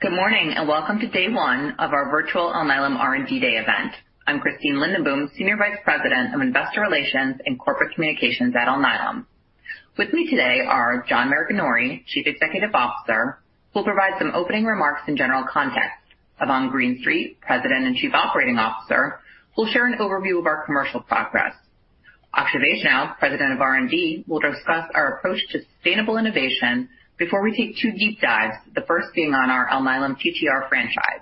Good morning and welcome to day one of our virtual Alnylam R&D Day event. I'm Christine Lindenboom, Senior Vice President of Investor Relations and Corporate Communications at Alnylam. With me today are John Maraganore, Chief Executive Officer, who will provide some opening remarks and general context. Yvonne Greenstreet, President and Chief Operating Officer, will share an overview of our commercial progress. Akshay Vaishnaw, President of R&D, will discuss our approach to sustainable innovation before we take two deep dives, the first being on our Alnylam TTR franchise.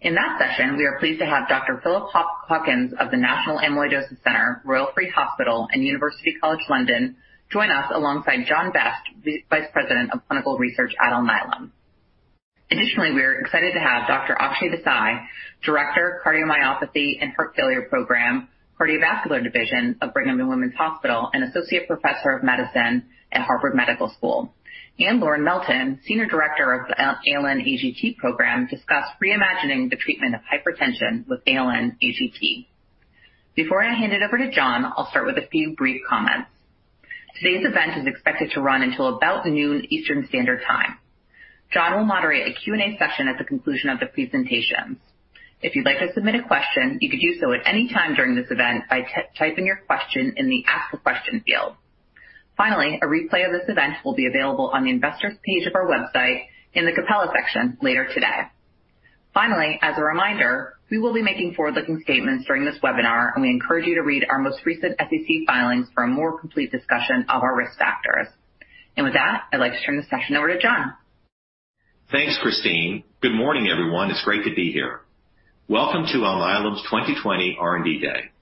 In that session, we are pleased to have Dr. Philip Hawkins of the National Amyloidosis Centre, Royal Free Hospital, and University College London join us alongside John Vest, Vice President of Clinical Research at Alnylam. Additionally, we are excited to have Dr. Akshay Desai, Director, Cardiomyopathy and Heart Failure Program, Cardiovascular Division of Brigham and Women's Hospital, and Associate Professor of Medicine at Harvard Medical School, and Lauren Melton, Senior Director of the ALN-AGT program, discussed reimagining the treatment of hypertension with ALN-AGT. Before I hand it over to John, I'll start with a few brief comments. Today's event is expected to run until about noon Eastern Standard Time. John will moderate a Q&A session at the conclusion of the presentations. If you'd like to submit a question, you could do so at any time during this event by typing your question in the Ask a Question field. Finally, a replay of this event will be available on the Investors page of our website in the Capella section later today. Finally, as a reminder, we will be making forward-looking statements during this webinar, and we encourage you to read our most recent SEC filings for a more complete discussion of our risk factors, and with that, I'd like to turn the session over to John. Thanks, Christine. Good morning, everyone. It's great to be here. Welcome to Alnylam's 2020 R&D Day.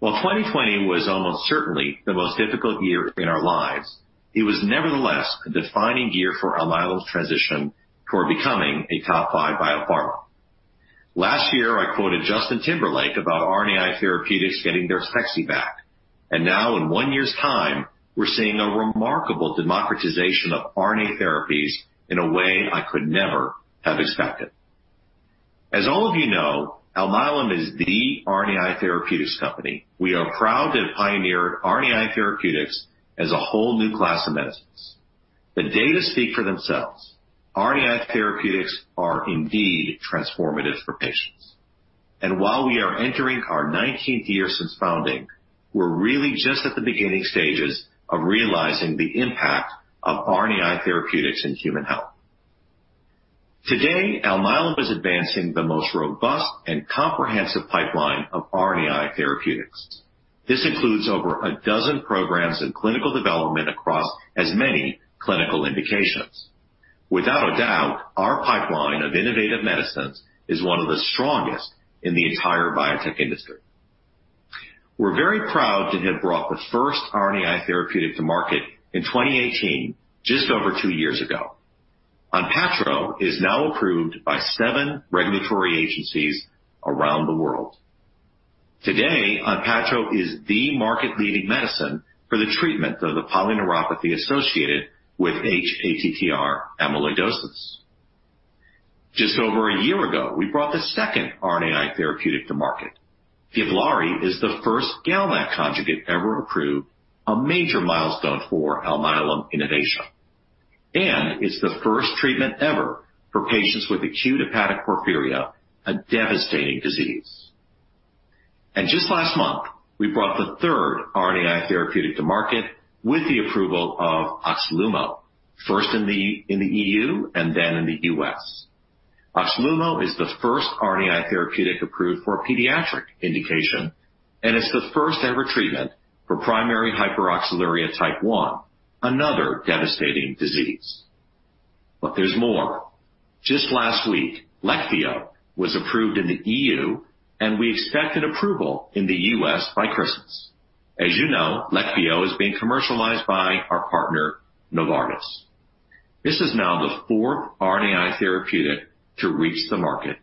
While 2020 was almost certainly the most difficult year in our lives, it was nevertheless a defining year for Alnylam's transition toward becoming a top five biopharma. Last year, I quoted Justin Timberlake about RNAi therapeutics getting their sexy back, and now, in one year's time, we're seeing a remarkable democratization of RNA therapies in a way I could never have expected. As all of you know, Alnylam is the RNAi therapeutics company. We are proud to have pioneered RNAi therapeutics as a whole new class of medicines. The data speak for themselves. RNAi therapeutics are indeed transformative for patients, and while we are entering our 19th year since founding, we're really just at the beginning stages of realizing the impact of RNAi therapeutics in human health. Today, Alnylam is advancing the most robust and comprehensive pipeline of RNAi therapeutics. This includes over a dozen programs in clinical development across as many clinical indications. Without a doubt, our pipeline of innovative medicines is one of the strongest in the entire biotech industry. We're very proud to have brought the first RNAi therapeutic to market in 2018, just over two years ago. ONPATTRO is now approved by seven regulatory agencies around the world. Today, ONPATTRO is the market-leading medicine for the treatment of the polyneuropathy associated with hATTR amyloidosis. Just over a year ago, we brought the second RNAi therapeutic to market. GIVLAARI is the first GalNAc conjugate ever approved, a major milestone for Alnylam innovation. And it's the first treatment ever for patients with acute hepatic porphyria, a devastating disease. Just last month, we brought the third RNAi therapeutic to market with the approval of OXLUMO, first in the EU and then in the U.S. OXLUMO is the first RNAi therapeutic approved for a pediatric indication, and it's the first-ever treatment for primary hyperoxaluria type 1, another devastating disease. There's more. Just last week, Leqvio was approved in the EU, and we expect an approval in the U.S. by Christmas. As you know, Leqvio is being commercialized by our partner, Novartis. This is now the fourth RNAi therapeutic to reach the market.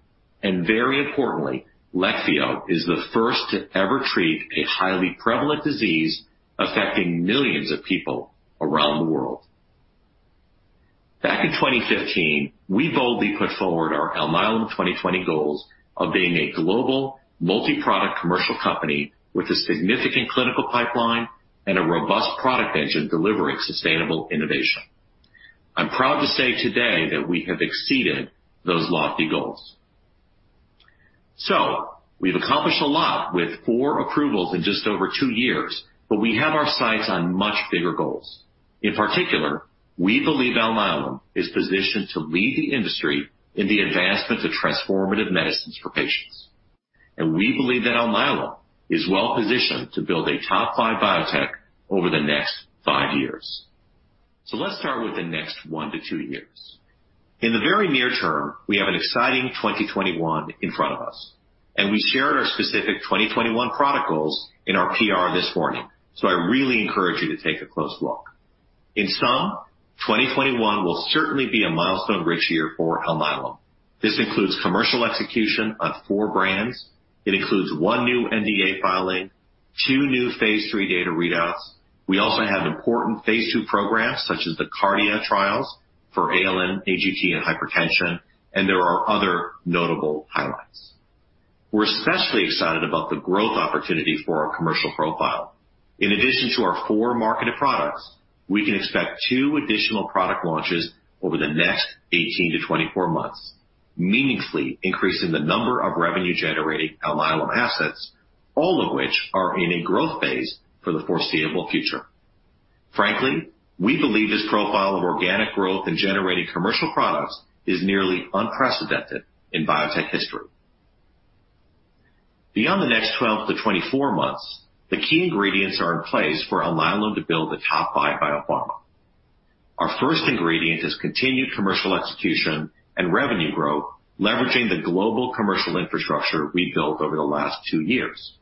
And very importantly, Leqvio is the first to ever treat a highly prevalent disease affecting millions of people around the world. Back in 2015, we boldly put forward our Alnylam 2020 goals of being a global, multi-product commercial company with a significant clinical pipeline and a robust product engine delivering sustainable innovation. I'm proud to say today that we have exceeded those lofty goals. So we've accomplished a lot with four approvals in just over two years, but we have our sights on much bigger goals. In particular, we believe Alnylam is positioned to lead the industry in the advancement of transformative medicines for patients. And we believe that Alnylam is well positioned to build a top five biotech over the next five years. So let's start with the next one to two years. In the very near term, we have an exciting 2021 in front of us. And we shared our specific 2021 protocols in our PR this morning. So I really encourage you to take a close look. In sum, 2021 will certainly be a milestone-rich year for Alnylam. This includes commercial execution on four brands. It includes one new NDA filing, two new Phase III data readouts. We also have important Phase II programs such as the KARDIA trials for ALN-AGT and hypertension, and there are other notable highlights. We're especially excited about the growth opportunity for our commercial profile. In addition to our four marketed products, we can expect two additional product launches over the next 18-24 months, meaningfully increasing the number of revenue-generating Alnylam assets, all of which are in a growth phase for the foreseeable future. Frankly, we believe this profile of organic growth and generating commercial products is nearly unprecedented in biotech history. Beyond the next 12-24 months, the key ingredients are in place for Alnylam to build a top five biopharma. Our first ingredient is continued commercial execution and revenue growth, leveraging the global commercial infrastructure we built over the last two years.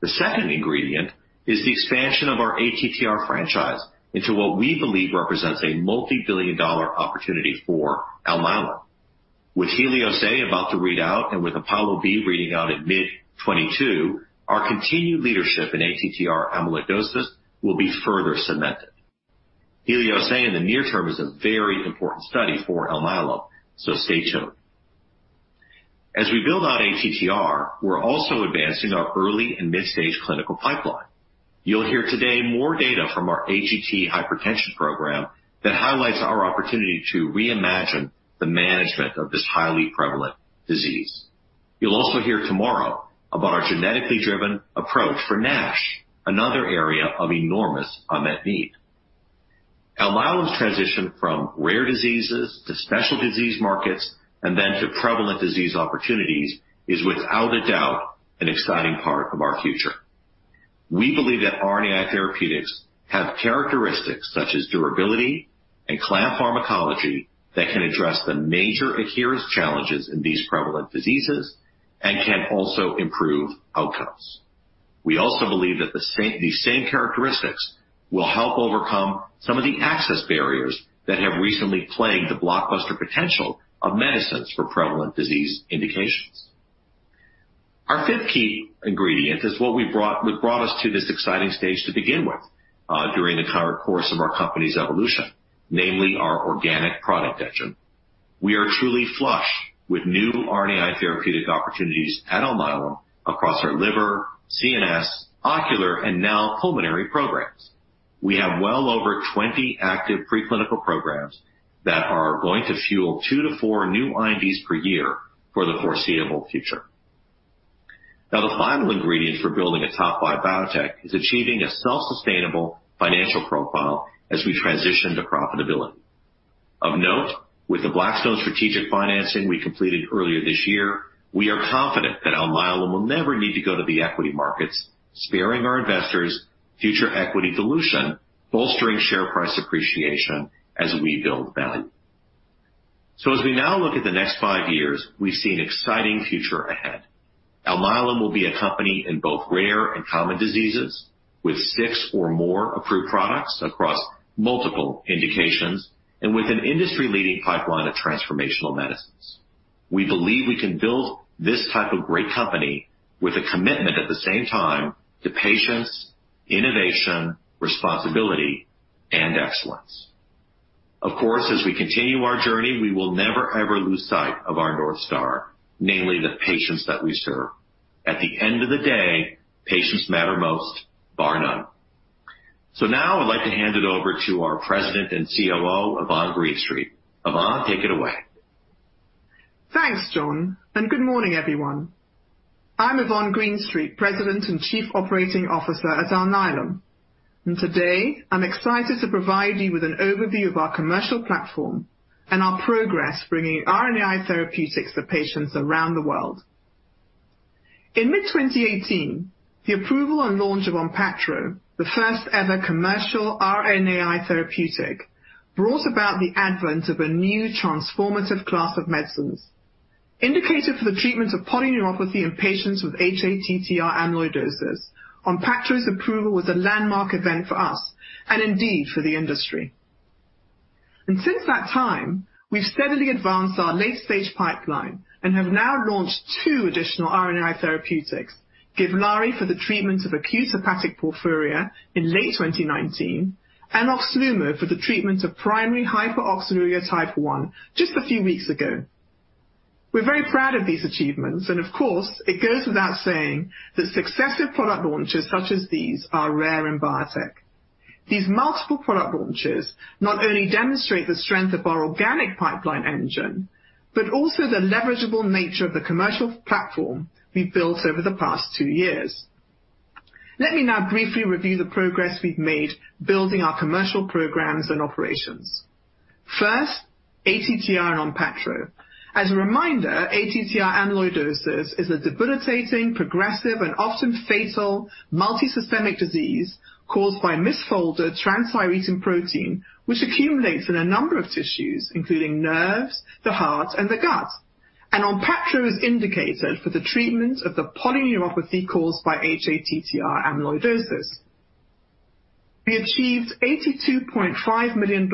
The second ingredient is the expansion of our ATTR franchise into what we believe represents a multi-billion-dollar opportunity for Alnylam. With HELIOS about to read out and with APOLLO-B reading out at mid-2022, our continued leadership in ATTR amyloidosis will be further cemented. HELIOS in the near term is a very important study for Alnylam, so stay tuned. As we build out ATTR, we're also advancing our early and mid-stage clinical pipeline. You'll hear today more data from our AGT hypertension program that highlights our opportunity to reimagine the management of this highly prevalent disease. You'll also hear tomorrow about our genetically driven approach for NASH, another area of enormous unmet need. Alnylam's transition from rare diseases to special disease markets and then to prevalent disease opportunities is, without a doubt, an exciting part of our future. We believe that RNAi therapeutics have characteristics such as durability and clamp pharmacology that can address the major adherence challenges in these prevalent diseases and can also improve outcomes. We also believe that these same characteristics will help overcome some of the access barriers that have recently plagued the blockbuster potential of medicines for prevalent disease indications. Our fifth key ingredient is what brought us to this exciting stage to begin with during the course of our company's evolution, namely our organic product engine. We are truly flush with new RNAi therapeutic opportunities at Alnylam across our liver, CNS, ocular, and now pulmonary programs. We have well over 20 active preclinical programs that are going to fuel two to four new INDs per year for the foreseeable future. Now, the final ingredient for building a top five biotech is achieving a self-sustainable financial profile as we transition to profitability. Of note, with the Blackstone strategic financing we completed earlier this year, we are confident that Alnylam will never need to go to the equity markets, sparing our investors future equity dilution, bolstering share price appreciation as we build value. So as we now look at the next five years, we've seen exciting future ahead. Alnylam will be a company in both rare and common diseases with six or more approved products across multiple indications and with an industry-leading pipeline of transformational medicines. We believe we can build this type of great company with a commitment at the same time to patients, innovation, responsibility, and excellence. Of course, as we continue our journey, we will never, ever lose sight of our North Star, namely the patients that we serve. At the end of the day, patients matter most, bar none. So now I'd like to hand it over to our President and COO, Yvonne Greenstreet. Yvonne, take it away. Thanks, John. Good morning, everyone. I'm Yvonne Greenstreet, President and Chief Operating Officer at Alnylam. Today, I'm excited to provide you with an overview of our commercial platform and our progress bringing RNAi therapeutics to patients around the world. In mid-2018, the approval and launch of ONPATTRO, the first-ever commercial RNAi therapeutic, brought about the advent of a new transformative class of medicines. Indicated for the treatment of polyneuropathy in patients with hATTR amyloidosis, ONPATTRO's approval was a landmark event for us and indeed for the industry. Since that time, we've steadily advanced our late-stage pipeline and have now launched two additional RNAi therapeutics: GIVLAARI for the treatment of acute hepatic porphyria in late 2019 and OXLUMO for the treatment of primary hyperoxaluria type 1 just a few weeks ago. We're very proud of these achievements. Of course, it goes without saying that successive product launches such as these are rare in biotech. These multiple product launches not only demonstrate the strength of our organic pipeline engine, but also the leverageable nature of the commercial platform we've built over the past two years. Let me now briefly review the progress we've made building our commercial programs and operations. First, ATTR and ONPATTRO. As a reminder, ATTR amyloidosis is a debilitating, progressive, and often fatal multisystemic disease caused by misfolded transthyretin protein, which accumulates in a number of tissues, including nerves, the heart, and the gut. ONPATTRO is indicated for the treatment of the polyneuropathy caused by hATTR amyloidosis. We achieved $82.5 million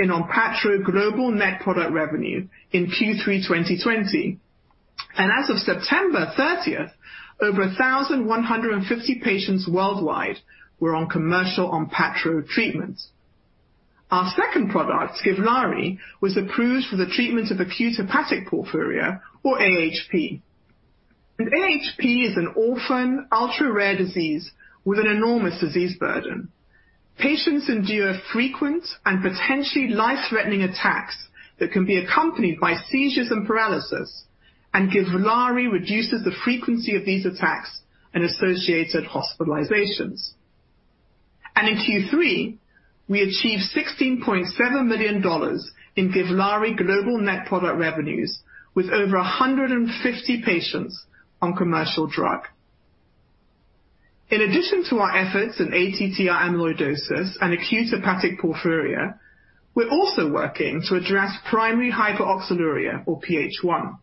in ONPATTRO global net product revenue in Q3 2020. As of September 30th, over 1,150 patients worldwide were on commercial ONPATTRO treatment. Our second product, GIVLAARI, was approved for the treatment of acute hepatic porphyria, or AHP. AHP is an orphan, ultra-rare disease with an enormous disease burden. Patients endure frequent and potentially life-threatening attacks that can be accompanied by seizures and paralysis. GIVLAARI reduces the frequency of these attacks and associated hospitalizations. In Q3, we achieved $16.7 million in GIVLAARI global net product revenues with over 150 patients on commercial drug. In addition to our efforts in ATTR amyloidosis and acute hepatic porphyria, we're also working to address primary hyperoxaluria, or PH1.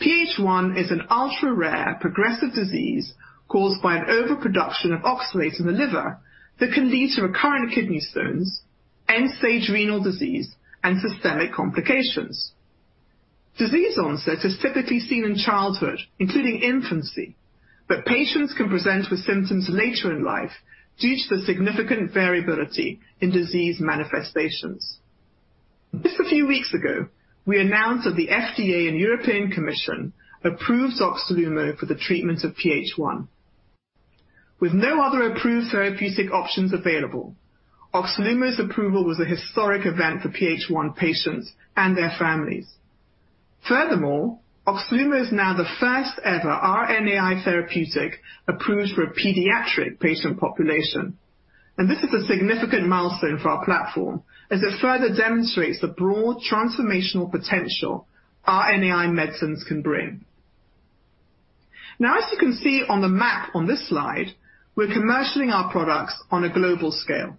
PH1 is an ultra-rare progressive disease caused by an overproduction of oxalates in the liver that can lead to recurrent kidney stones, end-stage renal disease, and systemic complications. Disease onset is typically seen in childhood, including infancy, but patients can present with symptoms later in life due to the significant variability in disease manifestations. Just a few weeks ago, we announced that the FDA and European Commission approved OXLUMO for the treatment of PH1. With no other approved therapeutic options available, OXLUMO's approval was a historic event for PH1 patients and their families. Furthermore, OXLUMO is now the first-ever RNAi therapeutic approved for a pediatric patient population, and this is a significant milestone for our platform as it further demonstrates the broad transformational potential RNAi medicines can bring. Now, as you can see on the map on this slide, we're commercializing our products on a global scale.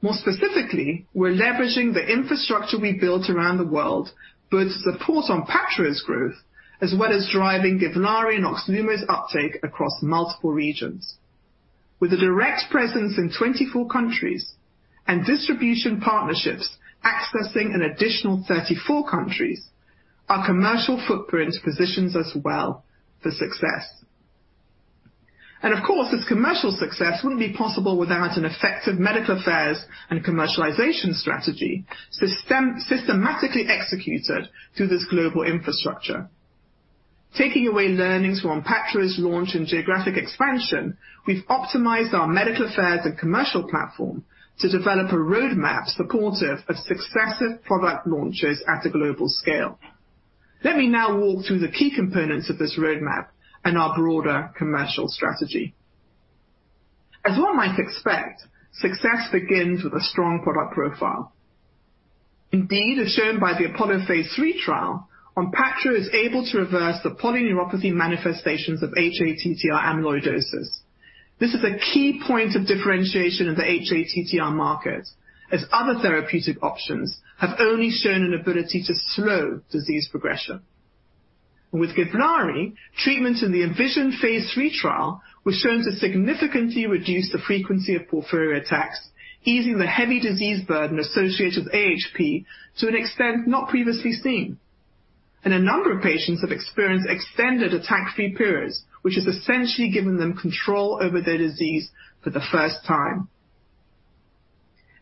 More specifically, we're leveraging the infrastructure we built around the world both to support ONPATTRO's growth as well as driving GIVLAARI and OXLUMO's uptake across multiple regions. With a direct presence in 24 countries and distribution partnerships accessing an additional 34 countries, our commercial footprint positions us well for success. Of course, this commercial success wouldn't be possible without an effective medical affairs and commercialization strategy systematically executed through this global infrastructure. Taking away learnings from ONPATTRO's launch and geographic expansion, we've optimized our medical affairs and commercial platform to develop a roadmap supportive of successive product launches at a global scale. Let me now walk through the key components of this roadmap and our broader commercial strategy. As one might expect, success begins with a strong product profile. Indeed, as shown by the APOLLO Phase III trial, ONPATTRO is able to reverse the polyneuropathy manifestations of hATTR amyloidosis. This is a key point of differentiation in the hATTR market, as other therapeutic options have only shown an ability to slow disease progression. With GIVLAARI, treatment in the ENVISION Phase III trial was shown to significantly reduce the frequency of porphyria attacks, easing the heavy disease burden associated with AHP to an extent not previously seen, and a number of patients have experienced extended attack-free periods, which has essentially given them control over their disease for the first time.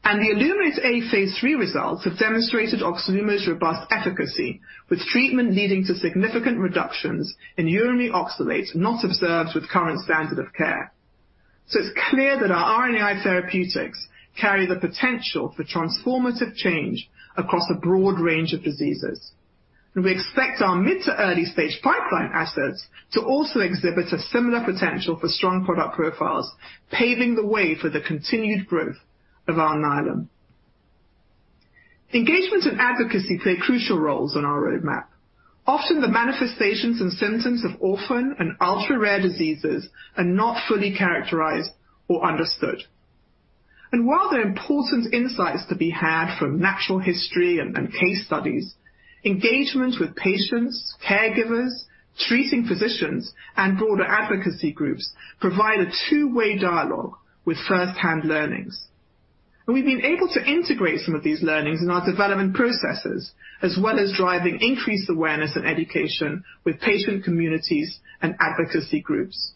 The ILLUMINATE-A Phase III results have demonstrated OXLUMO's robust efficacy, with treatment leading to significant reductions in urinary oxalates not observed with current standard of care. It's clear that our RNAi therapeutics carry the potential for transformative change across a broad range of diseases, and we expect our mid to early stage pipeline assets to also exhibit a similar potential for strong product profiles, paving the way for the continued growth of our Alnylam. Engagement and advocacy play crucial roles on our roadmap. Often, the manifestations and symptoms of orphan and ultra-rare diseases are not fully characterized or understood, and while there are important insights to be had from natural history and case studies, engagement with patients, caregivers, treating physicians, and broader advocacy groups provide a two-way dialogue with first-hand learnings, and we've been able to integrate some of these learnings in our development processes as well as driving increased awareness and education with patient communities and advocacy groups.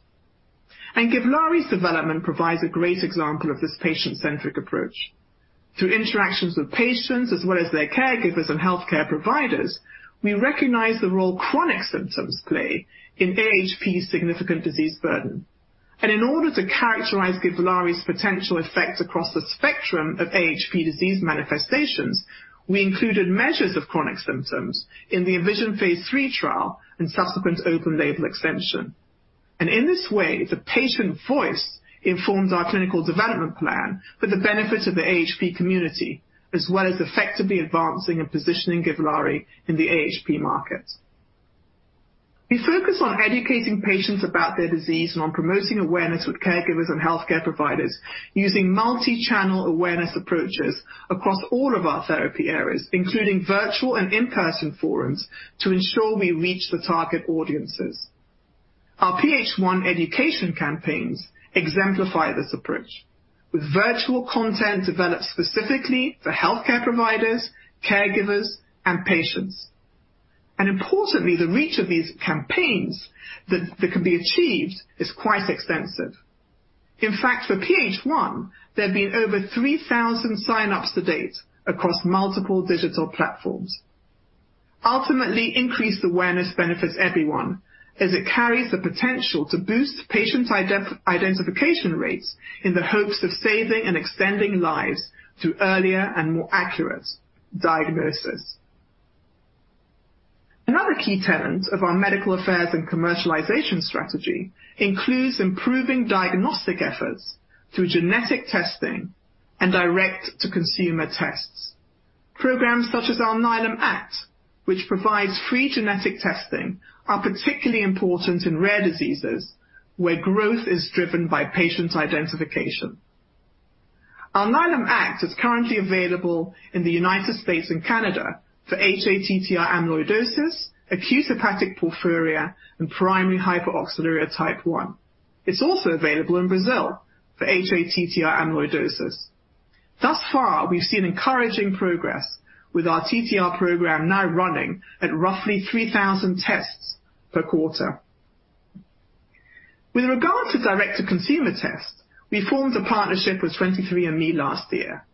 And GIVLAARI's development provides a great example of this patient-centric approach. Through interactions with patients as well as their caregivers and healthcare providers, we recognize the role chronic symptoms play in AHP's significant disease burden, and in order to characterize GIVLAARI's potential effect across the spectrum of AHP disease manifestations, we included measures of chronic symptoms in the ENVISION Phase III trial and subsequent open-label extension. In this way, the patient voice informs our clinical development plan for the benefit of the AHP community as well as effectively advancing and positioning GIVLAARI in the AHP market. We focus on educating patients about their disease and on promoting awareness with caregivers and healthcare providers using multi-channel awareness approaches across all of our therapy areas, including virtual and in-person forums, to ensure we reach the target audiences. Our PH1 education campaigns exemplify this approach, with virtual content developed specifically for healthcare providers, caregivers, and patients. Importantly, the reach of these campaigns that can be achieved is quite extensive. In fact, for PH1, there have been over 3,000 sign-ups to date across multiple digital platforms. Ultimately, increased awareness benefits everyone as it carries the potential to boost patient identification rates in the hopes of saving and extending lives to earlier and more accurate diagnosis. Another key tenet of our medical affairs and commercialization strategy includes improving diagnostic efforts through genetic testing and direct-to-consumer tests. Programs such as our Alnylam Act, which provides free genetic testing, are particularly important in rare diseases where growth is driven by patient identification. Our Alnylam Act is currently available in the United States and Canada for hATTR amyloidosis, acute hepatic porphyria, and primary hyperoxaluria type 1. It's also available in Brazil for hATTR amyloidosis. Thus far, we've seen encouraging progress with our TTR program now running at roughly 3,000 tests per quarter. With regard to direct-to-consumer tests, we formed a partnership with 23andMe last year.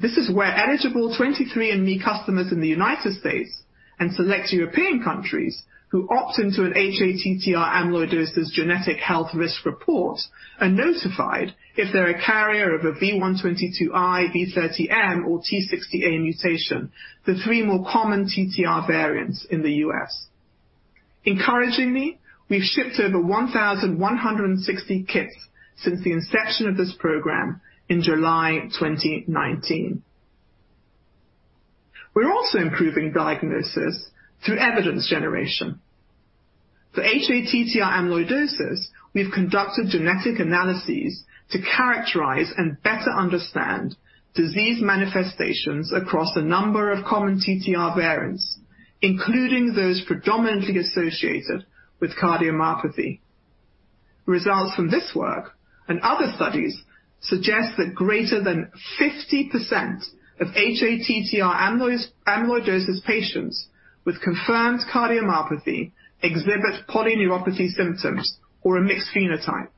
This is where eligible 23andMe customers in the United States and select European countries who opt into an hATTR amyloidosis genetic health risk report are notified if they're a carrier of a V122I, V30M, or T60A mutation, the three more common TTR variants in the U.S. Encouragingly, we've shipped over 1,160 kits since the inception of this program in July 2019. We're also improving diagnosis through evidence generation. For hATTR amyloidosis, we've conducted genetic analyses to characterize and better understand disease manifestations across a number of common TTR variants, including those predominantly associated with cardiomyopathy. Results from this work and other studies suggest that greater than 50% of hATTR amyloidosis patients with confirmed cardiomyopathy exhibit polyneuropathy symptoms or a mixed phenotype.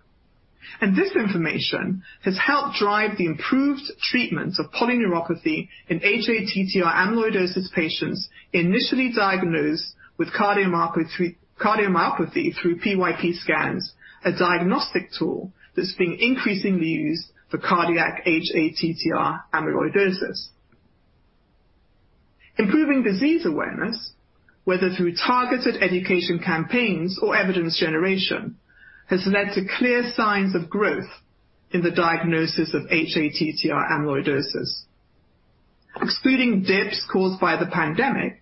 This information has helped drive the improved treatment of polyneuropathy in hATTR amyloidosis patients initially diagnosed with cardiomyopathy through PYP scans, a diagnostic tool that's being increasingly used for cardiac hATTR amyloidosis. Improving disease awareness, whether through targeted education campaigns or evidence generation, has led to clear signs of growth in the diagnosis of hATTR amyloidosis. Excluding dips caused by the pandemic,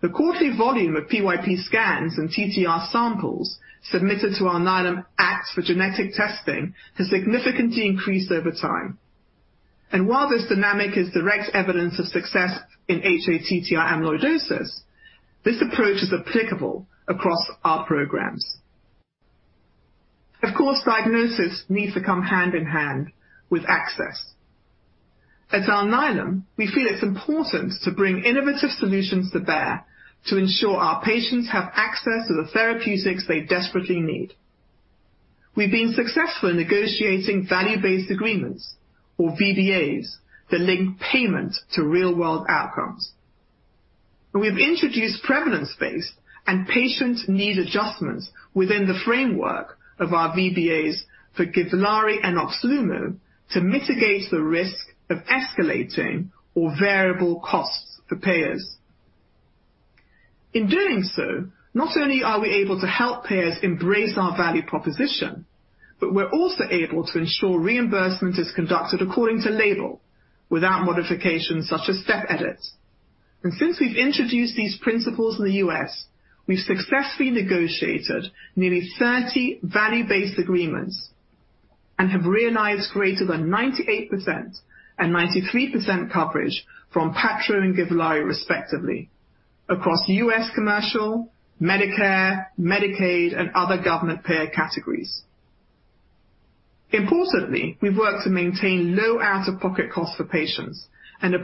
the quarterly volume of PYP scans and TTR samples submitted to our Alnylam Act for genetic testing has significantly increased over time. While this dynamic is direct evidence of success in hATTR amyloidosis, this approach is applicable across our programs. Of course, diagnosis needs to come hand in hand with access. At Alnylam, we feel it's important to bring innovative solutions to bear to ensure our patients have access to the therapeutics they desperately need. We've been successful in negotiating value-based agreements, or VBAs, that link payment to real-world outcomes. And we've introduced prevalence-based and patient need adjustments within the framework of our VBAs for GIVLAARI and OXLUMO to mitigate the risk of escalating or variable costs for payers. In doing so, not only are we able to help payers embrace our value proposition, but we're also able to ensure reimbursement is conducted according to label without modifications such as step edits. And since we've introduced these principles in the U.S., we've successfully negotiated nearly 30 value-based agreements and have realized greater than 98% and 93% coverage for ONPATTRO and GIVLAARI, respectively, across U.S. commercial, Medicare, Medicaid, and other government payer categories. Importantly, we've worked to maintain low out-of-pocket costs for patients and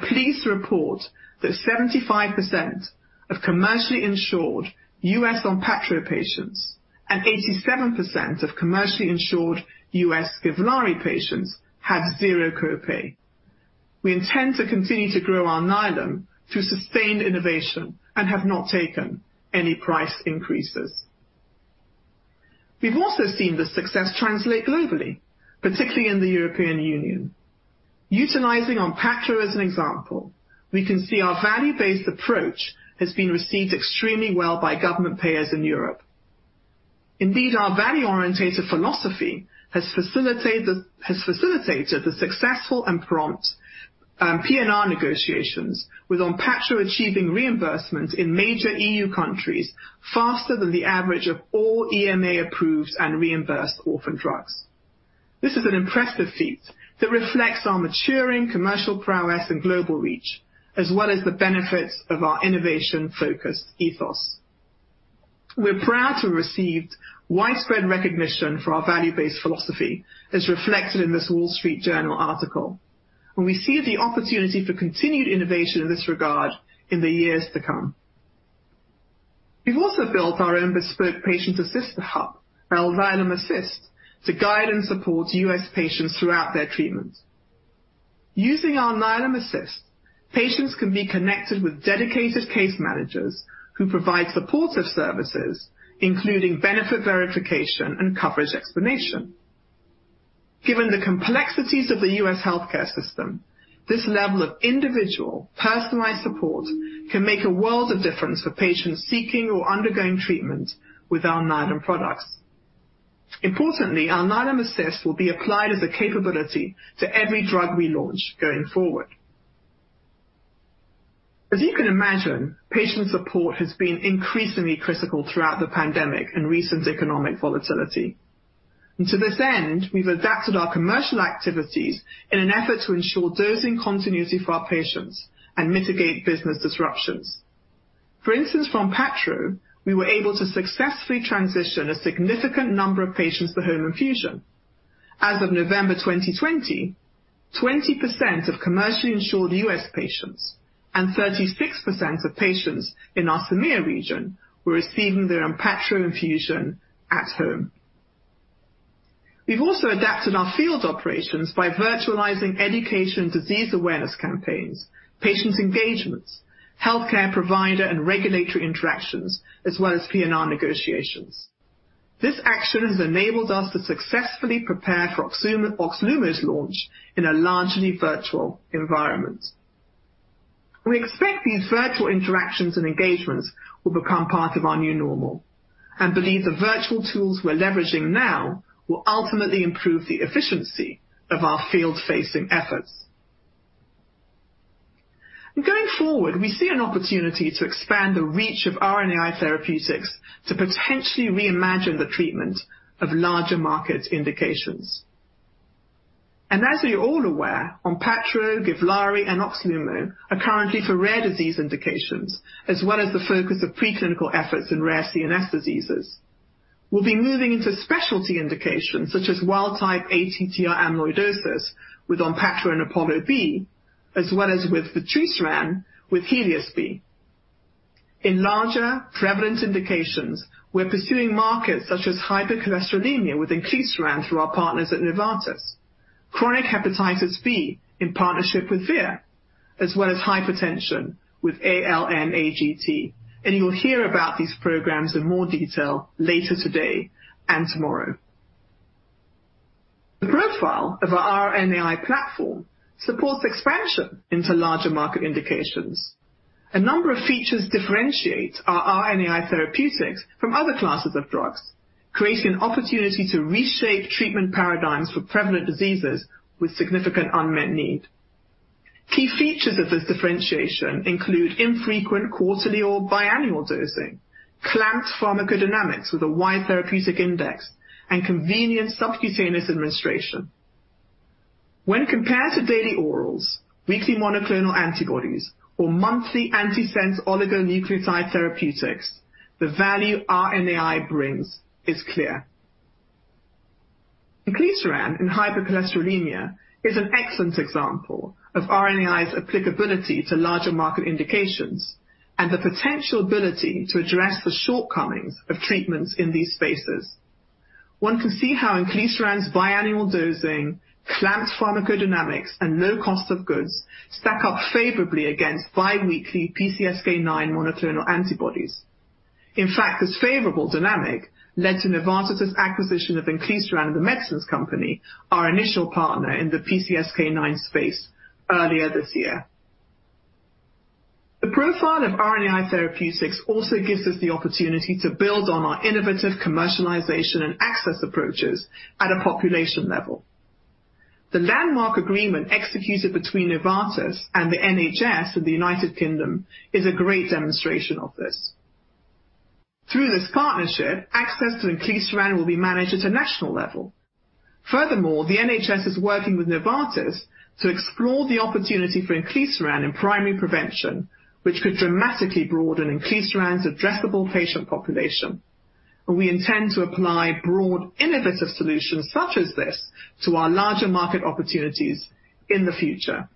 reports that 75% of commercially insured U.S. ONPATTRO patients and 87% of commercially insured U.S. GIVLAARI patients had zero copay. We intend to continue to grow our Alnylam through sustained innovation and have not taken any price increases. We've also seen the success translate globally, particularly in the European Union. Utilizing ONPATTRO as an example, we can see our value-based approach has been received extremely well by government payers in Europe. Indeed, our value-orientated philosophy has facilitated the successful and prompt P&R negotiations, with ONPATTRO achieving reimbursements in major EU countries faster than the average of all EMA-approved and reimbursed orphan drugs. This is an impressive feat that reflects our maturing commercial prowess and global reach, as well as the benefits of our innovation-focused ethos. We're proud to have received widespread recognition for our value-based philosophy, as reflected in this Wall Street Journal article, and we see the opportunity for continued innovation in this regard in the years to come. We've also built our own bespoke patient assistant hub, Alnylam Assist, to guide and support U.S. patients throughout their treatment. Using our Alnylam Assist, patients can be connected with dedicated case managers who provide supportive services, including benefit verification and coverage explanation. Given the complexities of the U.S. healthcare system, this level of individual personalized support can make a world of difference for patients seeking or undergoing treatment with our Alnylam products. Importantly, our Alnylam Assist will be applied as a capability to every drug we launch going forward. As you can imagine, patient support has been increasingly critical throughout the pandemic and recent economic volatility. And to this end, we've adapted our commercial activities in an effort to ensure dosing continuity for our patients and mitigate business disruptions. For instance, for ONPATTRO, we were able to successfully transition a significant number of patients to home infusion. As of November 2020, 20% of commercially insured U.S. patients and 36% of patients in our CEMEA region were receiving their ONPATTRO infusion at home. We've also adapted our field operations by virtualizing education and disease awareness campaigns, patient engagements, healthcare provider and regulatory interactions, as well as payer negotiations. This action has enabled us to successfully prepare for OXLUMO's launch in a largely virtual environment. We expect these virtual interactions and engagements will become part of our new normal and believe the virtual tools we're leveraging now will ultimately improve the efficiency of our field-facing efforts, and going forward, we see an opportunity to expand the reach of RNAi therapeutics to potentially reimagine the treatment of larger market indications, and as we are all aware, ONPATTRO, GIVLAARI, and OXLUMO are currently for rare disease indications, as well as the focus of preclinical efforts in rare CNS diseases. We'll be moving into specialty indications such as wild-type ATTR amyloidosis with ONPATTRO and APOLLO-B, as well as with vutrisiran with HELIOS-B. In larger, prevalent indications, we're pursuing markets such as hypercholesterolemia with inclisiran through our partners at Novartis, chronic hepatitis B in partnership with Vir, as well as hypertension with ALN-AGT, and you'll hear about these programs in more detail later today and tomorrow. The profile of our RNAi platform supports expansion into larger market indications. A number of features differentiate our RNAi therapeutics from other classes of drugs, creating an opportunity to reshape treatment paradigms for prevalent diseases with significant unmet need. Key features of this differentiation include infrequent quarterly or biannual dosing, clamped pharmacodynamics with a wide therapeutic index, and convenient subcutaneous administration. When compared to daily orals, weekly monoclonal antibodies, or monthly antisense oligonucleotide therapeutics, the value RNAi brings is clear. Inclisiran in hypercholesterolemia is an excellent example of RNAi's applicability to larger market indications and the potential ability to address the shortcomings of treatments in these spaces. One can see how inclisiran's biannual dosing, clamped pharmacodynamics, and low cost of goods stack up favorably against biweekly PCSK9 monoclonal antibodies. In fact, this favorable dynamic led to Novartis' acquisition of inclisiran, The Medicines Company, our initial partner in the PCSK9 space earlier this year. The profile of RNAi therapeutics also gives us the opportunity to build on our innovative commercialization and access approaches at a population level. The landmark agreement executed between Novartis and the NHS in the United Kingdom is a great demonstration of this. Through this partnership, access to inclisiran will be managed at a national level. Furthermore, the NHS is working with Novartis to explore the opportunity for inclisiran in primary prevention, which could dramatically broaden inclisiran's addressable patient population, and we intend to apply broad innovative solutions such as this to our larger market opportunities in the future.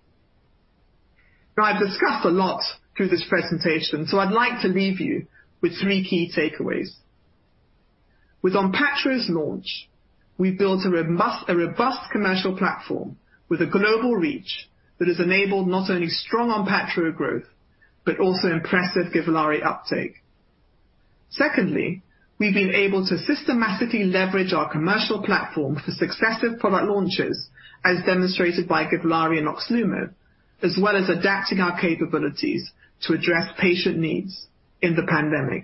Now, I've discussed a lot through this presentation, so I'd like to leave you with three key takeaways. With ONPATTRO's launch, we've built a robust commercial platform with a global reach that has enabled not only strong ONPATTRO growth, but also impressive GIVLAARI uptake. Secondly, we've been able to systematically leverage our commercial platform for successive product launches, as demonstrated by GIVLAARI and OXLUMO, as well as adapting our capabilities to address patient needs in the pandemic.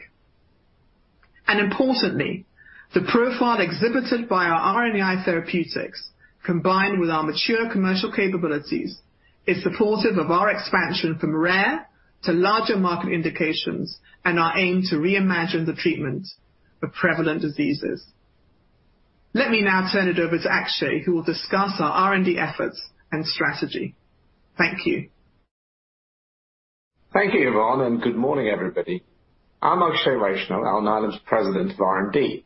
Importantly, the profile exhibited by our RNAi therapeutics, combined with our mature commercial capabilities, is supportive of our expansion from rare to larger market indications and our aim to reimagine the treatment of prevalent diseases. Let me now turn it over to Akshay, who will discuss our R&D efforts and strategy. Thank you. Thank you, Yvonne, and good morning, everybody. I'm Akshay Vaishnaw, Alnylam's President of R&D.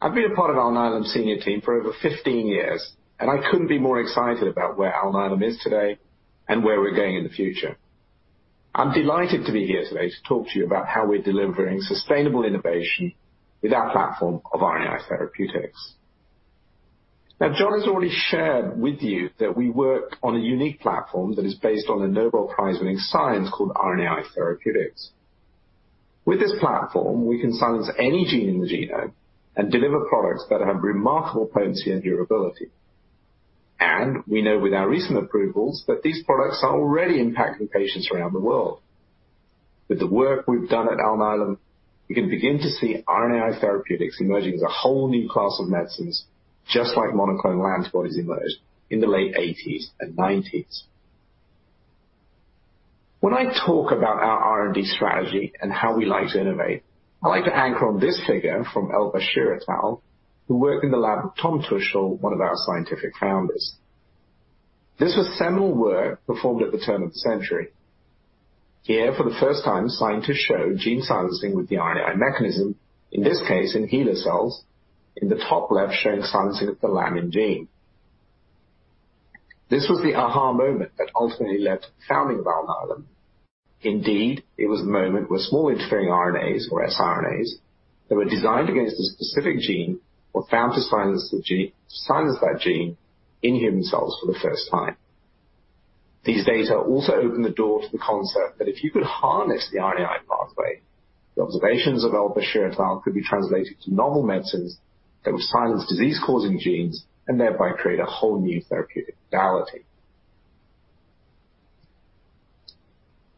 I've been a part of Alnylam's senior team for over 15 years, and I couldn't be more excited about where Alnylam is today and where we're going in the future. I'm delighted to be here today to talk to you about how we're delivering sustainable innovation with our platform of RNAi therapeutics. Now, John has already shared with you that we work on a unique platform that is based on a Nobel Prize-winning science called RNAi therapeutics. With this platform, we can silence any gene in the genome and deliver products that have remarkable potency and durability. And we know with our recent approvals that these products are already impacting patients around the world. With the work we've done at Alnylam, we can begin to see RNAi therapeutics emerging as a whole new class of medicines, just like monoclonal antibodies emerged in the late 1980s and 1990s. When I talk about our R&D strategy and how we like to innovate, I like to anchor on this figure from Elbashir et al., who worked in the lab with Tom Tuschl, one of our scientific founders. This was seminal work performed at the turn of the century. Here, for the first time, scientists showed gene silencing with the RNAi mechanism, in this case, in HeLa cells, in the top left showing silencing of the lamin gene. This was the aha moment that ultimately led to the founding of Alnylam. Indeed, it was the moment where small interfering RNAs, or siRNAs, that were designed against a specific gene were found to silence that gene in human cells for the first time. These data also opened the door to the concept that if you could harness the RNAi pathway, the observations of Elbashir et al. could be translated to novel medicines that would silence disease-causing genes and thereby create a whole new therapeutic modality.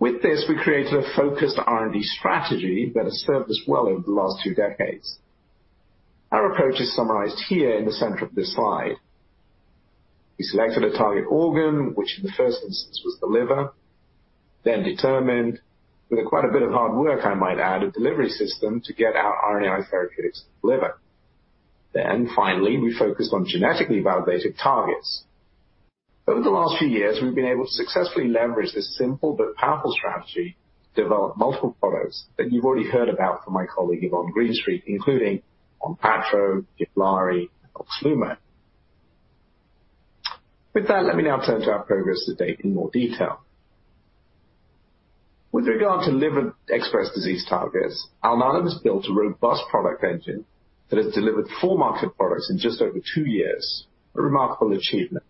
With this, we created a focused R&D strategy that has served us well over the last two decades. Our approach is summarized here in the center of this slide. We selected a target organ, which in the first instance was the liver, then determined, with quite a bit of hard work, I might add, a delivery system to get our RNAi therapeutics to the liver. Then, finally, we focused on genetically validated targets. Over the last few years, we've been able to successfully leverage this simple but powerful strategy to develop multiple products that you've already heard about from my colleague Yvonne Greenstreet, including ONPATTRO, GIVLAARI, and OXLUMO. With that, let me now turn to our progress to date in more detail. With regard to liver-expressed disease targets, Alnylam has built a robust product engine that has delivered four marketed products in just over two years, a remarkable achievement.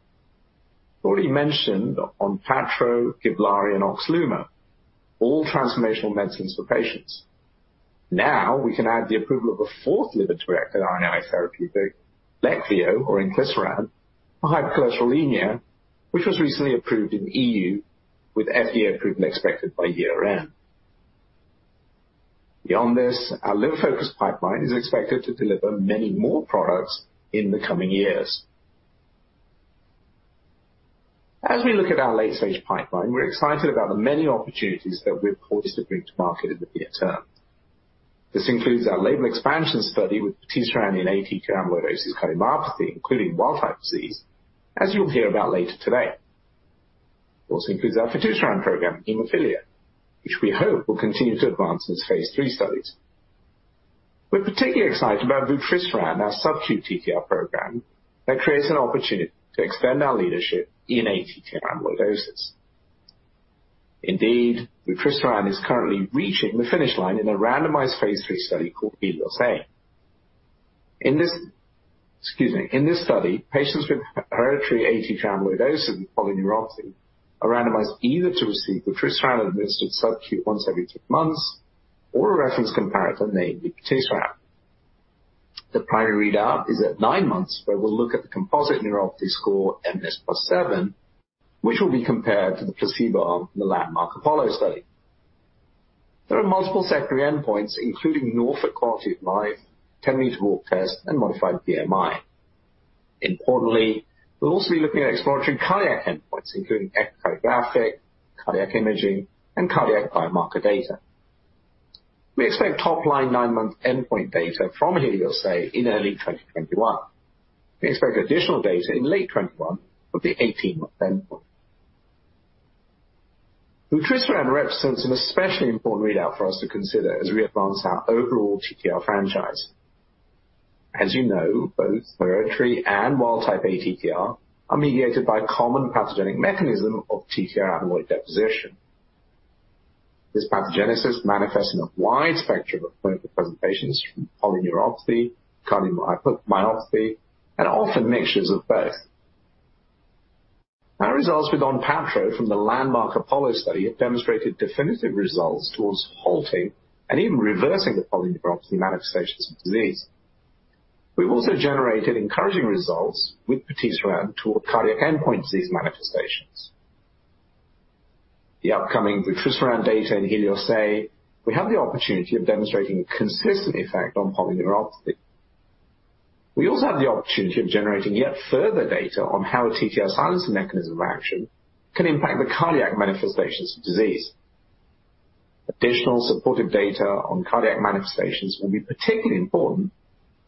I already mentioned ONPATTRO, GIVLAARI, and OXLUMO, all transformational medicines for patients. Now, we can add the approval of a fourth liver-directed RNAi therapeutic, Leqvio, or vutrisiran, for hypercholesterolemia, which was recently approved in the EU, with FDA approval expected by year-end. Beyond this, our liver-focused pipeline is expected to deliver many more products in the coming years. As we look at our late-stage pipeline, we're excited about the many opportunities that we're poised to bring to market in the near term. This includes our label expansion study with vutrisiran in ATTR amyloidosis cardiomyopathy, including wild-type disease, as you'll hear about later today. It also includes our vutrisiran program in hemophilia, which we hope will continue to advance in its Phase III studies. We're particularly excited about vutrisiran, our subcutaneous TTR program that creates an opportunity to extend our leadership in ATTR amyloidosis. Indeed, vutrisiran is currently reaching the finish line in a randomized Phase III study called HELIOS-A. In this study, patients with hereditary ATTR amyloidosis with polyneuropathy are randomized either to receive vutrisiran administered subcutaneously once every three months or a reference comparator named patisiran. The primary readout is at nine months, where we'll look at the composite neuropathy score, mNIS+7, which will be compared to the placebo arm in the landmark APOLLO study. There are multiple secondary endpoints, including Norfolk Quality of Life, 10-minute walk test, and mBMI. Importantly, we'll also be looking at exploratory cardiac endpoints, including echocardiographic, cardiac imaging, and cardiac biomarker data. We expect top-line nine-month endpoint data from HELIOS-A in early 2021. We expect additional data in late 2021 of the 18-month endpoint. Vutrisiran represents an especially important readout for is to consider as we advance our overall TTR franchise. As you know, both hereditary and wild-type ATTR are mediated by a common pathogenic mechanism of TTR amyloid deposition. This pathogenesis manifests in a wide spectrum of clinical presentations from polyneuropathy, cardiomyopathy, and often mixtures of both. Our results with ONPATTRO from the landmark APOLLO study have demonstrated definitive results towards halting and even reversing the polyneuropathy manifestations of disease. We've also generated encouraging results with vutrisiran toward cardiac endpoint disease manifestations. The upcoming vutrisiran data and HELIOS-A, we have the opportunity of demonstrating a consistent effect on polyneuropathy. We also have the opportunity of generating yet further data on how a TTR silencing mechanism of action can impact the cardiac manifestations of disease. Additional supportive data on cardiac manifestations will be particularly important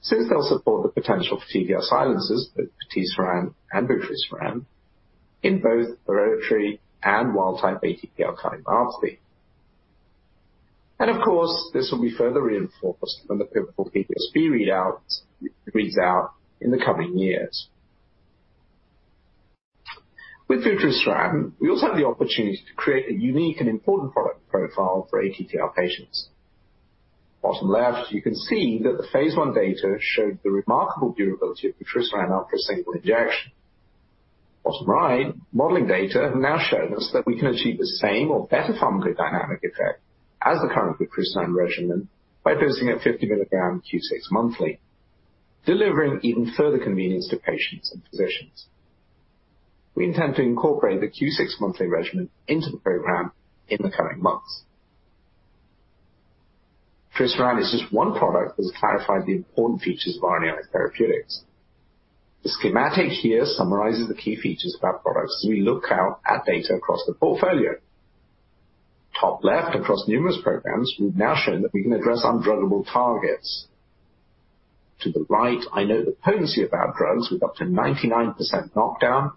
since they'll support the potential for TTR silencing with patisiran and vutrisiran in both hereditary and wild-type atypical cardiomyopathy, and of course, this will be further reinforced when the pivotal HELIOS-B readout reads out in the coming years. With vutrisiran, we also have the opportunity to create a unique and important product profile for ATTR patients. Bottom left, you can see that the Phase I data showed the remarkable durability of vutrisiran after a single injection. Bottom right, modeling data have now shown us that we can achieve the same or better pharmacodynamic effect as the current vutrisiran regimen by dosing at 50 mg q6 monthly, delivering even further convenience to patients and physicians. We intend to incorporate the q6 monthly regimen into the program in the coming months. Vutrisiran is just one product that has clarified the important features of RNAi therapeutics. The schematic here summarizes the key features of our products as we look out at data across the portfolio. Top left, across numerous programs, we've now shown that we can address undruggable targets. To the right, I note the potency of our drugs with up to 99% knockdown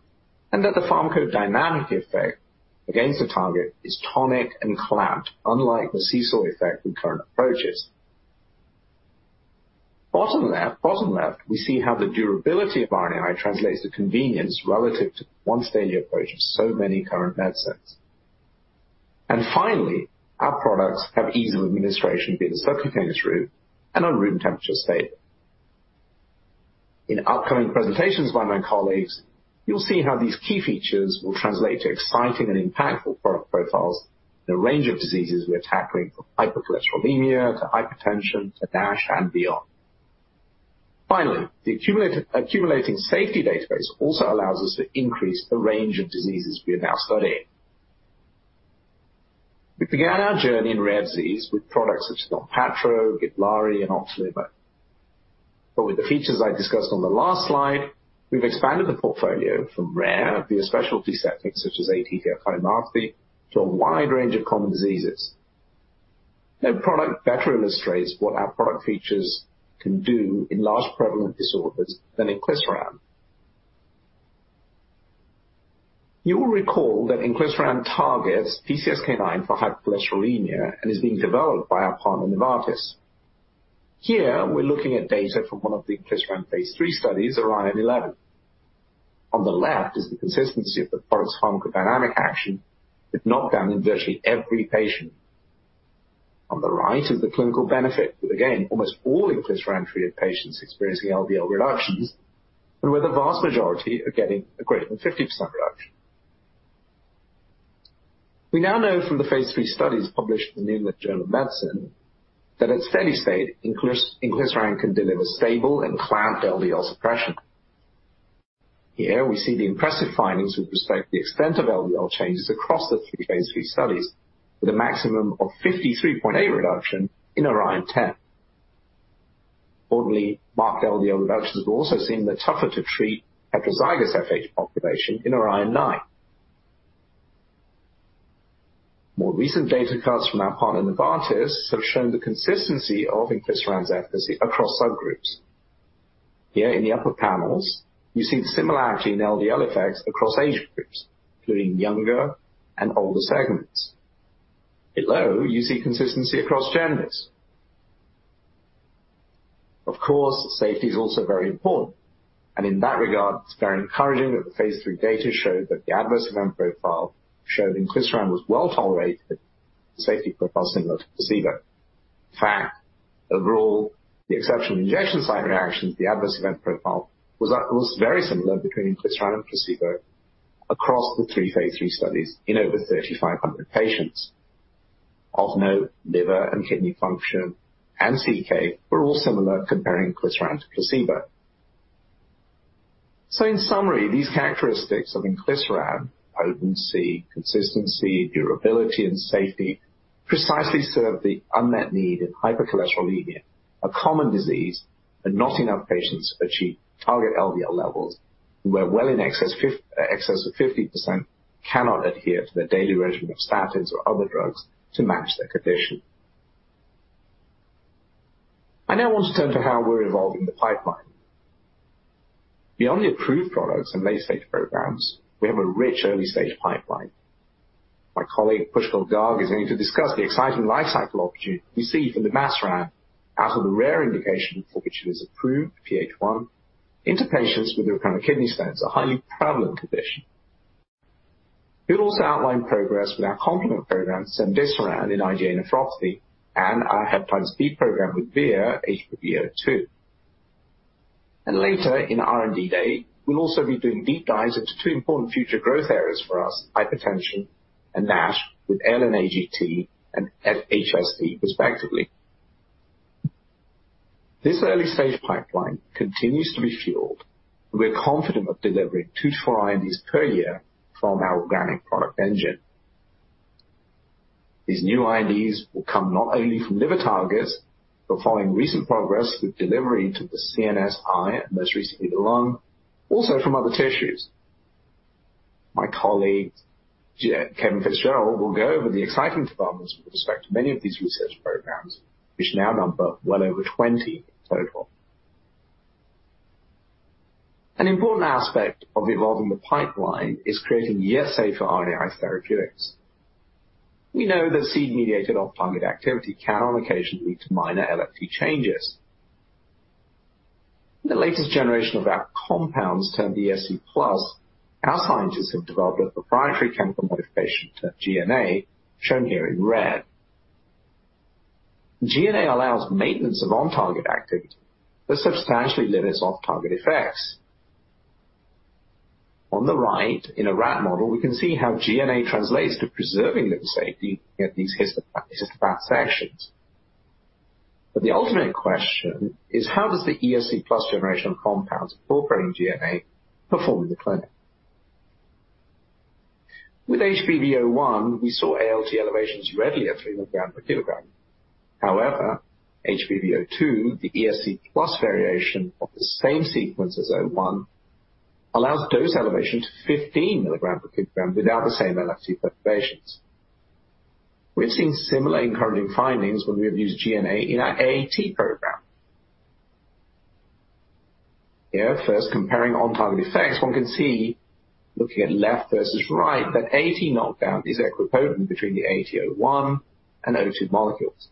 and that the pharmacodynamic effect against the target is tonic and clamped, unlike the seesaw effect with current approaches. Bottom left, we see how the durability of RNAi translates to convenience relative to the once-daily approach of so many current medicines, and finally, our products have ease of administration via the subcutaneous route and are room temperature stable. In upcoming presentations by my colleagues, you'll see how these key features will translate to exciting and impactful product profiles in a range of diseases we're tackling, from hypercholesterolemia to hypertension to NASH and beyond. Finally, the accumulating safety database also allows us to increase the range of diseases we are now studying. We began our journey in rare disease with products such as ONPATTRO, GIVLAARI, and OXLUMO. But with the features I discussed on the last slide, we've expanded the portfolio from rare via specialty settings such as atypical cardiomyopathy to a wide range of common diseases. No product better illustrates what our product features can do in large prevalent disorders than inclisiran. You will recall that inclisiran targets PCSK9 for hypercholesterolemia and is being developed by our partner, Novartis. Here, we're looking at data from one of the inclisiran Phase III studies, ORION-11. On the left is the consistency of the product's pharmacodynamic action with knockdown in virtually every patient. On the right is the clinical benefit with, again, almost all inclisiran treated patients experiencing LDL reductions and where the vast majority are getting a greater than 50% reduction. We now know from the Phase III studies published in the New England Journal of Medicine that at steady state, inclisiran can deliver stable and clamped LDL suppression. Here, we see the impressive findings with respect to the extent of LDL changes across the three Phase III studies, with a maximum of 53.8% reduction in ORION-10. Importantly, marked LDL reductions were also seen in the tougher-to-treat heterozygous FH population in ORION-9. More recent data cuts from our partner, Novartis, have shown the consistency of inclisiran's efficacy across subgroups. Here, in the upper panels, you see the similarity in LDL effects across age groups, including younger and older segments. Below, you see consistency across genders. Of course, safety is also very important. In that regard, it's very encouraging that the Phase III data showed that the adverse event profile showed inclisiran was well tolerated, the safety profile similar to placebo. In fact, overall, the exceptional injection site reactions, the adverse event profile was very similar between inclisiran and placebo across the three Phase III studies in over 3,500 patients. Of note, liver and kidney function and CK were all similar comparing vutrisiran to placebo. In summary, these characteristics of inclisiran, potency, consistency, durability, and safety precisely serve the unmet need in hypercholesterolemia, a common disease where not enough patients achieve target LDL levels and where well in excess of 50% cannot adhere to their daily regimen of statins or other drugs to manage their condition. I now want to turn to how we're evolving the pipeline. Beyond the approved products and late-stage programs, we have a rich early-stage pipeline. My colleague, Pushkal Garg, is going to discuss the exciting life cycle opportunity we see from the OXLUMO out of the rare indication for which it is approved, PH1, into patients with recurrent kidney stones, a highly prevalent condition. We'll also outline progress with our complement program, cemdisiran in IgA nephropathy, and our hepatitis B program with VIR-2218. Later, in R&D Day, we'll also be doing deep dives into two important future growth areas for us, hypertension and NASH, with ALN-AGT and HSD respectively. This early-stage pipeline continues to be fueled, and we're confident of delivering two to four INDs per year from our organic product engine. These new INDs will come not only from liver targets, but following recent progress with delivery to the CNS, eye, and most recently the lung, also from other tissues. My colleague, Kevin Fitzgerald, will go over the exciting developments with respect to many of these research programs, which now number well over 20 in total. An important aspect of evolving the pipeline is creating yet safer RNAi therapeutics. We know that seed-mediated off-target activity can on occasion lead to minor LFT changes. The latest generation of our compounds termed ESC+, our scientists have developed a proprietary chemical modification termed GNA, shown here in red. GNA allows maintenance of on-target activity but substantially limits off-target effects. On the right, in a rat model, we can see how GNA translates to preserving liver safety at these histopath sections. But the ultimate question is, how does the ESC+ generation of compounds incorporating GNA perform in the clinic? With HBV01, we saw ALT elevations readily at 3 mg per kg. However, HBV02, the ESC+ variation of the same sequence as O1, allows dose elevation to 15 mg per kg without the same LFT perturbations. We've seen similar encouraging findings when we have used GNA in our AAT program. Here, first, comparing on-target effects, one can see, looking at left versus right, that AAT knockdown is equivalent between the AAT O1 and O2 molecules.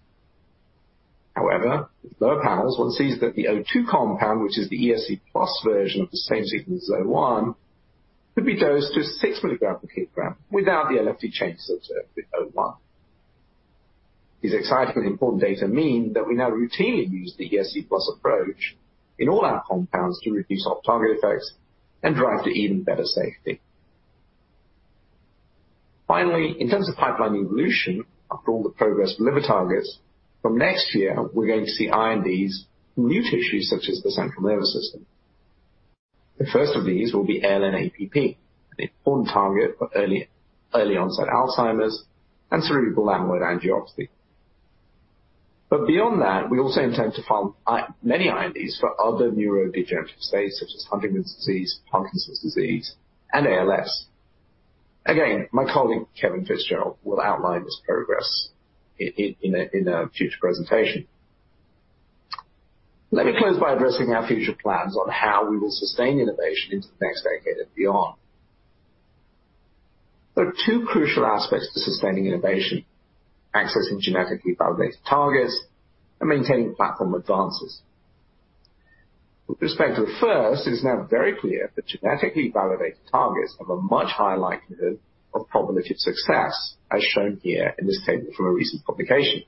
However, with lower panels, one sees that the O2 compound, which is the ESC+ version of the same sequence as O1, could be dosed to 6 mg per kg without the LFT changes observed with O1. These exciting and important data mean that we now routinely use the ESC+ approach in all our compounds to reduce off-target effects and drive to even better safety. Finally, in terms of pipeline evolution, after all the progress with liver targets, from next year, we're going to see INDs in new tissues such as the central nervous system. The first of these will be ALN-APP, an important target for early onset Alzheimer's and cerebral amyloid angiopathy. But beyond that, we also intend to find many INDs for other neurodegenerative states such as Huntington's disease, Parkinson's disease, and ALS. Again, my colleague, Kevin Fitzgerald, will outline this progress in a future presentation. Let me close by addressing our future plans on how we will sustain innovation into the next decade and beyond. There are two crucial aspects to sustaining innovation: accessing genetically validated targets and maintaining platform advances. With respect to the first, it is now very clear that genetically validated targets have a much higher likelihood of probability of success, as shown here in this table from a recent publication.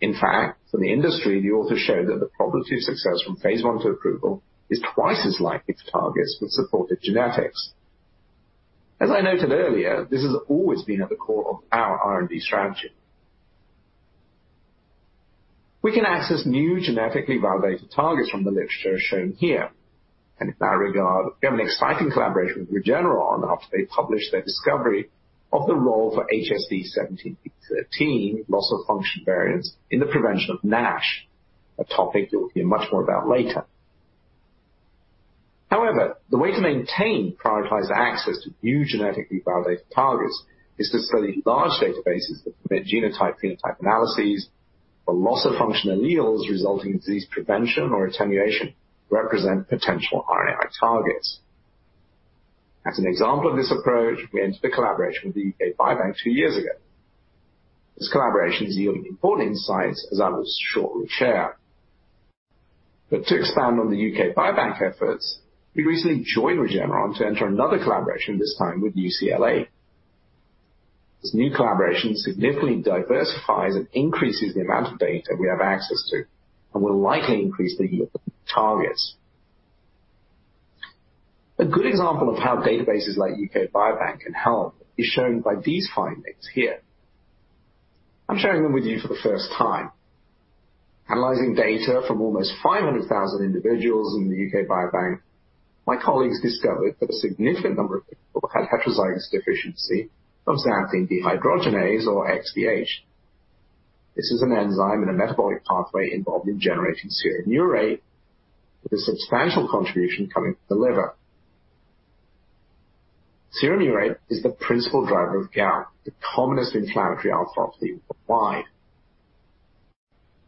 In fact, for the industry, the authors show that the probability of success from Phase I to approval is twice as likely for targets with supported genetics. As I noted earlier, this has always been at the core of our R&D strategy. We can access new genetically validated targets from the literature shown here. And in that regard, we have an exciting collaboration with Regeneron after they published their discovery of the role for HSD17B13 loss of function variants in the prevention of NASH, a topic you'll hear much more about later. However, the way to maintain prioritized access to new genetically validated targets is to study large databases that permit genotype-phenotype analyses for loss of function alleles resulting in disease prevention or attenuation represent potential RNAi targets. As an example of this approach, we entered a collaboration with the UK Biobank two years ago. This collaboration has yielded important insights, as I will shortly share. But to expand on the UK Biobank efforts, we recently joined Regeneron to enter another collaboration, this time with UCLA. This new collaboration significantly diversifies and increases the amount of data we have access to and will likely increase the yield of new targets. A good example of how databases like UK Biobank can help is shown by these findings here. I'm sharing them with you for the first time. Analyzing data from almost 500,000 individuals in the UK Biobank, my colleagues discovered that a significant number of people had heterozygous deficiency of xanthine dehydrogenase, or XDH. This is an enzyme in a metabolic pathway involved in generating serum urate, with a substantial contribution coming from the liver. Serum urate is the principal driver of gout, the commonest inflammatory arthropathy worldwide.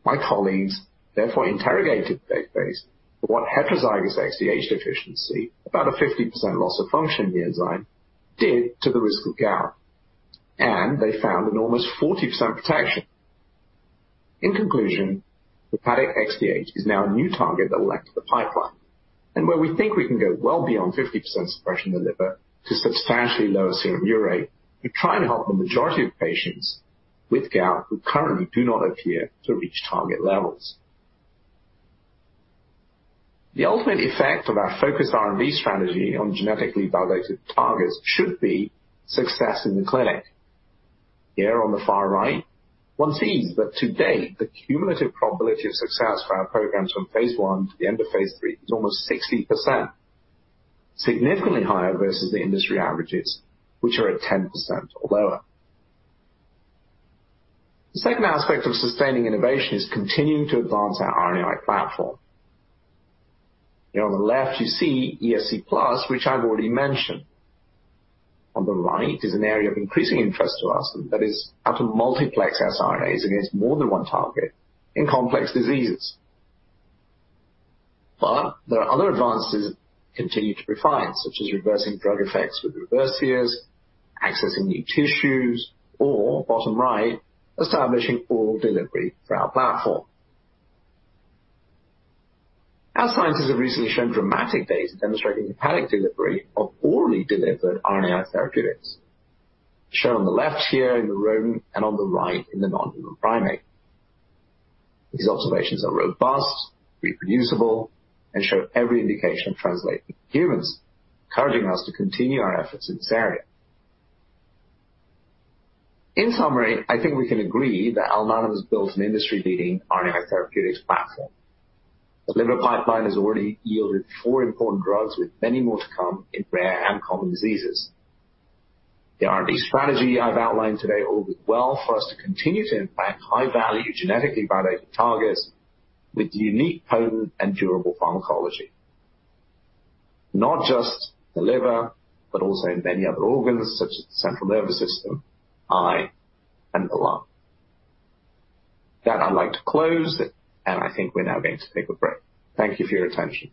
My colleagues therefore interrogated the database for what heterozygous XDH deficiency, about a 50% loss of function in the enzyme, did to the risk of gout. And they found an almost 40% protection. In conclusion, hepatic XDH is now a new target that will enter the pipeline. And where we think we can go well beyond 50% suppression in the liver to substantially lower serum urate, we're trying to help the majority of patients with gout who currently do not appear to reach target levels. The ultimate effect of our focused R&D strategy on genetically validated targets should be success in the clinic. Here, on the far right, one sees that to date, the cumulative probability of success for our programs from Phase I to the end of Phase III is almost 60%, significantly higher versus the industry averages, which are at 10% or lower. The second aspect of sustaining innovation is continuing to advance our RNAi platform. Here, on the left, you see ESC+, which I've already mentioned. On the right is an area of increasing interest to us, and that is how to multiplex siRNAs against more than one target in complex diseases. But there are other advances that continue to be fine, such as reversing drug effects with Reversir, accessing new tissues, or, bottom right, establishing oral delivery for our platform. Our scientists have recently shown dramatic data demonstrating hepatic delivery of orally delivered RNAi therapeutics, shown on the left here in the rodent and on the right in the non-human primate. These observations are robust, reproducible, and show every indication of translating in humans, encouraging us to continue our efforts in this area. In summary, I think we can agree that Alnylam has built an industry-leading RNAi therapeutics platform. The liver pipeline has already yielded four important drugs, with many more to come in rare and common diseases. The R&D strategy I've outlined today all works well for us to continue to impact high-value genetically validated targets with unique, potent, and durable pharmacology. Not just the liver, but also many other organs such as the central nervous system, eye, and the lung. With that, I'd like to close, and I think we're now going to take a break. Thank you for your attention.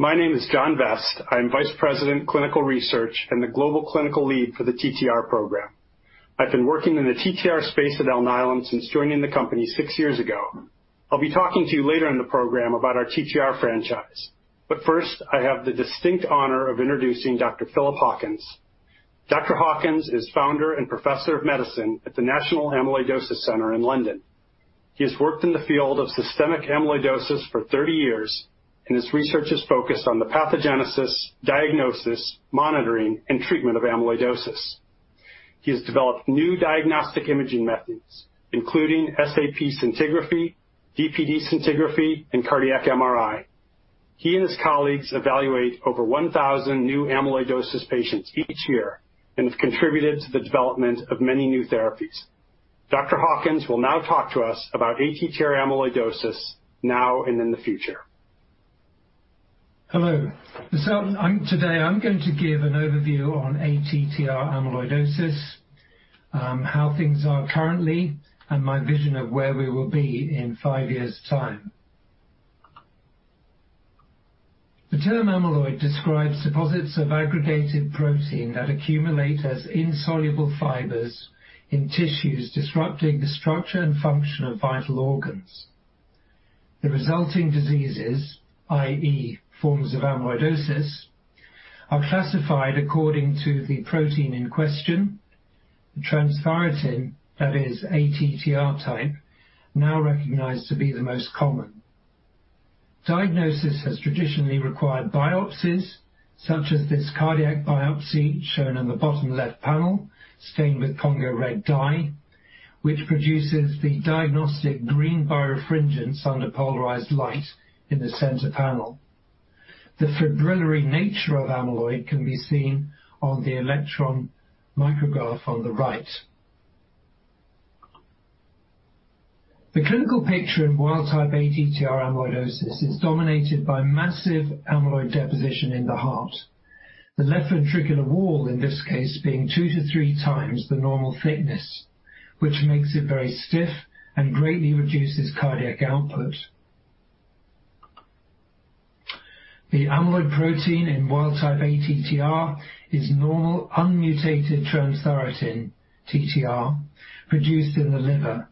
Hi. My name is John Vest. I'm Vice President, Clinical Research, and the Global Clinical Lead for the TTR program. I've been working in the TTR space at Alnylam since joining the company six years ago. I'll be talking to you later in the program about our TTR franchise. But first, I have the distinct honor of introducing Dr. Philip Hawkins. Dr. Hawkins is Founder and Professor of Medicine at the National Amyloidosis Centre in London. He has worked in the field of systemic amyloidosis for 30 years, and his research is focused on the pathogenesis, diagnosis, monitoring, and treatment of amyloidosis. He has developed new diagnostic imaging methods, including SAP scintigraphy, DPD scintigraphy, and cardiac MRI. He and his colleagues evaluate over 1,000 new amyloidosis patients each year and have contributed to the development of many new therapies. Dr. Hawkins will now talk to us about ATTR amyloidosis, now and in the future. Hello. Today, I'm going to give an overview on ATTR amyloidosis, how things are currently, and my vision of where we will be in five years' time. The term amyloid describes deposits of aggregated protein that accumulate as insoluble fibers in tissues, disrupting the structure and function of vital organs. The resulting diseases, i.e., forms of amyloidosis, are classified according to the protein in question, the transthyretin that is ATTR type, now recognized to be the most common. Diagnosis has traditionally required biopsies, such as this cardiac biopsy shown on the bottom left panel, stained with Congo red dye, which produces the diagnostic green birefringence under polarized light in the center panel. The fibrillary nature of amyloid can be seen on the electron micrograph on the right. The clinical picture in wild-type ATTR amyloidosis is dominated by massive amyloid deposition in the heart, the left ventricular wall in this case being two to three times the normal thickness, which makes it very stiff and greatly reduces cardiac output. The amyloid protein in wild-type ATTR is normal unmutated transthyretin TTR produced in the liver.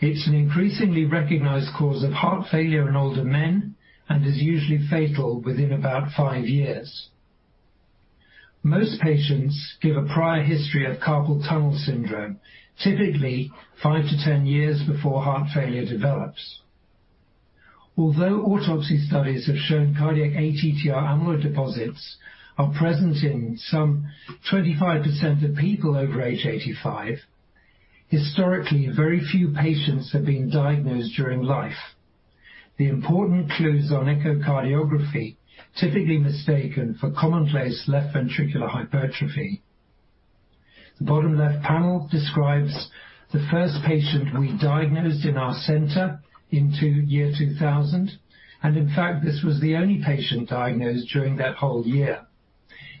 It's an increasingly recognized cause of heart failure in older men and is usually fatal within about five years. Most patients give a prior history of carpal tunnel syndrome, typically five to ten years before heart failure develops. Although autopsy studies have shown cardiac ATTR amyloid deposits are present in some 25% of people over age 85, historically, very few patients have been diagnosed during life. The important clues on echocardiography are typically mistaken for commonplace left ventricular hypertrophy. The bottom left panel describes the first patient we diagnosed in our center in year 2000. In fact, this was the only patient diagnosed during that whole year.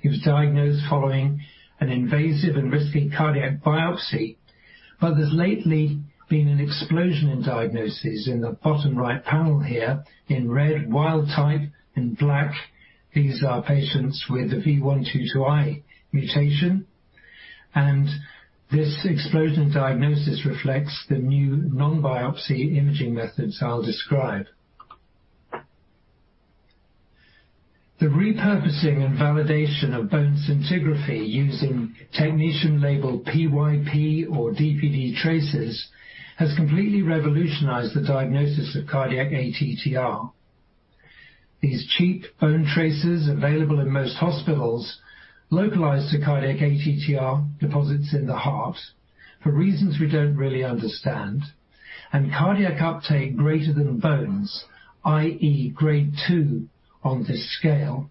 He was diagnosed following an invasive and risky cardiac biopsy. There's lately been an explosion in diagnoses in the bottom right panel here in red, wild-type, and black. These are patients with the V122I mutation. This explosion in diagnosis reflects the new non-biopsy imaging methods I'll describe. The repurposing and validation of bone scintigraphy using technetium-labeled PYP or DPD tracers has completely revolutionized the diagnosis of cardiac ATTR. These cheap bone tracers available in most hospitals localize to cardiac ATTR deposits in the heart for reasons we don't really understand. Cardiac uptake greater than bones, i.e., grade two on this scale,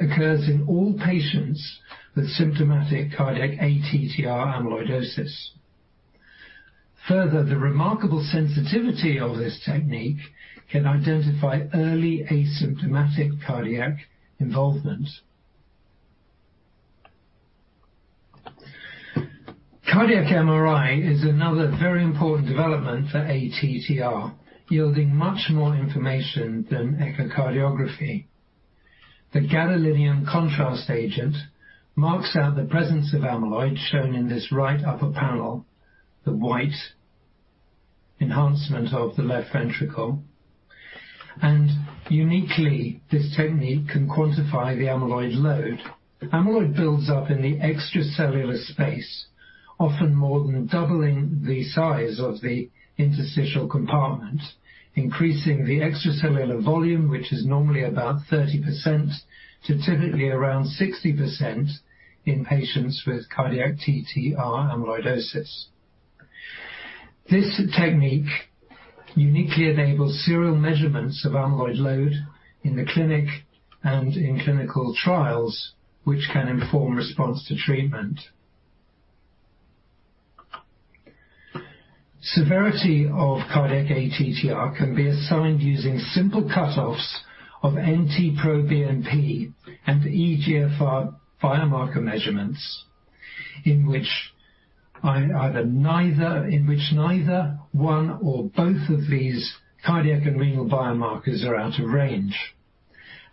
occurs in all patients with symptomatic cardiac ATTR amyloidosis. Further, the remarkable sensitivity of this technique can identify early asymptomatic cardiac involvement. Cardiac MRI is another very important development for ATTR, yielding much more information than echocardiography. The gadolinium contrast agent marks out the presence of amyloid shown in this right upper panel, the white enhancement of the left ventricle. Uniquely, this technique can quantify the amyloid load. Amyloid builds up in the extracellular space, often more than doubling the size of the interstitial compartment, increasing the extracellular volume, which is normally about 30% to typically around 60% in patients with cardiac TTR amyloidosis. This technique uniquely enables serial measurements of amyloid load in the clinic and in clinical trials, which can inform response to treatment. Severity of cardiac ATTR can be assigned using simple cutoffs of NT-proBNP and eGFR biomarker measurements, in which neither, one, or both of these cardiac and renal biomarkers are out of range.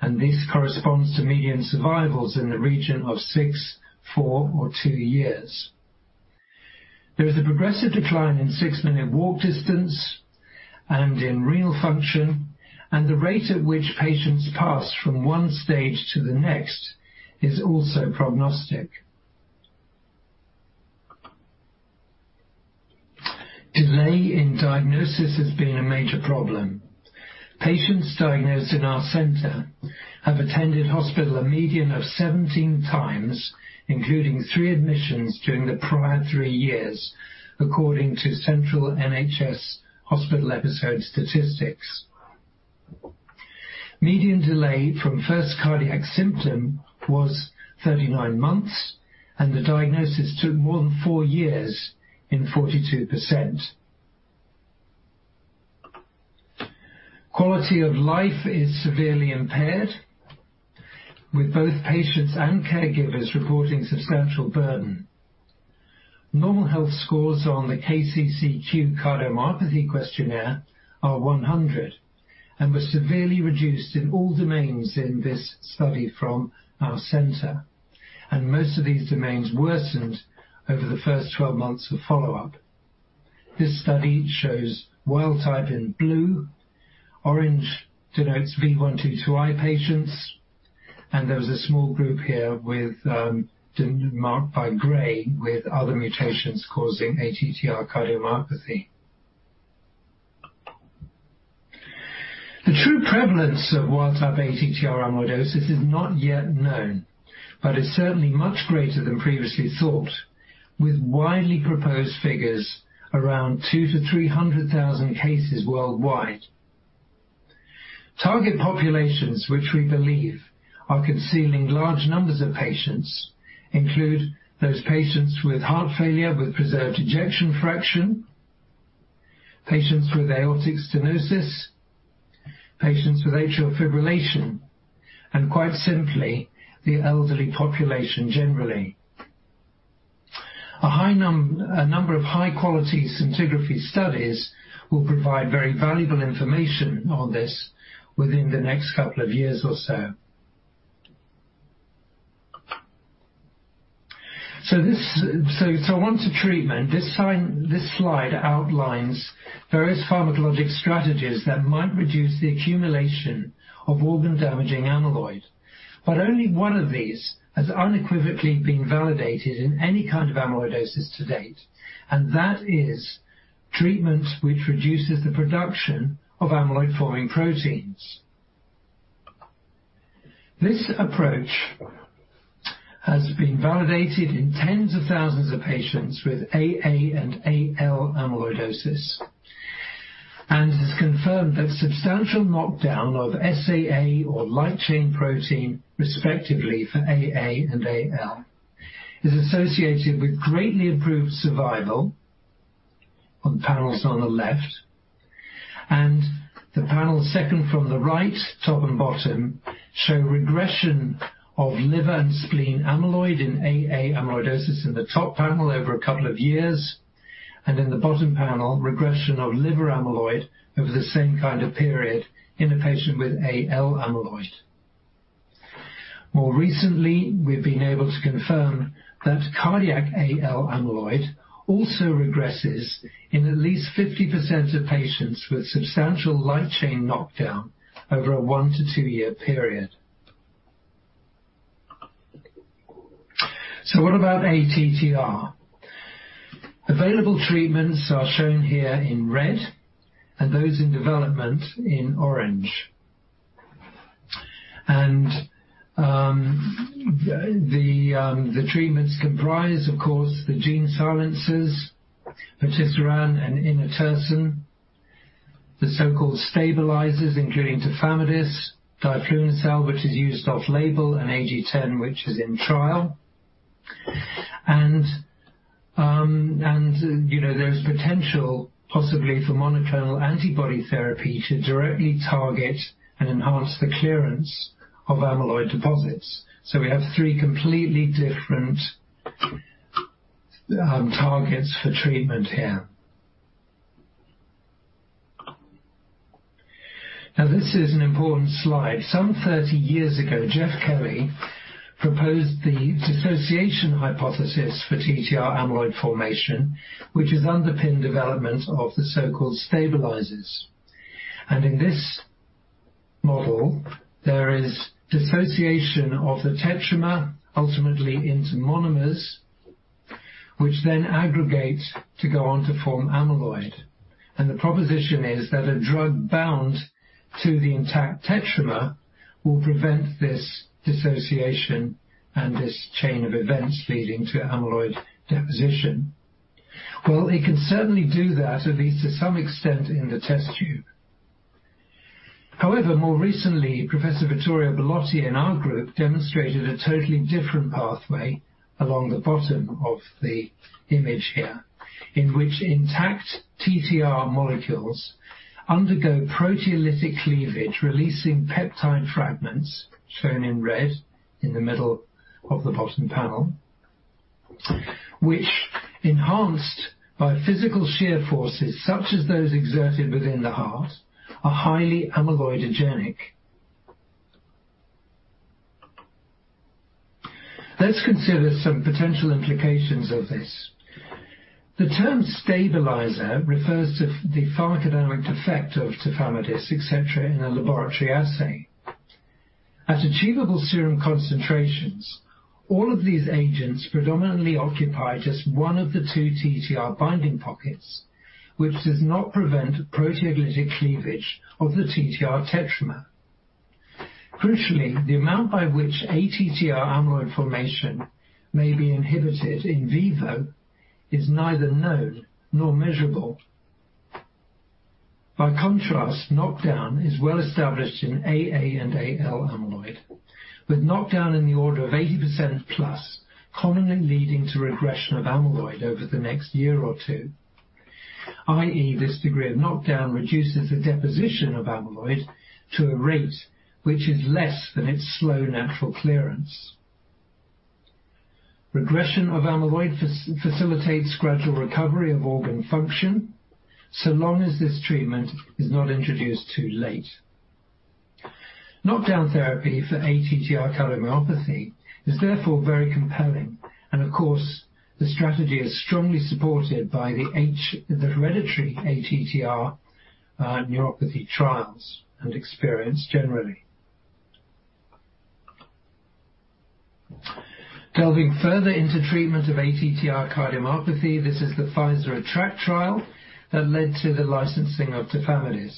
This corresponds to median survivals in the region of six, four, or two years. There is a progressive decline in six-minute walk distance and in renal function. The rate at which patients pass from one stage to the next is also prognostic. Delay in diagnosis has been a major problem. Patients diagnosed in our center have attended hospital a median of 17 times, including three admissions during the prior three years, according to Central NHS Hospital Episode Statistics. Median delay from first cardiac symptom was 39 months, and the diagnosis took more than four years in 42%. Quality of life is severely impaired, with both patients and caregivers reporting substantial burden. Normal health scores on the KCCQ Cardiomyopathy Questionnaire are 100 and were severely reduced in all domains in this study from our center, and most of these domains worsened over the first 12 months of follow-up. This study shows wild-type in blue. Orange denotes V122I patients, and there was a small group here marked by gray with other mutations causing ATTR cardiomyopathy. The true prevalence of wild-type ATTR amyloidosis is not yet known, but it's certainly much greater than previously thought, with widely proposed figures around two to three hundred thousand cases worldwide. Target populations, which we believe are concealing large numbers of patients, include those patients with heart failure with preserved ejection fraction, patients with aortic stenosis, patients with atrial fibrillation, and quite simply, the elderly population generally. A number of high-quality scintigraphy studies will provide very valuable information on this within the next couple of years or so. On to treatment. This slide outlines various pharmacologic strategies that might reduce the accumulation of organ-damaging amyloid. Only one of these has unequivocally been validated in any kind of amyloidosis to date. That is treatment which reduces the production of amyloid-forming proteins. This approach has been validated in tens of thousands of patients with AA and AL amyloidosis and has confirmed that substantial knockdown of SAA or light chain protein, respectively, for AA and AL is associated with greatly improved survival on the panels on the left. The panels second from the right, top and bottom, show regression of liver and spleen amyloid in AA amyloidosis in the top panel over a couple of years. In the bottom panel, regression of liver amyloid over the same kind of period in a patient with AL amyloid. More recently, we've been able to confirm that cardiac AL amyloid also regresses in at least 50% of patients with substantial light chain knockdown over a one- to two-year period. So what about ATTR? Available treatments are shown here in red and those in development in orange. And the treatments comprise, of course, the gene silencers, patisiran and inotersen, the so-called stabilizers, including tafamidis, diflunisal, which is used off-label, and AG10, which is in trial. And there's potential, possibly, for monoclonal antibody therapy to directly target and enhance the clearance of amyloid deposits. So we have three completely different targets for treatment here. Now, this is an important slide. Some 30 years ago, Jeff Kelly proposed the dissociation hypothesis for TTR amyloid formation, which has underpinned development of the so-called stabilizers. In this model, there is dissociation of the tetramer, ultimately into monomers, which then aggregate to go on to form amyloid. The proposition is that a drug bound to the intact tetramer will prevent this dissociation and this chain of events leading to amyloid deposition. It can certainly do that, at least to some extent, in the test tube. However, more recently, Professor Vittorio Bellotti in our group demonstrated a totally different pathway along the bottom of the image here, in which intact TTR molecules undergo proteolytic cleavage, releasing peptide fragments, shown in red in the middle of the bottom panel, which, enhanced by physical shear forces such as those exerted within the heart, are highly amyloidogenic. Let's consider some potential implications of this. The term stabilizer refers to the pharmacodynamic effect of tafamidis, etc., in a laboratory assay. At achievable serum concentrations, all of these agents predominantly occupy just one of the two TTR binding pockets, which does not prevent proteolytic cleavage of the TTR tetramer. Crucially, the amount by which ATTR amyloid formation may be inhibited in vivo is neither known nor measurable. By contrast, knockdown is well established in AA and AL amyloid, with knockdown in the order of 80%+, commonly leading to regression of amyloid over the next year or two. I.e., this degree of knockdown reduces the deposition of amyloid to a rate which is less than its slow natural clearance. Regression of amyloid facilitates gradual recovery of organ function so long as this treatment is not introduced too late. Knockdown therapy for ATTR cardiomyopathy is therefore very compelling. And of course, the strategy is strongly supported by the hereditary ATTR neuropathy trials and experience generally. Delving further into treatment of ATTR cardiomyopathy, this is the Pfizer ATTR-ACT trial that led to the licensing of tafamidis.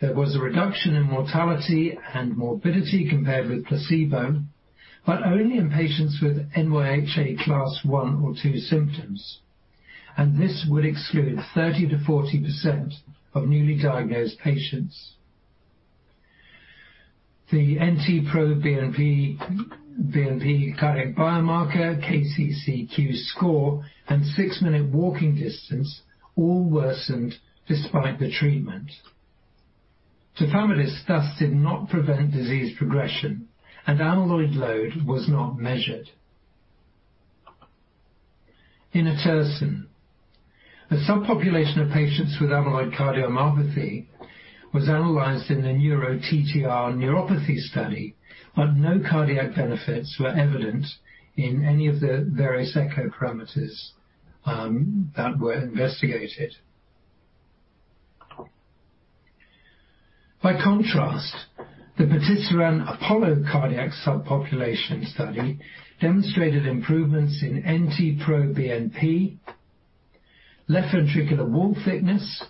There was a reduction in mortality and morbidity compared with placebo, but only in patients with NYHA class one or two symptoms. This would exclude 30%-40% of newly diagnosed patients. The NT-proBNP cardiac biomarker, KCCQ score, and six-minute walking distance all worsened despite the treatment. Tafamidis, thus, did not prevent disease progression, and amyloid load was not measured. Inotersen. A subpopulation of patients with amyloid cardiomyopathy was analyzed in the NEURO-TTR neuropathy study, but no cardiac benefits were evident in any of the various echo parameters that were investigated. By contrast, the patisiran APOLLO cardiac subpopulation study demonstrated improvements in NT-proBNP, left ventricular wall thickness,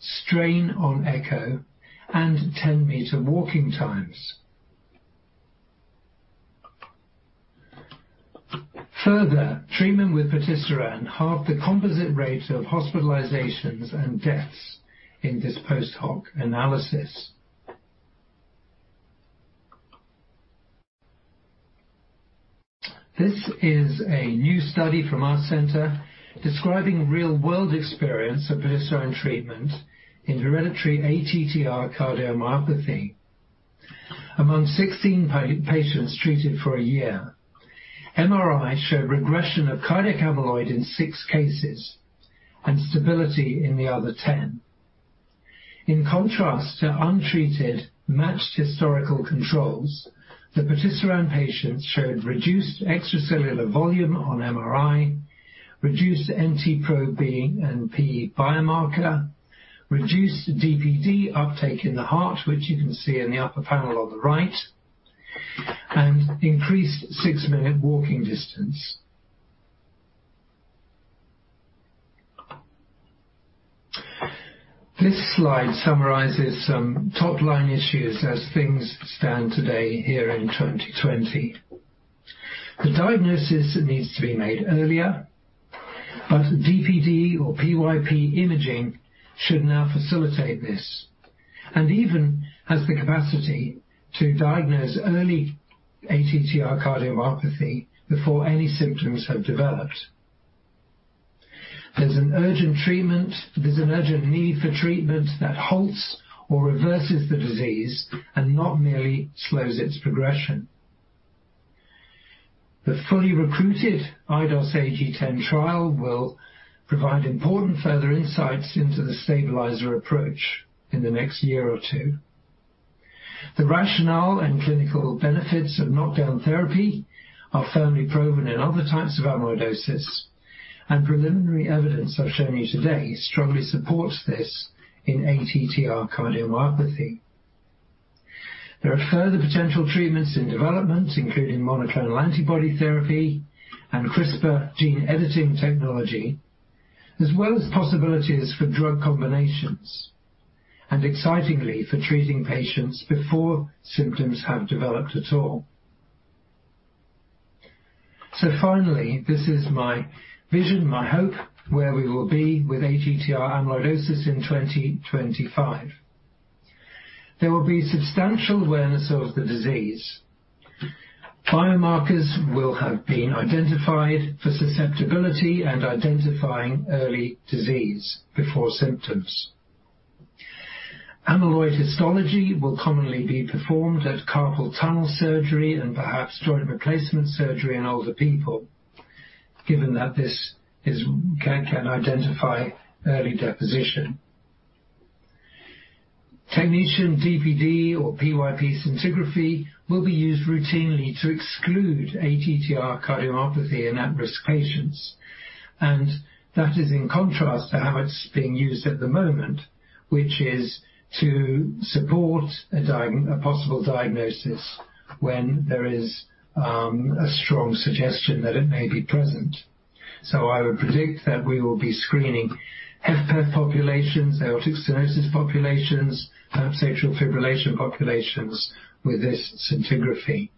strain on echo, and 10-meter walking times. Further, treatment with patisiran halved the composite rate of hospitalizations and deaths in this post-hoc analysis. This is a new study from our center describing real-world experience of patisiran treatment in hereditary ATTR cardiomyopathy. Among 16 patients treated for a year, MRI showed regression of cardiac amyloid in six cases and stability in the other 10. In contrast to untreated matched historical controls, the patisiran patients showed reduced extracellular volume on MRI, reduced NT-proBNP biomarker, reduced DPD uptake in the heart, which you can see in the upper panel on the right, and increased six-minute walking distance. This slide summarizes some top-line issues as things stand today here in 2020. The diagnosis needs to be made earlier, but DPD or PYP imaging should now facilitate this and even has the capacity to diagnose early ATTR cardiomyopathy before any symptoms have developed. There's an urgent need for treatment that halts or reverses the disease and not merely slows its progression. The fully recruited Phase III AG10 trial will provide important further insights into the stabilizer approach in the next year or two. The rationale and clinical benefits of knockdown therapy are firmly proven in other types of amyloidosis, and preliminary evidence I've shown you today strongly supports this in ATTR cardiomyopathy. There are further potential treatments in development, including monoclonal antibody therapy and CRISPR gene editing technology, as well as possibilities for drug combinations and, excitingly, for treating patients before symptoms have developed at all. So finally, this is my vision, my hope, where we will be with ATTR amyloidosis in 2025. There will be substantial awareness of the disease. Biomarkers will have been identified for susceptibility and identifying early disease before symptoms. Amyloid histology will commonly be performed at carpal tunnel surgery and perhaps joint replacement surgery in older people, given that this can identify early deposition. Technetium DPD or PYP scintigraphy will be used routinely to exclude ATTR cardiomyopathy in at-risk patients, and that is in contrast to how it's being used at the moment, which is to support a possible diagnosis when there is a strong suggestion that it may be present, so I would predict that we will be screening HFpEF populations, aortic stenosis populations, perhaps atrial fibrillation populations with this scintigraphy.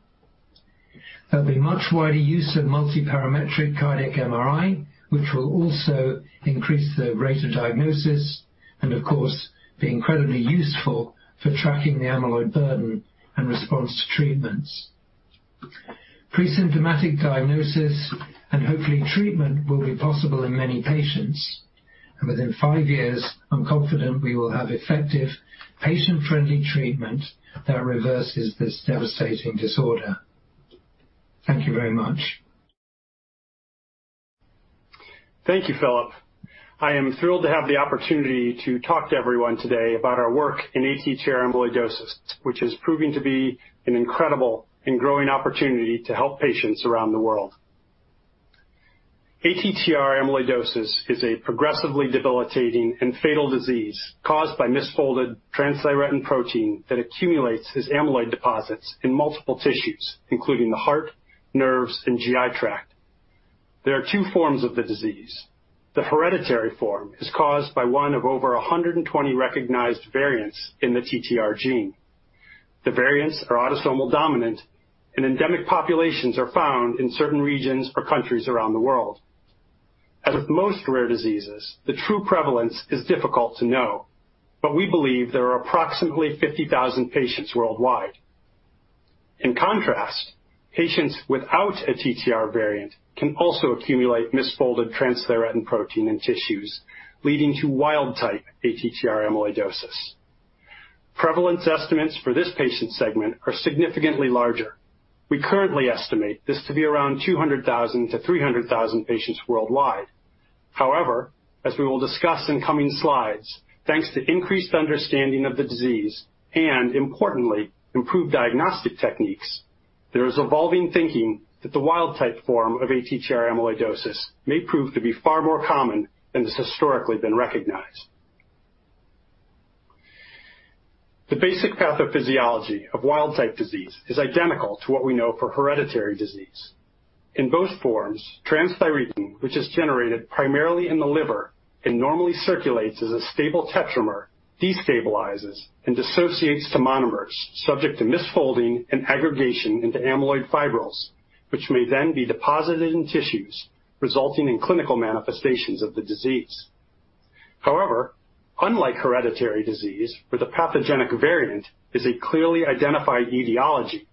There'll be much wider use of multiparametric cardiac MRI, which will also increase the rate of diagnosis and, of course, be incredibly useful for tracking the amyloid burden and response to treatments. Pre-symptomatic diagnosis and hopefully treatment will be possible in many patients, and within five years, I'm confident we will have effective, patient-friendly treatment that reverses this devastating disorder. Thank you very much. Thank you, Philip. I am thrilled to have the opportunity to talk to everyone today about our work in ATTR amyloidosis, which is proving to be an incredible and growing opportunity to help patients around the world. ATTR amyloidosis is a progressively debilitating and fatal disease caused by misfolded transthyretin protein that accumulates as amyloid deposits in multiple tissues, including the heart, nerves, and GI tract. There are two forms of the disease. The hereditary form is caused by one of over 120 recognized variants in the TTR gene. The variants are autosomal dominant, and endemic populations are found in certain regions or countries around the world. As with most rare diseases, the true prevalence is difficult to know, but we believe there are approximately 50,000 patients worldwide. In contrast, patients without a TTR variant can also accumulate misfolded transthyretin protein in tissues, leading to wild-type ATTR amyloidosis. Prevalence estimates for this patient segment are significantly larger. We currently estimate this to be around 200,000-300,000 patients worldwide. However, as we will discuss in coming slides, thanks to increased understanding of the disease and, importantly, improved diagnostic techniques, there is evolving thinking that the wild-type form of ATTR amyloidosis may prove to be far more common than has historically been recognized. The basic pathophysiology of wild-type disease is identical to what we know for hereditary disease. In both forms, transthyretin, which is generated primarily in the liver and normally circulates as a stable tetramer, destabilizes and dissociates to monomers, subject to misfolding and aggregation into amyloid fibrils, which may then be deposited in tissues, resulting in clinical manifestations of the disease. However, unlike hereditary disease, where the pathogenic variant is a clearly identified etiology,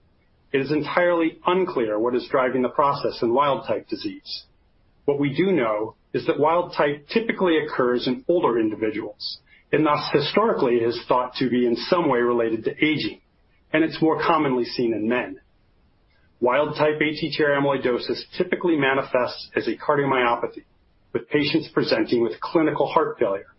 it is entirely unclear what is driving the process in wild-type disease. What we do know is that wild-type typically occurs in older individuals, and thus historically has thought to be in some way related to aging, and it's more commonly seen in men. Wild-type ATTR amyloidosis typically manifests as a cardiomyopathy, with patients presenting with clinical heart failure.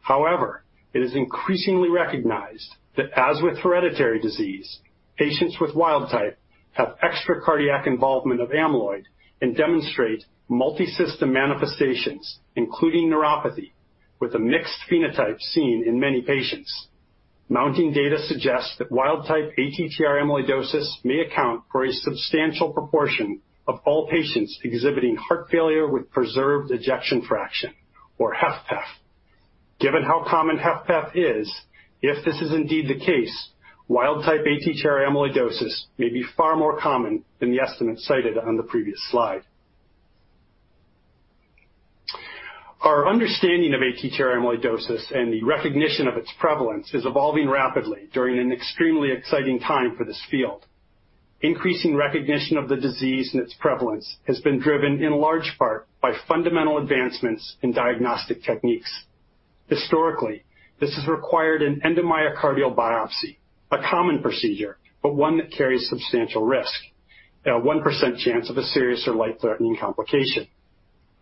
However, it is increasingly recognized that, as with hereditary disease, patients with wild-type have extracardiac involvement of amyloid and demonstrate multisystem manifestations, including neuropathy, with a mixed phenotype seen in many patients. Mounting data suggests that wild-type ATTR amyloidosis may account for a substantial proportion of all patients exhibiting heart failure with preserved ejection fraction, or HFpEF. Given how common HFpEF is, if this is indeed the case, wild-type ATTR amyloidosis may be far more common than the estimate cited on the previous slide. Our understanding of ATTR amyloidosis and the recognition of its prevalence is evolving rapidly during an extremely exciting time for this field. Increasing recognition of the disease and its prevalence has been driven in large part by fundamental advancements in diagnostic techniques. Historically, this has required an endomyocardial biopsy, a common procedure, but one that carries substantial risk, a 1% chance of a serious or life-threatening complication.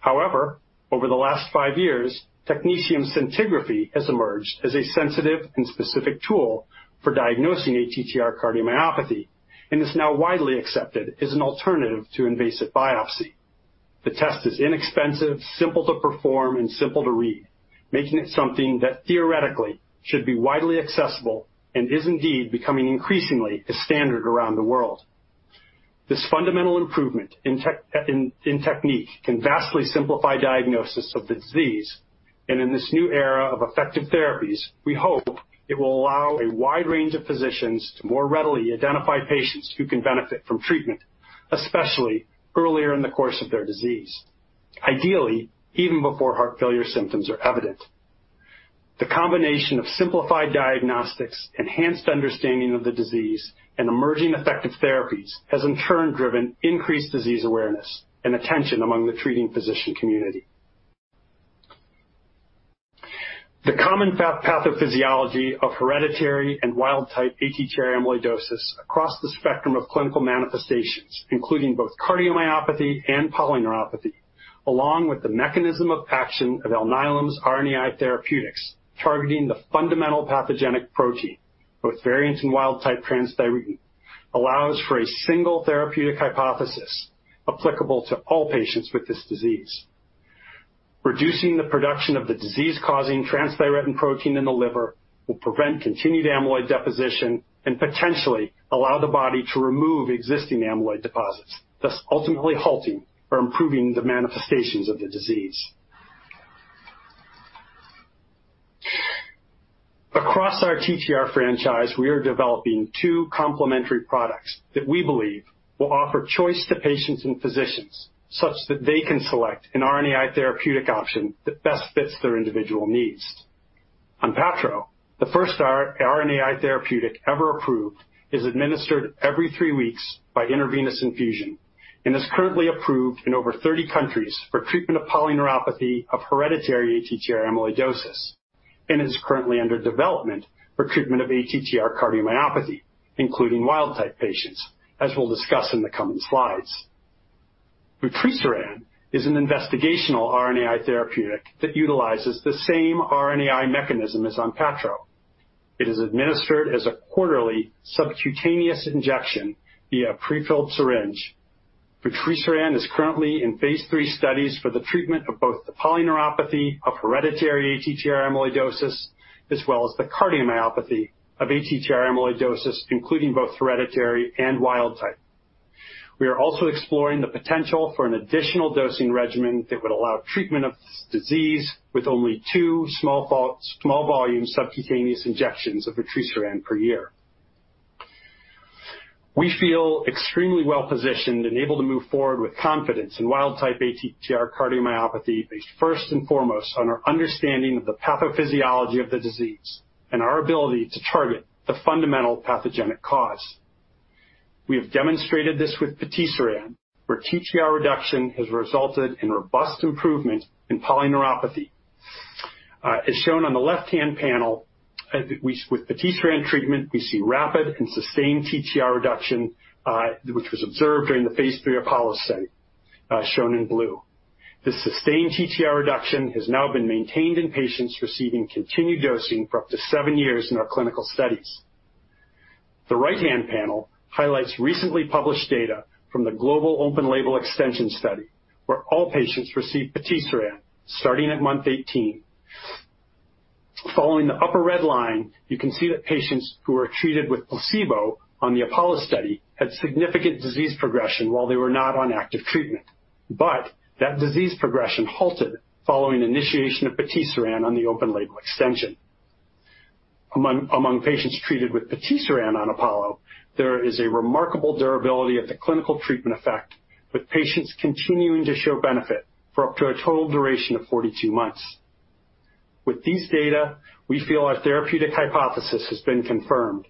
However, over the last five years, technetium scintigraphy has emerged as a sensitive and specific tool for diagnosing ATTR cardiomyopathy and is now widely accepted as an alternative to invasive biopsy. The test is inexpensive, simple to perform, and simple to read, making it something that theoretically should be widely accessible and is indeed becoming increasingly a standard around the world. This fundamental improvement in technique can vastly simplify diagnosis of the disease. And in this new era of effective therapies, we hope it will allow a wide range of physicians to more readily identify patients who can benefit from treatment, especially earlier in the course of their disease, ideally even before heart failure symptoms are evident. The combination of simplified diagnostics, enhanced understanding of the disease, and emerging effective therapies has, in turn, driven increased disease awareness and attention among the treating physician community. The common pathophysiology of hereditary and wild-type ATTR amyloidosis across the spectrum of clinical manifestations, including both cardiomyopathy and polyneuropathy, along with the mechanism of action of Alnylam's RNAi therapeutics targeting the fundamental pathogenic protein, both variant and wild-type transthyretin, allows for a single therapeutic hypothesis applicable to all patients with this disease. Reducing the production of the disease-causing transthyretin protein in the liver will prevent continued amyloid deposition and potentially allow the body to remove existing amyloid deposits, thus ultimately halting or improving the manifestations of the disease. Across our TTR franchise, we are developing two complementary products that we believe will offer choice to patients and physicians such that they can select an RNAi therapeutic option that best fits their individual needs. ONPATTRO, the first RNAi therapeutic ever approved, is administered every three weeks by intravenous infusion and is currently approved in over 30 countries for treatment of polyneuropathy of hereditary ATTR amyloidosis, and it is currently under development for treatment of ATTR cardiomyopathy, including wild-type patients, as we'll discuss in the coming slides. Vutrisiran is an investigational RNAi therapeutic that utilizes the same RNAi mechanism as ONPATTRO. It is administered as a quarterly subcutaneous injection via a prefilled syringe. Vutrisiran is currently in Phase III studies for the treatment of both the polyneuropathy of hereditary ATTR amyloidosis as well as the cardiomyopathy of ATTR amyloidosis, including both hereditary and wild-type. We are also exploring the potential for an additional dosing regimen that would allow treatment of this disease with only two small-volume subcutaneous injections of vutrisiran per year. We feel extremely well-positioned and able to move forward with confidence in wild-type ATTR cardiomyopathy based first and foremost on our understanding of the pathophysiology of the disease and our ability to target the fundamental pathogenic cause. We have demonstrated this with vutrisiran, where TTR reduction has resulted in robust improvement in polyneuropathy. As shown on the left-hand panel, with patisiran treatment, we see rapid and sustained TTR reduction, which was observed during the Phase III APOLLO study, shown in blue. This sustained TTR reduction has now been maintained in patients receiving continued dosing for up to seven years in our clinical studies. The right-hand panel highlights recently published data from the Global Open-Label Extension study, where all patients received patisiran starting at month 18. Following the upper red line, you can see that patients who were treated with placebo on the APOLLO study had significant disease progression while they were not on active treatment. But that disease progression halted following initiation of patisiran on the Open-Label Extension. Among patients treated with patisiran on APOLLO, there is a remarkable durability of the clinical treatment effect, with patients continuing to show benefit for up to a total duration of 42 months. With these data, we feel our therapeutic hypothesis has been confirmed.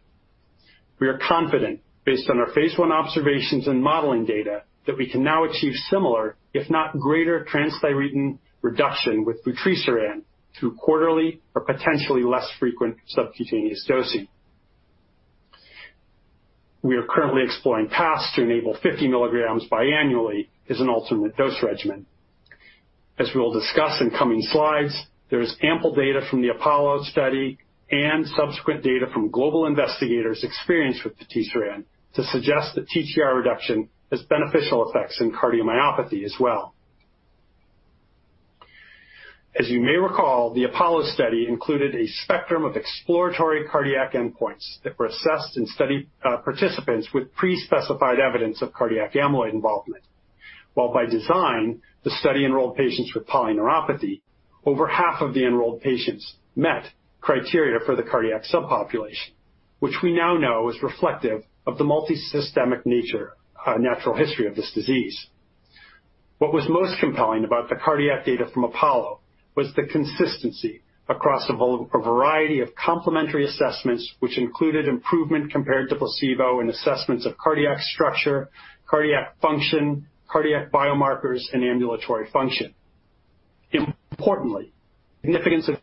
We are confident, based on our Phase I observations and modeling data, that we can now achieve similar, if not greater transthyretin reduction with vutrisiran through quarterly or potentially less frequent subcutaneous dosing. We are currently exploring paths to enable 50 mg biannually as an alternate dose regimen. As we will discuss in coming slides, there is ample data from the APOLLO study and subsequent data from global investigators' experience with vutrisiran to suggest that TTR reduction has beneficial effects in cardiomyopathy as well. As you may recall, the APOLLO study included a spectrum of exploratory cardiac endpoints that were assessed in study participants with pre-specified evidence of cardiac amyloid involvement. While by design, the study enrolled patients with polyneuropathy, over half of the enrolled patients met criteria for the cardiac subpopulation, which we now know is reflective of the multisystemic nature and natural history of this disease. What was most compelling about the cardiac data from APOLLO was the consistency across a variety of complementary assessments, which included improvement compared to placebo in assessments of cardiac structure, cardiac function, cardiac biomarkers, and ambulatory function. Importantly, significance of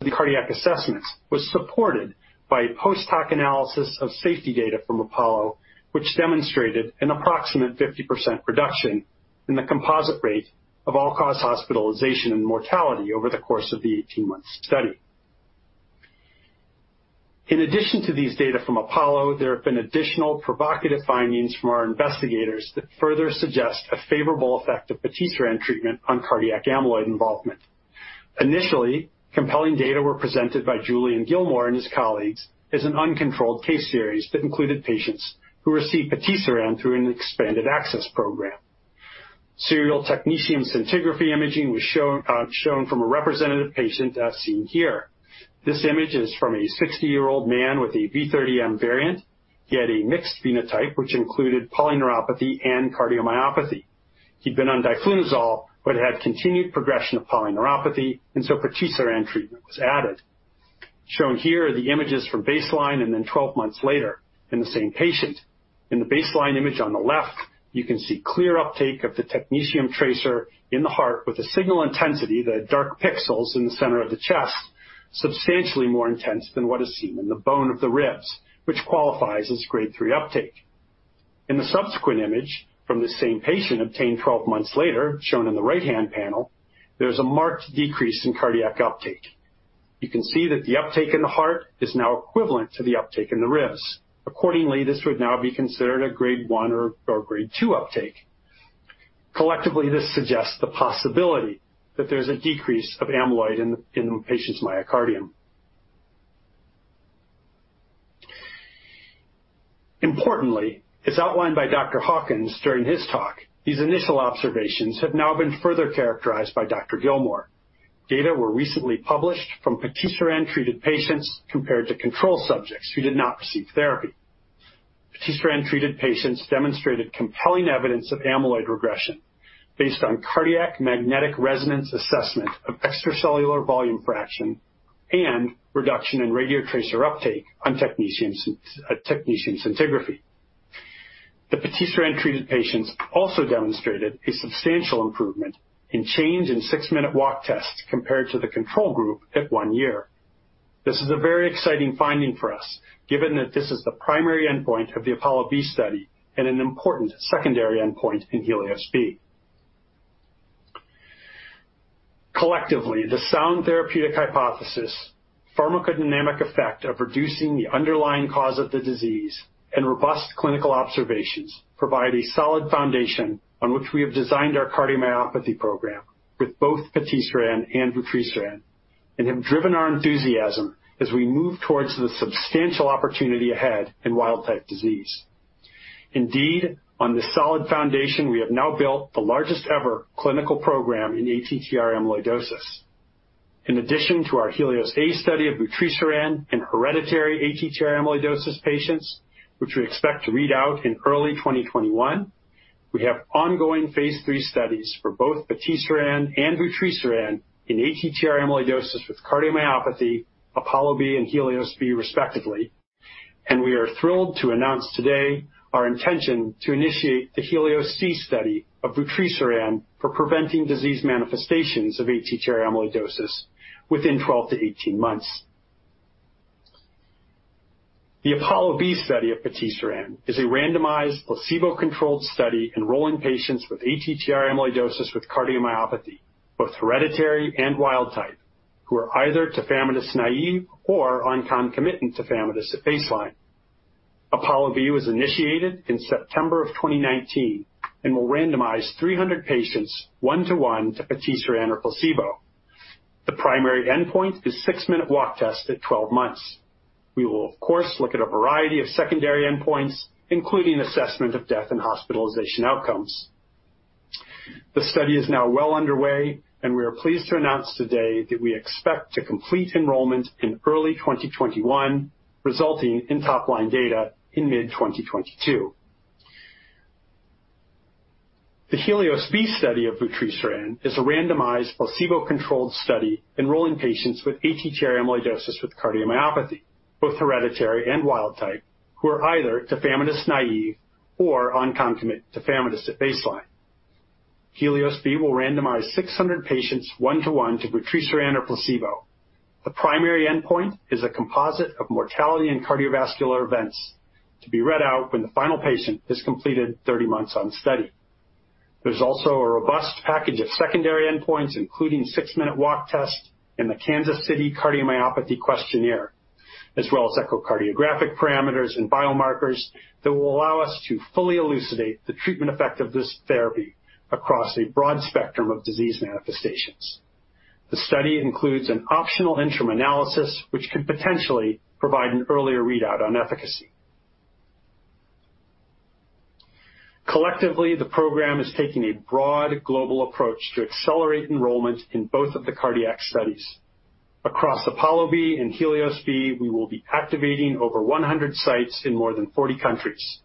the cardiac assessments was supported by post-hoc analysis of safety data from APOLLO, which demonstrated an approximate 50% reduction in the composite rate of all-cause hospitalization and mortality over the course of the 18-month study. In addition to these data from APOLLO, there have been additional provocative findings from our investigators that further suggest a favorable effect of patisiran treatment on cardiac amyloid involvement. Initially, compelling data were presented by Julian Gillmore and his colleagues as an uncontrolled case series that included patients who received patisiran through an expanded access program. Serial technetium scintigraphy imaging was shown from a representative patient as seen here. This image is from a 60-year-old man with a V30M variant. He had a mixed phenotype, which included polyneuropathy and cardiomyopathy. He'd been on diflunisal but had continued progression of polyneuropathy, and so patisiran treatment was added. Shown here are the images from baseline and then 12 months later in the same patient. In the baseline image on the left, you can see clear uptake of the technetium tracer in the heart with a signal intensity, the dark pixels in the center of the chest, substantially more intense than what is seen in the bone of the ribs, which qualifies as grade 3 uptake. In the subsequent image from the same patient obtained 12 months later, shown in the right-hand panel, there's a marked decrease in cardiac uptake. You can see that the uptake in the heart is now equivalent to the uptake in the ribs. Accordingly, this would now be considered a Grade 1 or Grade 2 uptake. Collectively, this suggests the possibility that there's a decrease of amyloid in the patient's myocardium. Importantly, as outlined by Dr. Hawkins during his talk, these initial observations have now been further characterized by Dr. Gillmore. Data were recently published from patisiran-treated patients compared to control subjects who did not receive therapy. Patisiran-treated patients demonstrated compelling evidence of amyloid regression based on cardiac magnetic resonance assessment of extracellular volume fraction and reduction in radiotracer uptake on technetium scintigraphy. The vutrisiran-treated patients also demonstrated a substantial improvement in change in six-minute walk test compared to the control group at one year. This is a very exciting finding for us, given that this is the primary endpoint of the APOLLO-B study and an important secondary endpoint in HELIOS-B. Collectively, the sound therapeutic hypothesis, pharmacodynamic effect of reducing the underlying cause of the disease, and robust clinical observations provide a solid foundation on which we have designed our cardiomyopathy program with both vutrisiran and patisiran and have driven our enthusiasm as we move towards the substantial opportunity ahead in wild-type disease. Indeed, on this solid foundation, we have now built the largest-ever clinical program in ATTR amyloidosis. In addition to our HELIOS-A study of vutrisiran in hereditary ATTR amyloidosis patients, which we expect to read out in early 2021, we have ongoing Phase III studies for both patisiran and vutrisiran in ATTR amyloidosis with cardiomyopathy, APOLLO-B and HELIOS-B respectively, and we are thrilled to announce today our intention to initiate the HELIOS-C study of vutrisiran for preventing disease manifestations of ATTR amyloidosis within 12 to 18 months. The APOLLO-B study of patisiran is a randomized placebo-controlled study enrolling patients with ATTR amyloidosis with cardiomyopathy, both hereditary and wild-type, who are either tafamidis naive or on concomitant tafamidis at baseline. APOLLO-B was initiated in September of 2019 and will randomize 300 patients one-to-one to patisiran or placebo. The primary endpoint is six-minute walk test at 12 months. We will, of course, look at a variety of secondary endpoints, including assessment of death and hospitalization outcomes. The study is now well underway, and we are pleased to announce today that we expect to complete enrollment in early 2021, resulting in top-line data in mid-2022. The HELIOS-B study of vutrisiran is a randomized placebo-controlled study enrolling patients with ATTR amyloidosis with cardiomyopathy, both hereditary and wild-type, who are either tafamidis naive or on concomitant tafamidis at baseline. HELIOS-B will randomize 600 patients one-to-one to vutrisiran or placebo. The primary endpoint is a composite of mortality and cardiovascular events to be read out when the final patient has completed 30 months on study. There's also a robust package of secondary endpoints, including six-minute walk test and the Kansas City Cardiomyopathy Questionnaire, as well as echocardiographic parameters and biomarkers that will allow us to fully elucidate the treatment effect of this therapy across a broad spectrum of disease manifestations. The study includes an optional interim analysis, which could potentially provide an earlier readout on efficacy. Collectively, the program is taking a broad global approach to accelerate enrollment in both of the cardiac studies. Across APOLLO-B and HELIOS-B, we will be activating over 100 sites in more than 40 countries.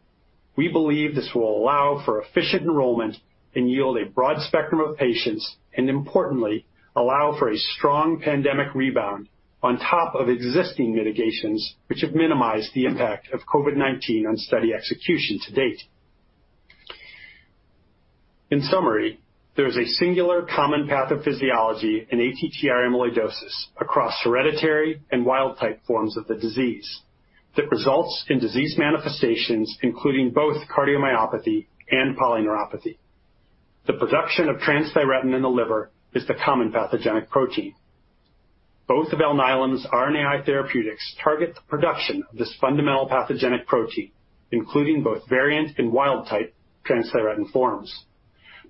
We believe this will allow for efficient enrollment and yield a broad spectrum of patients and, importantly, allow for a strong pandemic rebound on top of existing mitigations, which have minimized the impact of COVID-19 on study execution to date. In summary, there is a singular common pathophysiology in ATTR amyloidosis across hereditary and wild-type forms of the disease that results in disease manifestations, including both cardiomyopathy and polyneuropathy. The production of transthyretin in the liver is the common pathogenic protein. Both of Alnylam's RNAi therapeutics target the production of this fundamental pathogenic protein, including both variant and wild-type transthyretin forms.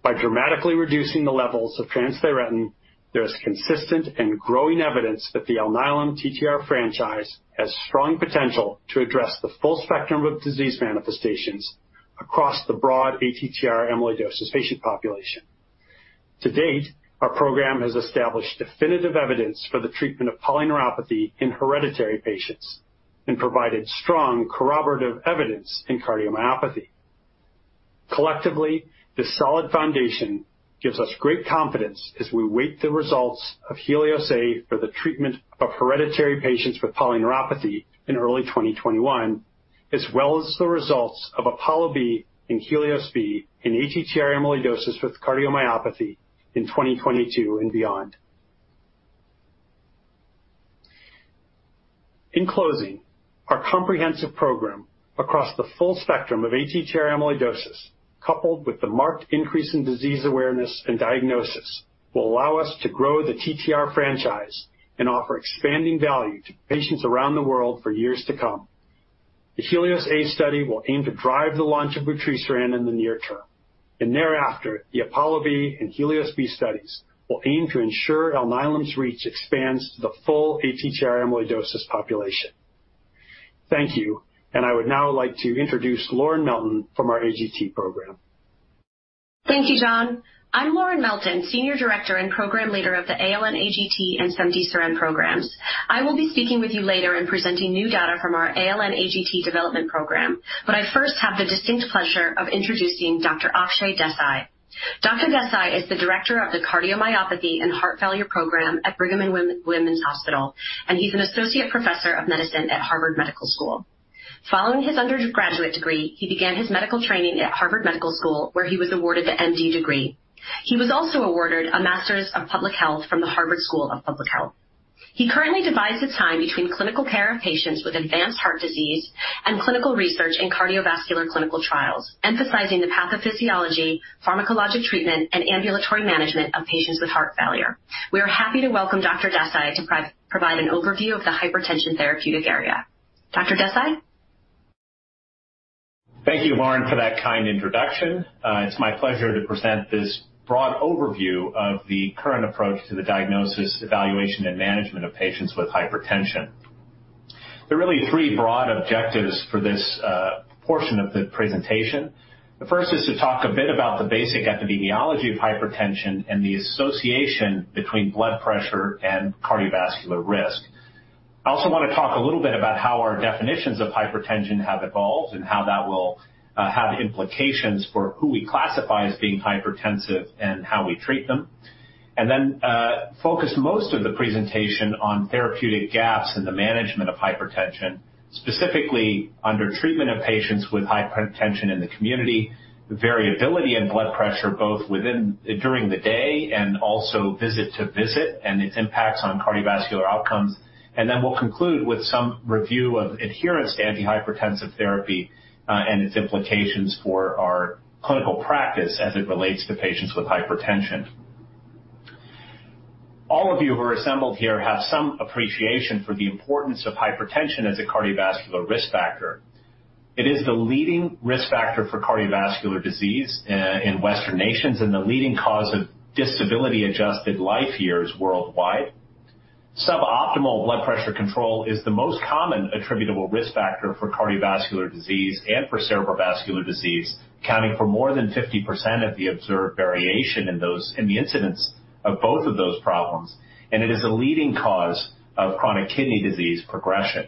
By dramatically reducing the levels of transthyretin, there is consistent and growing evidence that the Alnylam TTR franchise has strong potential to address the full spectrum of disease manifestations across the broad ATTR amyloidosis patient population. To date, our program has established definitive evidence for the treatment of polyneuropathy in hereditary patients and provided strong corroborative evidence in cardiomyopathy. Collectively, this solid foundation gives us great confidence as we wait the results of HELIOS-A for the treatment of hereditary patients with polyneuropathy in early 2021, as well as the results of APOLLO-B and HELIOS-B in ATTR amyloidosis with cardiomyopathy in 2022 and beyond. In closing, our comprehensive program across the full spectrum of ATTR amyloidosis, coupled with the marked increase in disease awareness and diagnosis, will allow us to grow the TTR franchise and offer expanding value to patients around the world for years to come. The HELIOS-A study will aim to drive the launch of vutrisiran in the near term, and thereafter, the APOLLO-B and HELIOS-B studies will aim to ensure Alnylam's reach expands to the full ATTR amyloidosis population. Thank you. And I would now like to introduce Lauren Melton from our AGT program. Thank you, John. I'm Lauren Melton, Senior Director and Program Leader of the ALN-AGT and Cemdisiran programs. I will be speaking with you later and presenting new data from our ALN-AGT development program. But I first have the distinct pleasure of introducing Dr. Akshay Desai. Dr. Desai is the Director of the Cardiomyopathy and Heart Failure Program at Brigham and Women's Hospital, and he's an Associate Professor of Medicine at Harvard Medical School. Following his undergraduate degree, he began his medical training at Harvard Medical School, where he was awarded the MD degree. He was also awarded a Master's of Public Health from the Harvard School of Public Health. He currently divides his time between clinical care of patients with advanced heart disease and clinical research in cardiovascular clinical trials, emphasizing the pathophysiology, pharmacologic treatment, and ambulatory management of patients with heart failure. We are happy to welcome Dr. Desai to provide an overview of the hypertension therapeutic area. Dr. Desai? Thank you, Lauren, for that kind introduction. It's my pleasure to present this broad overview of the current approach to the diagnosis, evaluation, and management of patients with hypertension. There are really three broad objectives for this portion of the presentation. The first is to talk a bit about the basic epidemiology of hypertension and the association between blood pressure and cardiovascular risk. I also want to talk a little bit about how our definitions of hypertension have evolved and how that will have implications for who we classify as being hypertensive and how we treat them. Focus most of the presentation on therapeutic gaps in the management of hypertension, specifically undertreatment of patients with hypertension in the community, variability in blood pressure both during the day and also visit-to-visit, and its impacts on cardiovascular outcomes. We'll conclude with some review of adherence to antihypertensive therapy and its implications for our clinical practice as it relates to patients with hypertension. All of you who are assembled here have some appreciation for the importance of hypertension as a cardiovascular risk factor. It is the leading risk factor for cardiovascular disease in Western nations and the leading cause of disability-adjusted life years worldwide. Suboptimal blood pressure control is the most common attributable risk factor for cardiovascular disease and for cerebrovascular disease, accounting for more than 50% of the observed variation in the incidence of both of those problems. And it is a leading cause of chronic kidney disease progression.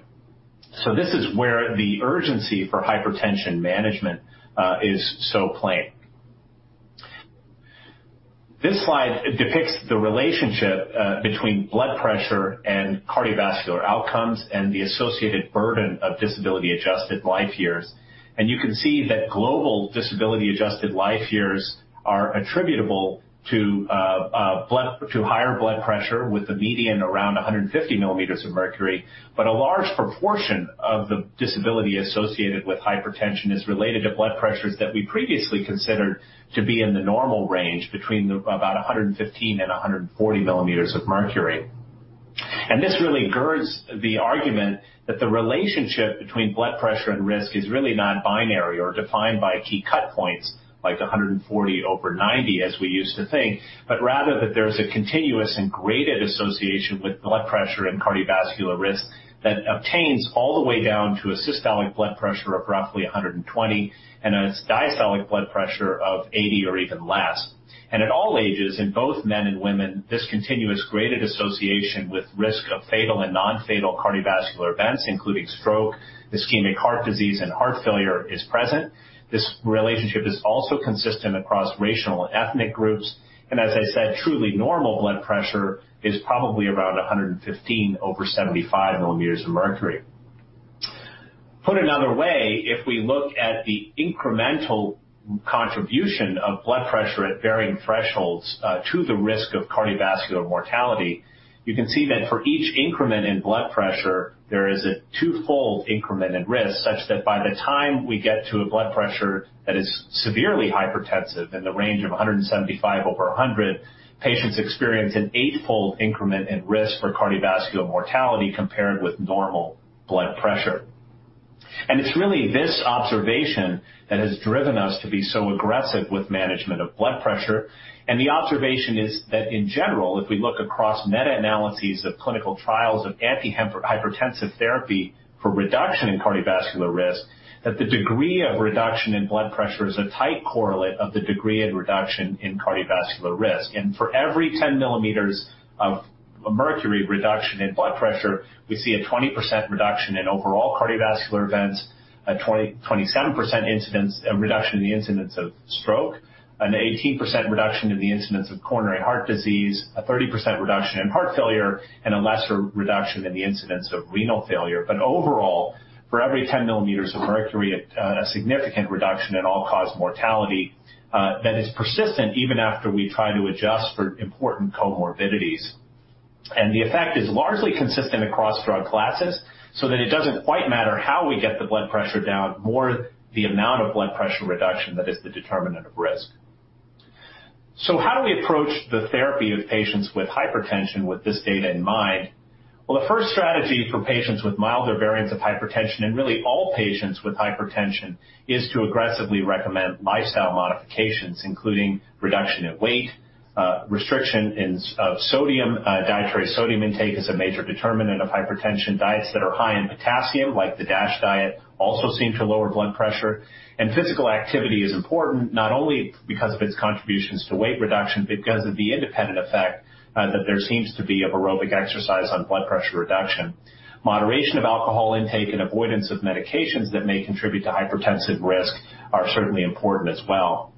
So this is where the urgency for hypertension management is so plain. This slide depicts the relationship between blood pressure and cardiovascular outcomes and the associated burden of disability-adjusted life years. And you can see that global disability-adjusted life years are attributable to higher blood pressure with a median around 150 mm of mercury. But a large proportion of the disability associated with hypertension is related to blood pressures that we previously considered to be in the normal range between about 115 and 140 mm of mercury. This really girds the argument that the relationship between blood pressure and risk is really not binary or defined by key cut points like 140 over 90, as we used to think, but rather that there is a continuous and graded association with blood pressure and cardiovascular risk that obtains all the way down to a systolic blood pressure of roughly 120 and a diastolic blood pressure of 80 or even less. At all ages, in both men and women, this continuous graded association with risk of fatal and non-fatal cardiovascular events, including stroke, ischemic heart disease, and heart failure, is present. This relationship is also consistent across racial and ethnic groups. As I said, truly normal blood pressure is probably around 115 over 75 mm of mercury. Put another way, if we look at the incremental contribution of blood pressure at varying thresholds to the risk of cardiovascular mortality, you can see that for each increment in blood pressure, there is a twofold increment in risk, such that by the time we get to a blood pressure that is severely hypertensive in the range of 175 over 100, patients experience an eightfold increment in risk for cardiovascular mortality compared with normal blood pressure. And it's really this observation that has driven us to be so aggressive with management of blood pressure. And the observation is that, in general, if we look across meta-analyses of clinical trials of antihypertensive therapy for reduction in cardiovascular risk, that the degree of reduction in blood pressure is a tight correlate of the degree of reduction in cardiovascular risk. For every 10 mm of mercury reduction in blood pressure, we see a 20% reduction in overall cardiovascular events, a 27% reduction in the incidence of stroke, an 18% reduction in the incidence of coronary heart disease, a 30% reduction in heart failure, and a lesser reduction in the incidence of renal failure. Overall, for every 10 mm of mercury, a significant reduction in all-cause mortality that is persistent even after we try to adjust for important comorbidities. The effect is largely consistent across drug classes, so that it doesn't quite matter how we get the blood pressure down, more the amount of blood pressure reduction that is the determinant of risk. How do we approach the therapy of patients with hypertension with this data in mind? The first strategy for patients with milder variants of hypertension and really all patients with hypertension is to aggressively recommend lifestyle modifications, including reduction in weight, restriction of dietary sodium intake as a major determinant of hypertension, diets that are high in potassium, like the DASH diet, also seem to lower blood pressure. Physical activity is important, not only because of its contributions to weight reduction, but because of the independent effect that there seems to be of aerobic exercise on blood pressure reduction. Moderation of alcohol intake and avoidance of medications that may contribute to hypertensive risk are certainly important as well.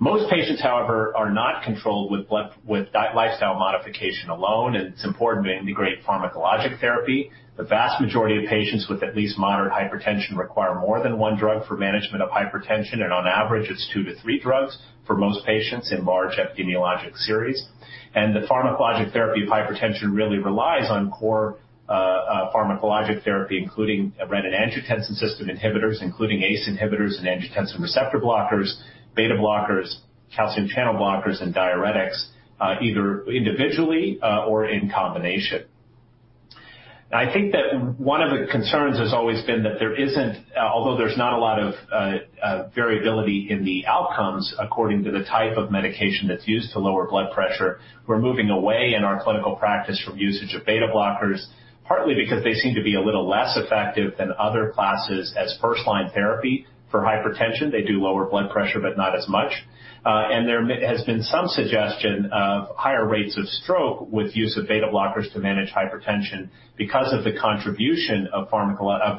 Most patients, however, are not controlled with lifestyle modification alone, and it's important to integrate pharmacologic therapy. The vast majority of patients with at least moderate hypertension require more than one drug for management of hypertension. On average, it's two to three drugs for most patients in large epidemiologic series. The pharmacologic therapy of hypertension really relies on core pharmacologic therapy, including renin-angiotensin system inhibitors, including ACE inhibitors and angiotensin receptor blockers, beta-blockers, calcium channel blockers, and diuretics, either individually or in combination. I think that one of the concerns has always been that there isn't, although there's not a lot of variability in the outcomes according to the type of medication that's used to lower blood pressure. We're moving away in our clinical practice from usage of beta-blockers, partly because they seem to be a little less effective than other classes as first-line therapy for hypertension. They do lower blood pressure, but not as much. There has been some suggestion of higher rates of stroke with use of beta-blockers to manage hypertension because of the contribution of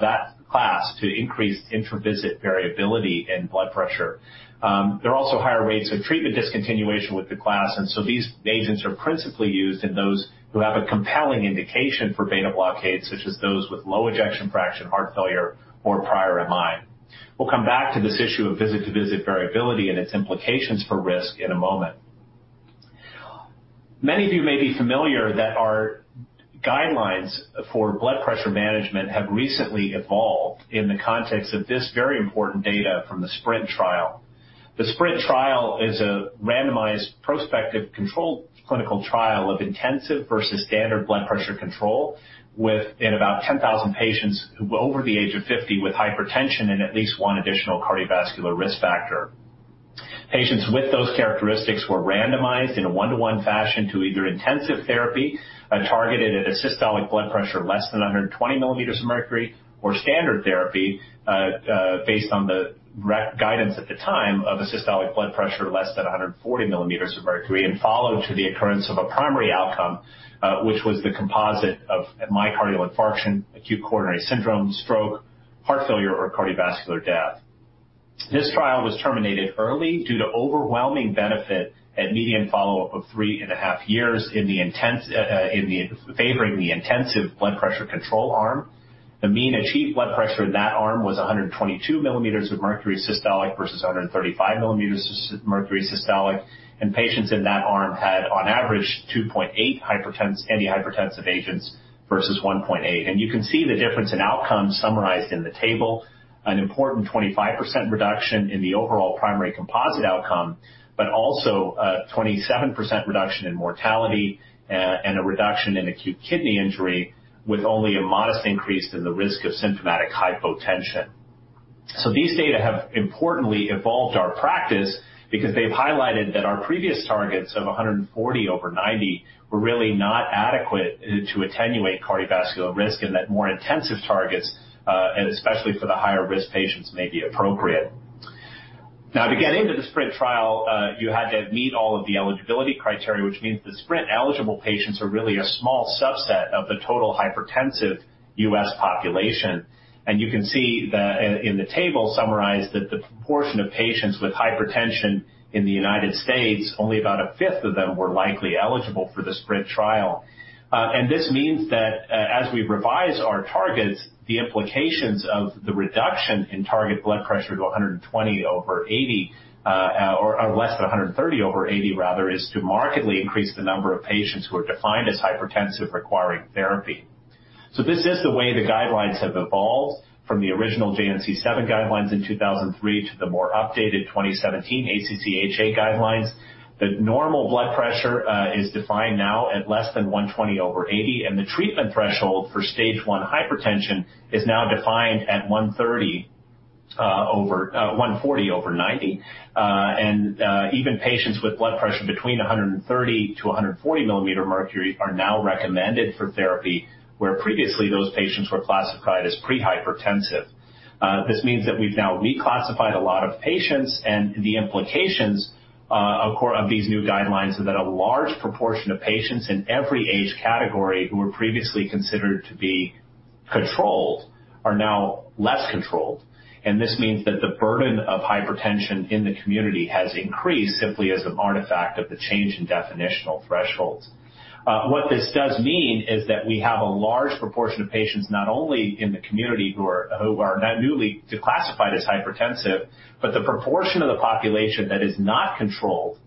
that class to increased intra-visit variability in blood pressure. There are also higher rates of treatment discontinuation with the class. And so these agents are principally used in those who have a compelling indication for beta-blockade, such as those with low ejection fraction, heart failure, or prior MI. We'll come back to this issue of visit-to-visit variability and its implications for risk in a moment. Many of you may be familiar that our guidelines for blood pressure management have recently evolved in the context of this very important data from the SPRINT trial. The SPRINT trial is a randomized prospective controlled clinical trial of intensive versus standard blood pressure control with about 10,000 patients over the age of 50 with hypertension and at least one additional cardiovascular risk factor. Patients with those characteristics were randomized in a one-to-one fashion to either intensive therapy targeted at a systolic blood pressure less than 120 mm of mercury or standard therapy based on the guidance at the time of a systolic blood pressure less than 140 mm of mercury and followed to the occurrence of a primary outcome, which was the composite of myocardial infarction, acute coronary syndrome, stroke, heart failure, or cardiovascular death. This trial was terminated early due to overwhelming benefit at median follow-up of three and a half years in favoring the intensive blood pressure control arm. The mean achieved blood pressure in that arm was 122 mm of mercury systolic versus 135 mm of mercury systolic, and patients in that arm had, on average, 2.8 antihypertensive agents versus 1.8, and you can see the difference in outcomes summarized in the table: an important 25% reduction in the overall primary composite outcome, but also a 27% reduction in mortality and a reduction in acute kidney injury with only a modest increase in the risk of symptomatic hypotension, so these data have importantly evolved our practice because they've highlighted that our previous targets of 140 over 90 were really not adequate to attenuate cardiovascular risk and that more intensive targets, especially for the higher risk patients, may be appropriate. Now, to get into the SPRINT trial, you had to meet all of the eligibility criteria, which means the SPRINT-eligible patients are really a small subset of the total hypertensive U.S. population, and you can see in the table summarized that the proportion of patients with hypertension in the United States, only about a fifth of them were likely eligible for the SPRINT trial, and this means that as we revise our targets, the implications of the reduction in target blood pressure to 120 over 80 or less than 130 over 80, rather, is to markedly increase the number of patients who are defined as hypertensive requiring therapy, so this is the way the guidelines have evolved from the original JNC 7 guidelines in 2003 to the more updated 2017 ACC/AHA guidelines. The normal blood pressure is defined now at less than 120 over 80. The treatment threshold for stage one hypertension is now defined at 140 over 90. Even patients with blood pressure between 130 to 140 mm of mercury are now recommended for therapy, where previously those patients were classified as prehypertensive. This means that we've now reclassified a lot of patients. The implications of these new guidelines are that a large proportion of patients in every age category who were previously considered to be controlled are now less controlled. This means that the burden of hypertension in the community has increased simply as an artifact of the change in definitional thresholds. What this does mean is that we have a large proportion of patients not only in the community who are now newly classified as hypertensive, but the proportion of the population that is not controlled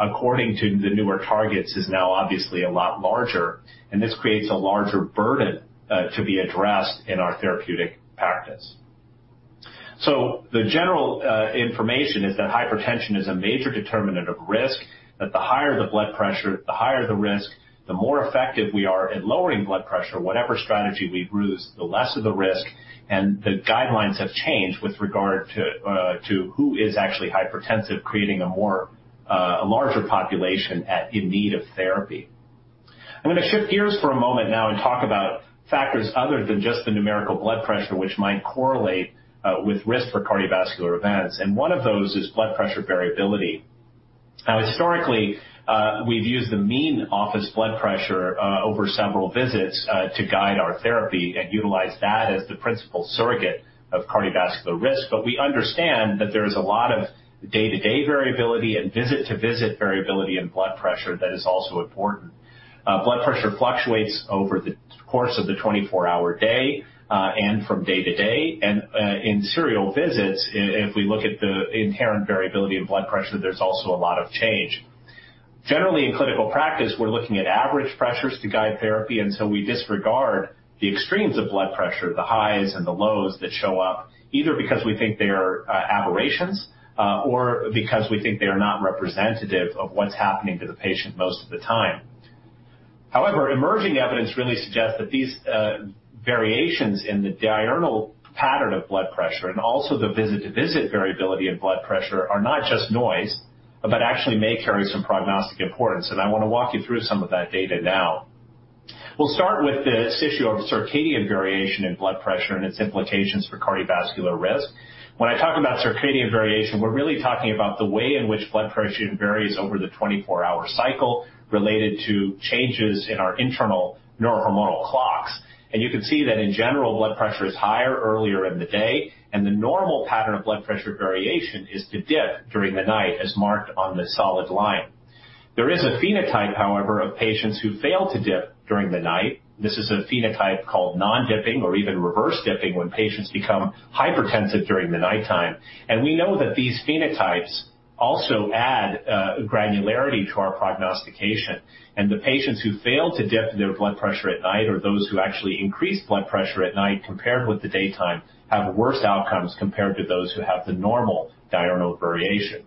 according to the newer targets is now obviously a lot larger. This creates a larger burden to be addressed in our therapeutic practice. The general information is that hypertension is a major determinant of risk. That the higher the blood pressure, the higher the risk, the more effective we are in lowering blood pressure. Whatever strategy we use, the less of the risk. The guidelines have changed with regard to who is actually hypertensive, creating a larger population in need of therapy. I'm going to shift gears for a moment now and talk about factors other than just the numerical blood pressure, which might correlate with risk for cardiovascular events. One of those is blood pressure variability. Now, historically, we've used the mean office blood pressure over several visits to guide our therapy and utilize that as the principal surrogate of cardiovascular risk. But we understand that there is a lot of day-to-day variability and visit-to-visit variability in blood pressure that is also important. Blood pressure fluctuates over the course of the 24-hour day and from day to day. And in serial visits, if we look at the inherent variability of blood pressure, there's also a lot of change. Generally, in clinical practice, we're looking at average pressures to guide therapy. And so we disregard the extremes of blood pressure, the highs and the lows that show up, either because we think they are aberrations or because we think they are not representative of what's happening to the patient most of the time. However, emerging evidence really suggests that these variations in the diurnal pattern of blood pressure and also the visit-to-visit variability of blood pressure are not just noise, but actually may carry some prognostic importance. I want to walk you through some of that data now. We'll start with this issue of circadian variation in blood pressure and its implications for cardiovascular risk. When I talk about circadian variation, we're really talking about the way in which blood pressure varies over the 24-hour cycle related to changes in our internal neurohormonal clocks. You can see that, in general, blood pressure is higher earlier in the day. The normal pattern of blood pressure variation is to dip during the night, as marked on the solid line. There is a phenotype, however, of patients who fail to dip during the night. This is a phenotype called non-dipping or even reverse dipping when patients become hypertensive during the nighttime. We know that these phenotypes also add granularity to our prognostication. And the patients who fail to dip their blood pressure at night or those who actually increase blood pressure at night compared with the daytime have worse outcomes compared to those who have the normal diurnal variation.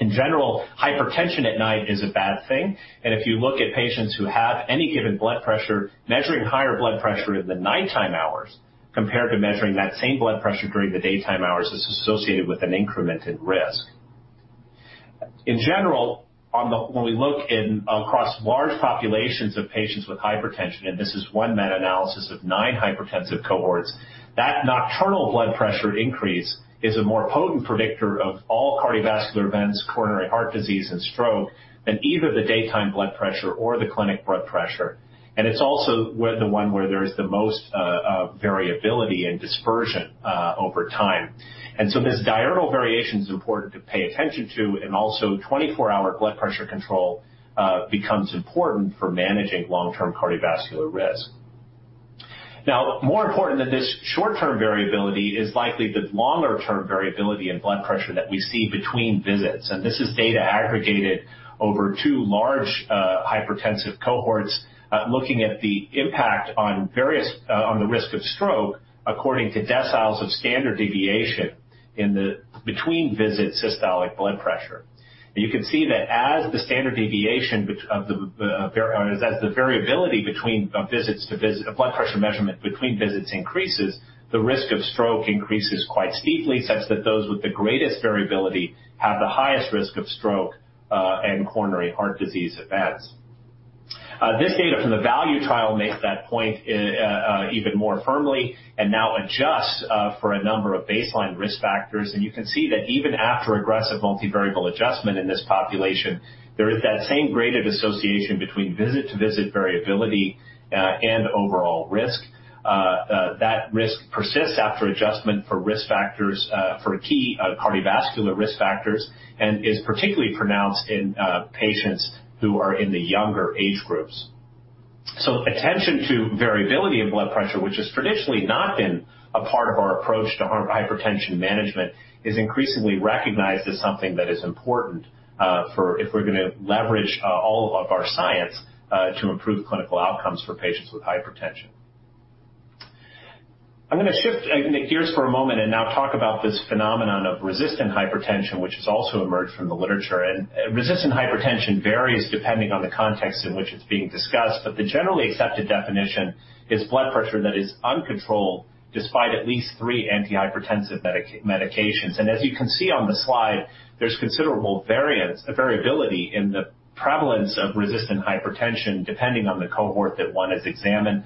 In general, hypertension at night is a bad thing. And if you look at patients who have any given blood pressure, measuring higher blood pressure in the nighttime hours compared to measuring that same blood pressure during the daytime hours is associated with an increment in risk. In general, when we look across large populations of patients with hypertension, and this is one meta-analysis of nine hypertensive cohorts, that nocturnal blood pressure increase is a more potent predictor of all cardiovascular events, coronary heart disease, and stroke than either the daytime blood pressure or the clinic blood pressure. And it's also the one where there is the most variability and dispersion over time. And so this diurnal variation is important to pay attention to. And also, 24-hour blood pressure control becomes important for managing long-term cardiovascular risk. Now, more important than this short-term variability is likely the longer-term variability in blood pressure that we see between visits. And this is data aggregated over two large hypertensive cohorts looking at the impact on the risk of stroke according to deciles of standard deviation in the between-visit systolic blood pressure. And you can see that as the standard deviation of the variability between blood pressure measurement between visits increases, the risk of stroke increases quite steeply, such that those with the greatest variability have the highest risk of stroke and coronary heart disease events. This data from the VALUE trial makes that point even more firmly and now adjusts for a number of baseline risk factors. You can see that even after aggressive multivariable adjustment in this population, there is that same graded association between visit-to-visit variability and overall risk. That risk persists after adjustment for risk factors for key cardiovascular risk factors and is particularly pronounced in patients who are in the younger age groups. Attention to variability of blood pressure, which has traditionally not been a part of our approach to hypertension management, is increasingly recognized as something that is important if we're going to leverage all of our science to improve clinical outcomes for patients with hypertension. I'm going to shift gears for a moment and now talk about this phenomenon of resistant hypertension, which has also emerged from the literature. Resistant hypertension varies depending on the context in which it's being discussed. The generally accepted definition is blood pressure that is uncontrolled despite at least three antihypertensive medications. As you can see on the slide, there's considerable variability in the prevalence of resistant hypertension depending on the cohort that one has examined.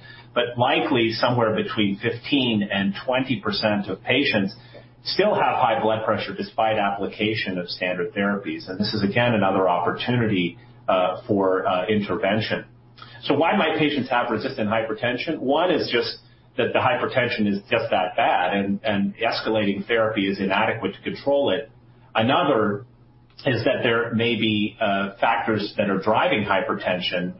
Likely, somewhere between 15% and 20% of patients still have high blood pressure despite application of standard therapies. This is, again, another opportunity for intervention. Why might patients have resistant hypertension? One is just that the hypertension is just that bad, and escalating therapy is inadequate to control it. Another is that there may be factors that are driving hypertension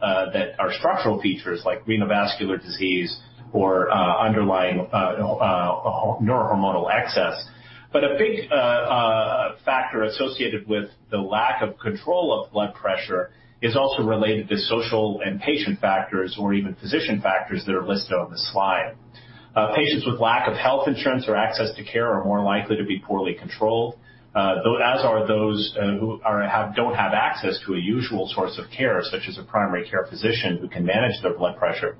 that are structural features like renovascular disease or underlying neurohormonal excess. A big factor associated with the lack of control of blood pressure is also related to social and patient factors or even physician factors that are listed on the slide. Patients with lack of health insurance or access to care are more likely to be poorly controlled, as are those who don't have access to a usual source of care, such as a primary care physician who can manage their blood pressure.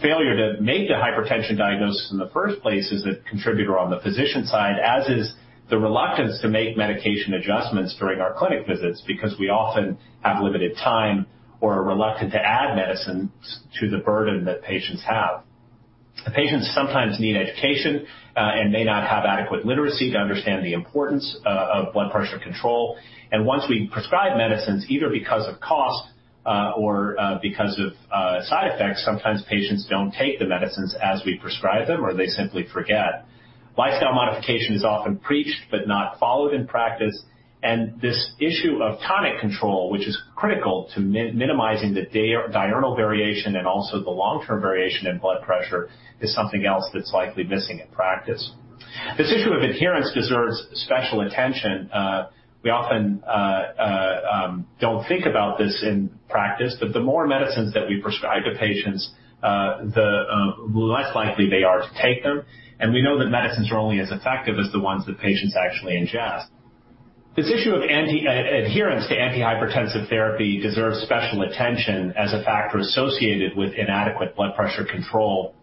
Failure to make the hypertension diagnosis in the first place is a contributor on the physician's side, as is the reluctance to make medication adjustments during our clinic visits because we often have limited time or are reluctant to add medicines to the burden that patients have. Patients sometimes need education and may not have adequate literacy to understand the importance of blood pressure control. And once we prescribe medicines, either because of cost or because of side effects, sometimes patients don't take the medicines as we prescribe them, or they simply forget. Lifestyle modification is often preached but not followed in practice. This issue of tonic control, which is critical to minimizing the diurnal variation and also the long-term variation in blood pressure, is something else that's likely missing in practice. This issue of adherence deserves special attention. We often don't think about this in practice. But the more medicines that we prescribe to patients, the less likely they are to take them. We know that medicines are only as effective as the ones that patients actually ingest. This issue of adherence to antihypertensive therapy deserves special attention as a factor associated with inadequate blood pressure control.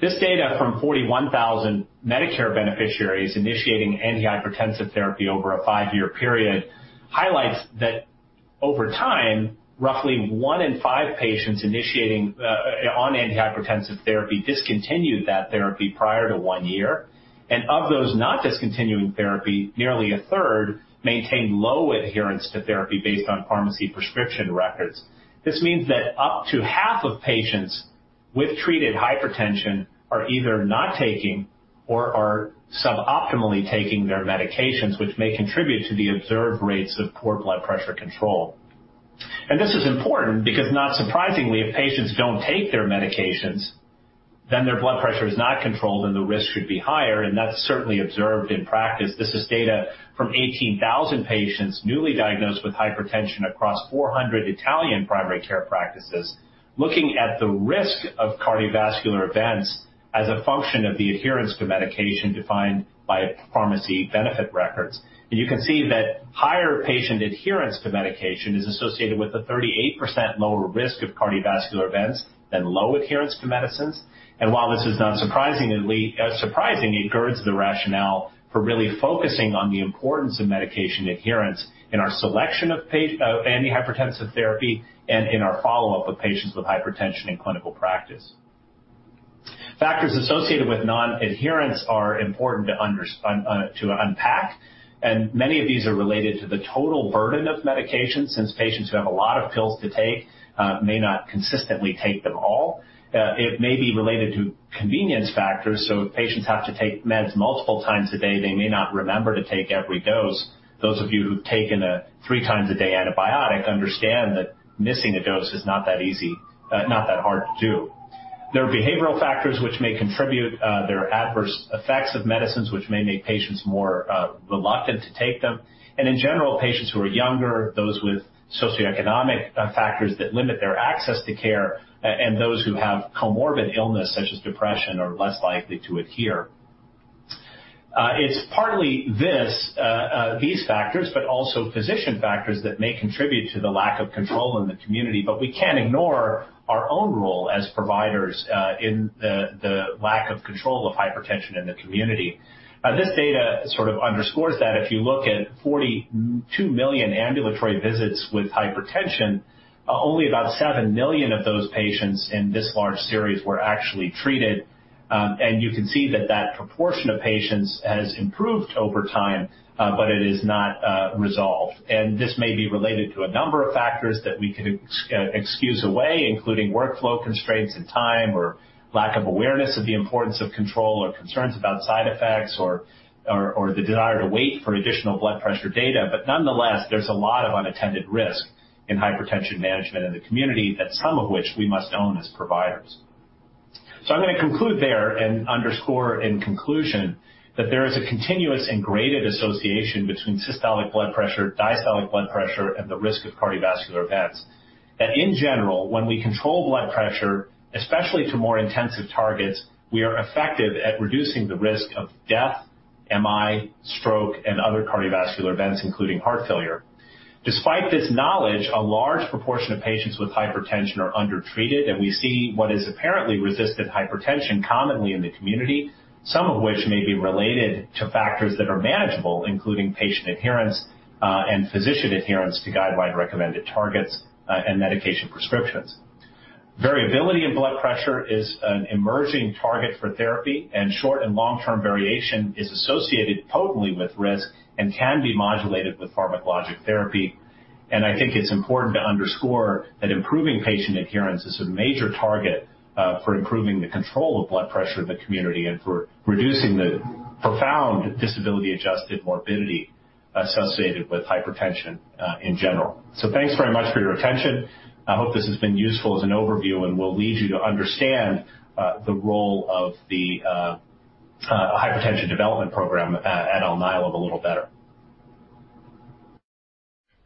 This data from 41,000 Medicare beneficiaries initiating antihypertensive therapy over a five-year period highlights that over time, roughly one in five patients initiating on antihypertensive therapy discontinued that therapy prior to one year. Of those not discontinuing therapy, nearly a third maintained low adherence to therapy based on pharmacy prescription records. This means that up to half of patients with treated hypertension are either not taking or are suboptimally taking their medications, which may contribute to the observed rates of poor blood pressure control. And this is important because, not surprisingly, if patients don't take their medications, then their blood pressure is not controlled, and the risk should be higher. And that's certainly observed in practice. This is data from 18,000 patients newly diagnosed with hypertension across 400 Italian primary care practices, looking at the risk of cardiovascular events as a function of the adherence to medication defined by pharmacy benefit records. And you can see that higher patient adherence to medication is associated with a 38% lower risk of cardiovascular events than low adherence to medicines. And while this is not surprising, it girds the rationale for really focusing on the importance of medication adherence in our selection of antihypertensive therapy and in our follow-up of patients with hypertension in clinical practice. Factors associated with non-adherence are important to unpack. And many of these are related to the total burden of medication, since patients who have a lot of pills to take may not consistently take them all. It may be related to convenience factors. So if patients have to take meds multiple times a day, they may not remember to take every dose. Those of you who've taken a three-times-a-day antibiotic understand that missing a dose is not that easy, not that hard to do. There are behavioral factors which may contribute. There are adverse effects of medicines which may make patients more reluctant to take them. In general, patients who are younger, those with socioeconomic factors that limit their access to care, and those who have comorbid illness, such as depression, are less likely to adhere. It's partly these factors, but also physician factors, that may contribute to the lack of control in the community. We can't ignore our own role as providers in the lack of control of hypertension in the community. This data sort of underscores that if you look at 42 million ambulatory visits with hypertension, only about 7 million of those patients in this large series were actually treated. You can see that that proportion of patients has improved over time, but it is not resolved. This may be related to a number of factors that we could excuse away, including workflow constraints and time or lack of awareness of the importance of control or concerns about side effects or the desire to wait for additional blood pressure data. But nonetheless, there's a lot of unattended risk in hypertension management in the community, some of which we must own as providers. I'm going to conclude there and underscore in conclusion that there is a continuous and graded association between systolic blood pressure, diastolic blood pressure, and the risk of cardiovascular events. In general, when we control blood pressure, especially to more intensive targets, we are effective at reducing the risk of death, MI, stroke, and other cardiovascular events, including heart failure. Despite this knowledge, a large proportion of patients with hypertension are undertreated. We see what is apparently resistant hypertension commonly in the community, some of which may be related to factors that are manageable, including patient adherence and physician adherence to guideline-recommended targets and medication prescriptions. Variability in blood pressure is an emerging target for therapy. Short and long-term variation is associated potently with risk and can be modulated with pharmacologic therapy. I think it's important to underscore that improving patient adherence is a major target for improving the control of blood pressure in the community and for reducing the profound disability-adjusted morbidity associated with hypertension in general. Thanks very much for your attention. I hope this has been useful as an overview and will lead you to understand the role of the hypertension development program at Alnylam a little better.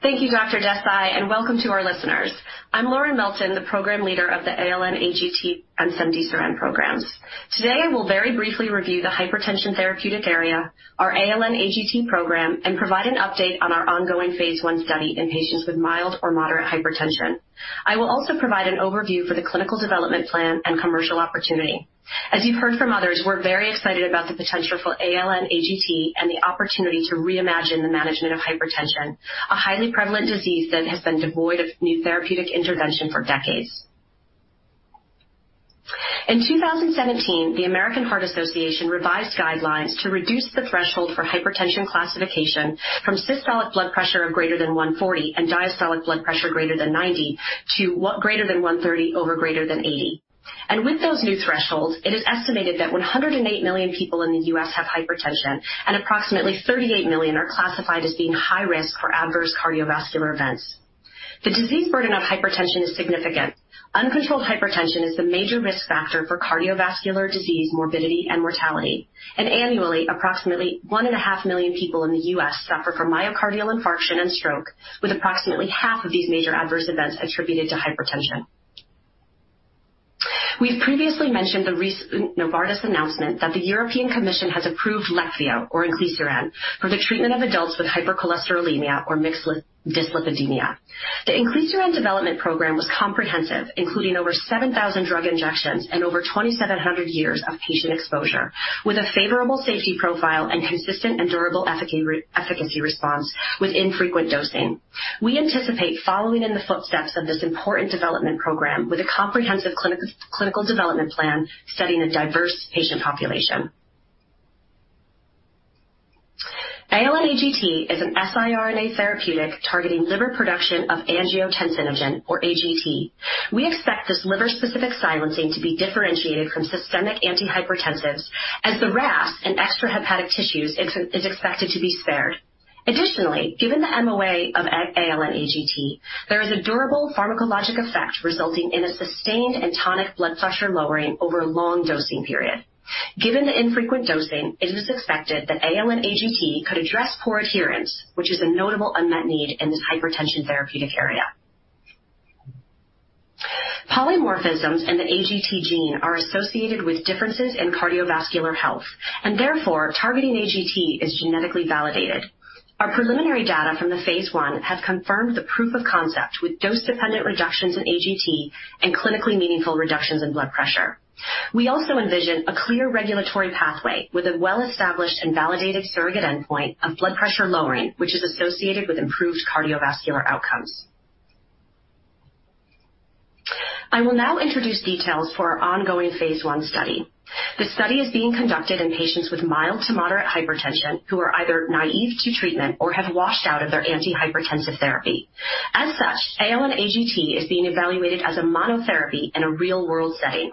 Thank you, Dr. Desai, and welcome to our listeners. I'm Lauren Melton, the Program Leader of the ALN-AGT and Cemdisiran programs. Today, I will very briefly review the hypertension therapeutic area, our ALN-AGT program, and provide an update on our ongoing Phase I study in patients with mild or moderate hypertension. I will also provide an overview for the clinical development plan and commercial opportunity. As you've heard from others, we're very excited about the potential for ALN-AGT and the opportunity to reimagine the management of hypertension, a highly prevalent disease that has been devoid of new therapeutic intervention for decades. In 2017, the American Heart Association revised guidelines to reduce the threshold for hypertension classification from systolic blood pressure of greater than 140 and diastolic blood pressure greater than 90 to greater than 130 over greater than 80. With those new thresholds, it is estimated that 108 million people in the U.S. have hypertension, and approximately 38 million are classified as being high risk for adverse cardiovascular events. The disease burden of hypertension is significant. Uncontrolled hypertension is the major risk factor for cardiovascular disease, morbidity, and mortality. Annually, approximately 1.5 million people in the U.S. suffer from myocardial infarction and stroke, with approximately half of these major adverse events attributed to hypertension. We've previously mentioned the recent Novartis announcement that the European Commission has approved Leqvio, or inclisiran, for the treatment of adults with hypercholesterolemia or mixed dyslipidemia. The inclisiran development program was comprehensive, including over 7,000 drug injections and over 2,700 years of patient exposure, with a favorable safety profile and consistent and durable efficacy response with infrequent dosing. We anticipate following in the footsteps of this important development program with a comprehensive clinical development plan setting a diverse patient population. ALN-AGT is an siRNA therapeutic targeting liver production of angiotensinogen, or AGT. We expect this liver-specific silencing to be differentiated from systemic antihypertensives, as the RAS in extrahepatic tissues is expected to be spared. Additionally, given the MOA of ALN-AGT, there is a durable pharmacologic effect resulting in a sustained and tonic blood pressure lowering over a long dosing period. Given the infrequent dosing, it is expected that ALN-AGT could address poor adherence, which is a notable unmet need in this hypertension therapeutic area. Polymorphisms in the AGT gene are associated with differences in cardiovascular health, and therefore, targeting AGT is genetically validated. Our preliminary data from the Phase I have confirmed the proof of concept with dose-dependent reductions in AGT and clinically meaningful reductions in blood pressure. We also envision a clear regulatory pathway with a well-established and validated surrogate endpoint of blood pressure lowering, which is associated with improved cardiovascular outcomes. I will now introduce details for our ongoing Phase I study. The study is being conducted in patients with mild to moderate hypertension who are either naive to treatment or have washed out of their antihypertensive therapy. As such, ALN-AGT is being evaluated as a monotherapy in a real-world setting.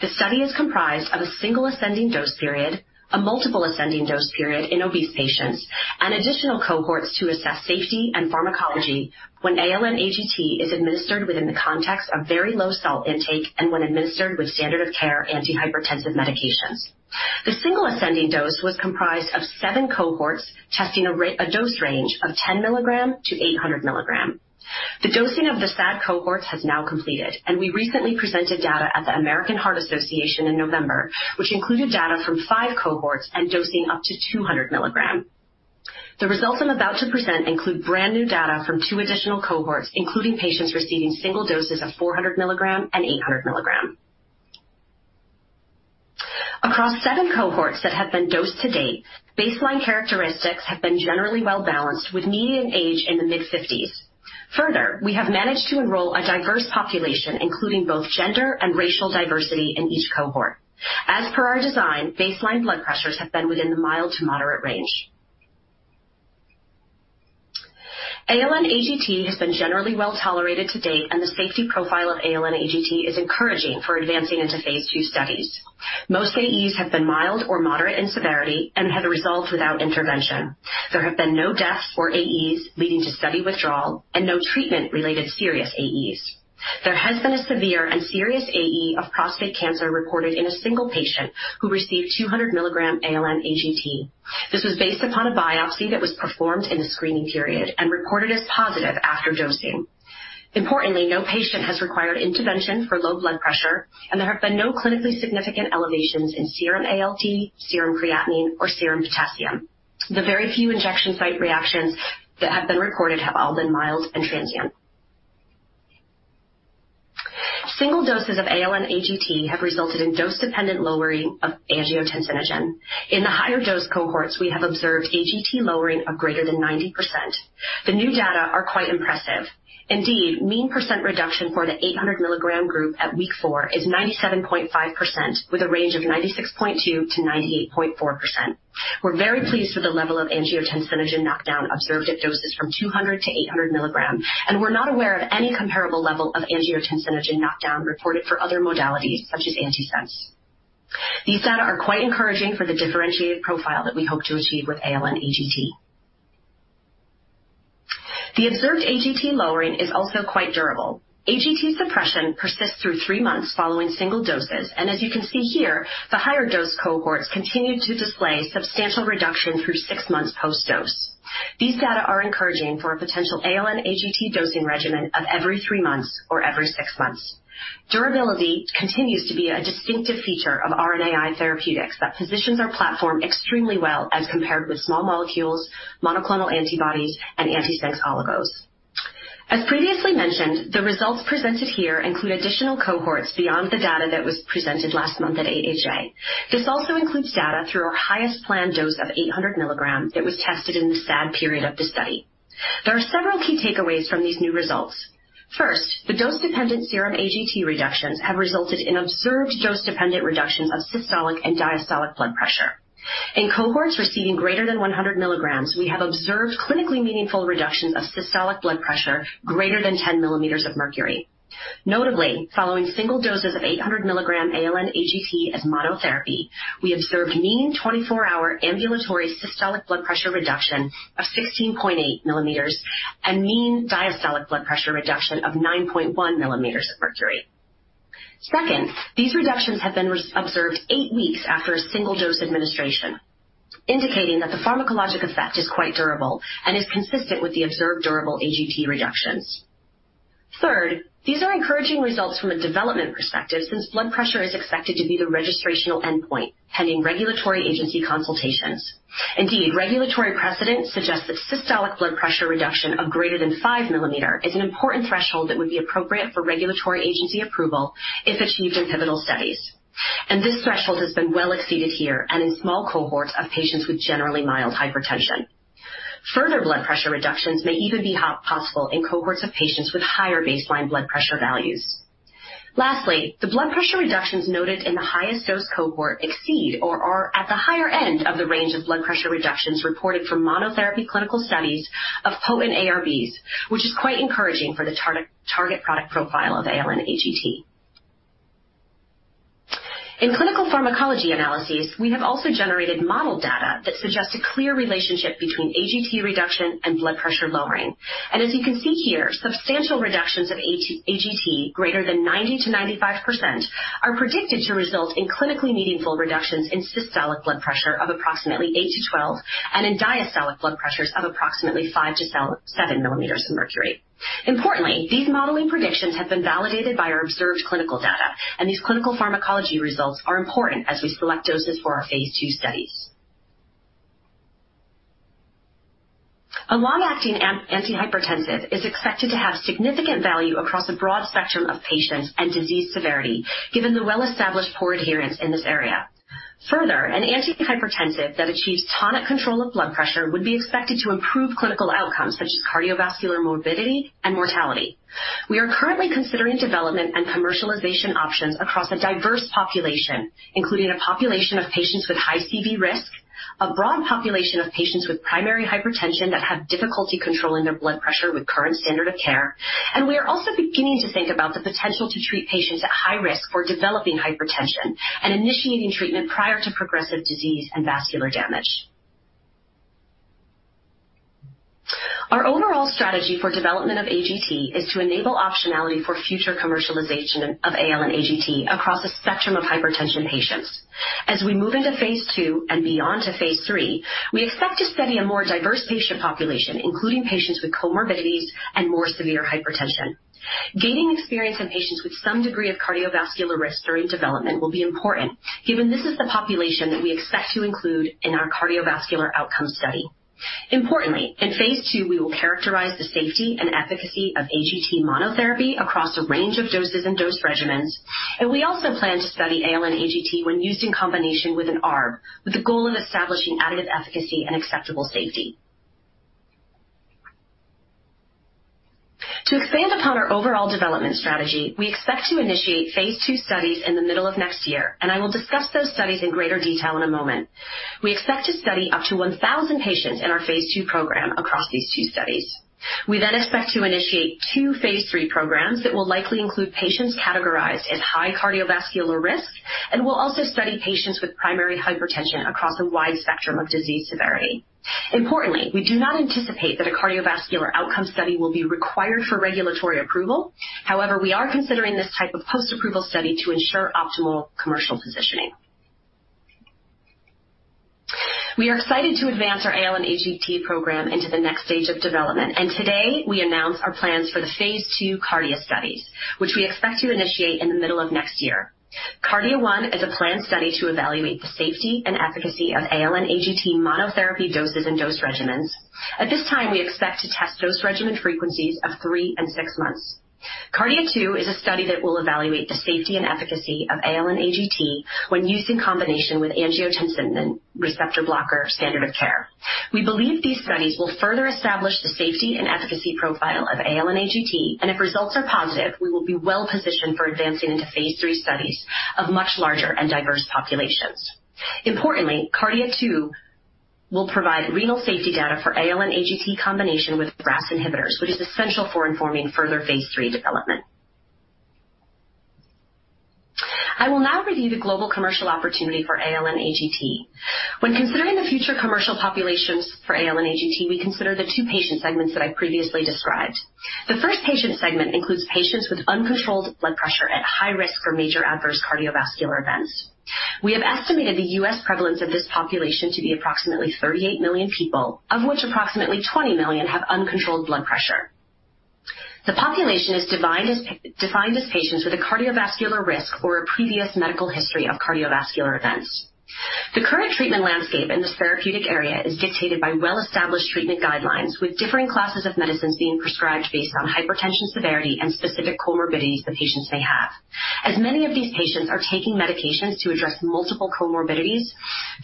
The study is comprised of a single ascending dose period, a multiple ascending dose period in obese patients, and additional cohorts to assess safety and pharmacology when ALN-AGT is administered within the context of very low salt intake and when administered with standard-of-care antihypertensive medications. The single ascending dose was comprised of seven cohorts testing a dose range of 10 mg to 800 mg. The dosing of the SAD cohorts has now completed, and we recently presented data at the American Heart Association in November, which included data from five cohorts and dosing up to 200 mg. The results I'm about to present include brand new data from two additional cohorts, including patients receiving single doses of 400 mg and 800 mg. Across seven cohorts that have been dosed to date, baseline characteristics have been generally well-balanced with median age in the mid-50s. Further, we have managed to enroll a diverse population, including both gender and racial diversity in each cohort. As per our design, baseline blood pressures have been within the mild to moderate range. ALN-AGT has been generally well-tolerated to date, and the safety profile of ALN-AGT is encouraging for advancing into Phase II studies. Most AEs have been mild or moderate in severity and have resolved without intervention. There have been no deaths or AEs leading to study withdrawal and no treatment-related serious AEs. There has been a severe and serious AE of prostate cancer reported in a single patient who received 200 mg ALN-AGT. This was based upon a biopsy that was performed in the screening period and reported as positive after dosing. Importantly, no patient has required intervention for low blood pressure, and there have been no clinically significant elevations in serum ALT, serum creatinine, or serum potassium. The very few injection site reactions that have been reported have all been mild and transient. Single doses of ALN-AGT have resulted in dose-dependent lowering of angiotensinogen. In the higher dose cohorts, we have observed AGT lowering of greater than 90%. The new data are quite impressive. Indeed, mean percent reduction for the 800 mg group at week four is 97.5%, with a range of 96.2%-98.4%. We're very pleased with the level of angiotensinogen knockdown observed at doses from 200 to 800 mg, and we're not aware of any comparable level of angiotensinogen knockdown reported for other modalities, such as antisense. These data are quite encouraging for the differentiated profile that we hope to achieve with ALN-AGT. The observed AGT lowering is also quite durable. AGT suppression persists through three months following single doses. And as you can see here, the higher dose cohorts continued to display substantial reduction through six months post-dose. These data are encouraging for a potential ALN-AGT dosing regimen of every three months or every six months. Durability continues to be a distinctive feature of RNAi therapeutics that positions our platform extremely well as compared with small molecules, monoclonal antibodies, and antisense oligos. As previously mentioned, the results presented here include additional cohorts beyond the data that was presented last month at AHA. This also includes data through our highest planned dose of 800 mg that was tested in the SAD period of the study. There are several key takeaways from these new results. First, the dose-dependent serum AGT reductions have resulted in observed dose-dependent reductions of systolic and diastolic blood pressure. In cohorts receiving greater than 100 mg, we have observed clinically meaningful reductions of systolic blood pressure greater than 10 mm of mercury. Notably, following single doses of 800 mg ALN-AGT as monotherapy, we observed mean 24-hour ambulatory systolic blood pressure reduction of 16.8 mm and mean diastolic blood pressure reduction of 9.1 mm of mercury. Second, these reductions have been observed eight weeks after a single dose administration, indicating that the pharmacologic effect is quite durable and is consistent with the observed durable AGT reductions. Third, these are encouraging results from a development perspective since blood pressure is expected to be the registrational endpoint pending regulatory agency consultations. Indeed, regulatory precedent suggests that systolic blood pressure reduction of greater than 5 mm is an important threshold that would be appropriate for regulatory agency approval if achieved in pivotal studies, and this threshold has been well exceeded here and in small cohorts of patients with generally mild hypertension. Further blood pressure reductions may even be possible in cohorts of patients with higher baseline blood pressure values. Lastly, the blood pressure reductions noted in the highest dose cohort exceed or are at the higher end of the range of blood pressure reductions reported for monotherapy clinical studies of potent ARBs, which is quite encouraging for the target product profile of ALN-AGT. In clinical pharmacology analyses, we have also generated model data that suggest a clear relationship between AGT reduction and blood pressure lowering, and as you can see here, substantial reductions of AGT greater than 90%-95% are predicted to result in clinically meaningful reductions in systolic blood pressure of approximately 8 to 12 and in diastolic blood pressures of approximately 5 to 7 mm of mercury. Importantly, these modeling predictions have been validated by our observed clinical data, and these clinical pharmacology results are important as we select doses for our Phase II studies. A long-acting antihypertensive is expected to have significant value across a broad spectrum of patients and disease severity, given the well-established poor adherence in this area. Further, an antihypertensive that achieves tonic control of blood pressure would be expected to improve clinical outcomes such as cardiovascular morbidity and mortality. We are currently considering development and commercialization options across a diverse population, including a population of patients with high CV risk, a broad population of patients with primary hypertension that have difficulty controlling their blood pressure with current standard of care, and we are also beginning to think about the potential to treat patients at high risk for developing hypertension and initiating treatment prior to progressive disease and vascular damage. Our overall strategy for development of AGT is to enable optionality for future commercialization of ALN-AGT across a spectrum of hypertension patients. As we move into Phase II and beyond to Phase III, we expect to study a more diverse patient population, including patients with comorbidities and more severe hypertension. Gaining experience in patients with some degree of cardiovascular risk during development will be important, given this is the population that we expect to include in our cardiovascular outcome study. Importantly, in Phase II, we will characterize the safety and efficacy of AGT monotherapy across a range of doses and dose regimens. And we also plan to study ALN-AGT when used in combination with an ARB, with the goal of establishing additive efficacy and acceptable safety. To expand upon our overall development strategy, we expect to initiate Phase II studies in the middle of next year, and I will discuss those studies in greater detail in a moment. We expect to study up to 1,000 patients in our Phase II program across these two studies. We then expect to initiate two Phase III programs that will likely include patients categorized as high cardiovascular risk, and we'll also study patients with primary hypertension across a wide spectrum of disease severity. Importantly, we do not anticipate that a cardiovascular outcome study will be required for regulatory approval. However, we are considering this type of post-approval study to ensure optimal commercial positioning. We are excited to advance our ALN-AGT program into the next stage of development, and today we announce our plans for the Phase II KARDIA studies, which we expect to initiate in the middle of next year. KARDIA-1 is a planned study to evaluate the safety and efficacy of ALN-AGT monotherapy doses and dose regimens. At this time, we expect to test dose regimen frequencies of three and six months. KARDIA-2 is a study that will evaluate the safety and efficacy of ALN-AGT when used in combination with angiotensin receptor blocker standard of care. We believe these studies will further establish the safety and efficacy profile of ALN-AGT, and if results are positive, we will be well-positioned for advancing into Phase III studies of much larger and diverse populations. Importantly, KARDIA-2 will provide renal safety data for ALN-AGT combination with RAS inhibitors, which is essential for informing further Phase III development. I will now review the global commercial opportunity for ALN-AGT. When considering the future commercial populations for ALN-AGT, we consider the two patient segments that I previously described. The first patient segment includes patients with uncontrolled blood pressure at high risk for major adverse cardiovascular events. We have estimated the U.S. prevalence of this population to be approximately 38 million people, of which approximately 20 million have uncontrolled blood pressure. The population is defined as patients with a cardiovascular risk or a previous medical history of cardiovascular events. The current treatment landscape in this therapeutic area is dictated by well-established treatment guidelines, with differing classes of medicines being prescribed based on hypertension severity and specific comorbidities the patients may have. As many of these patients are taking medications to address multiple comorbidities,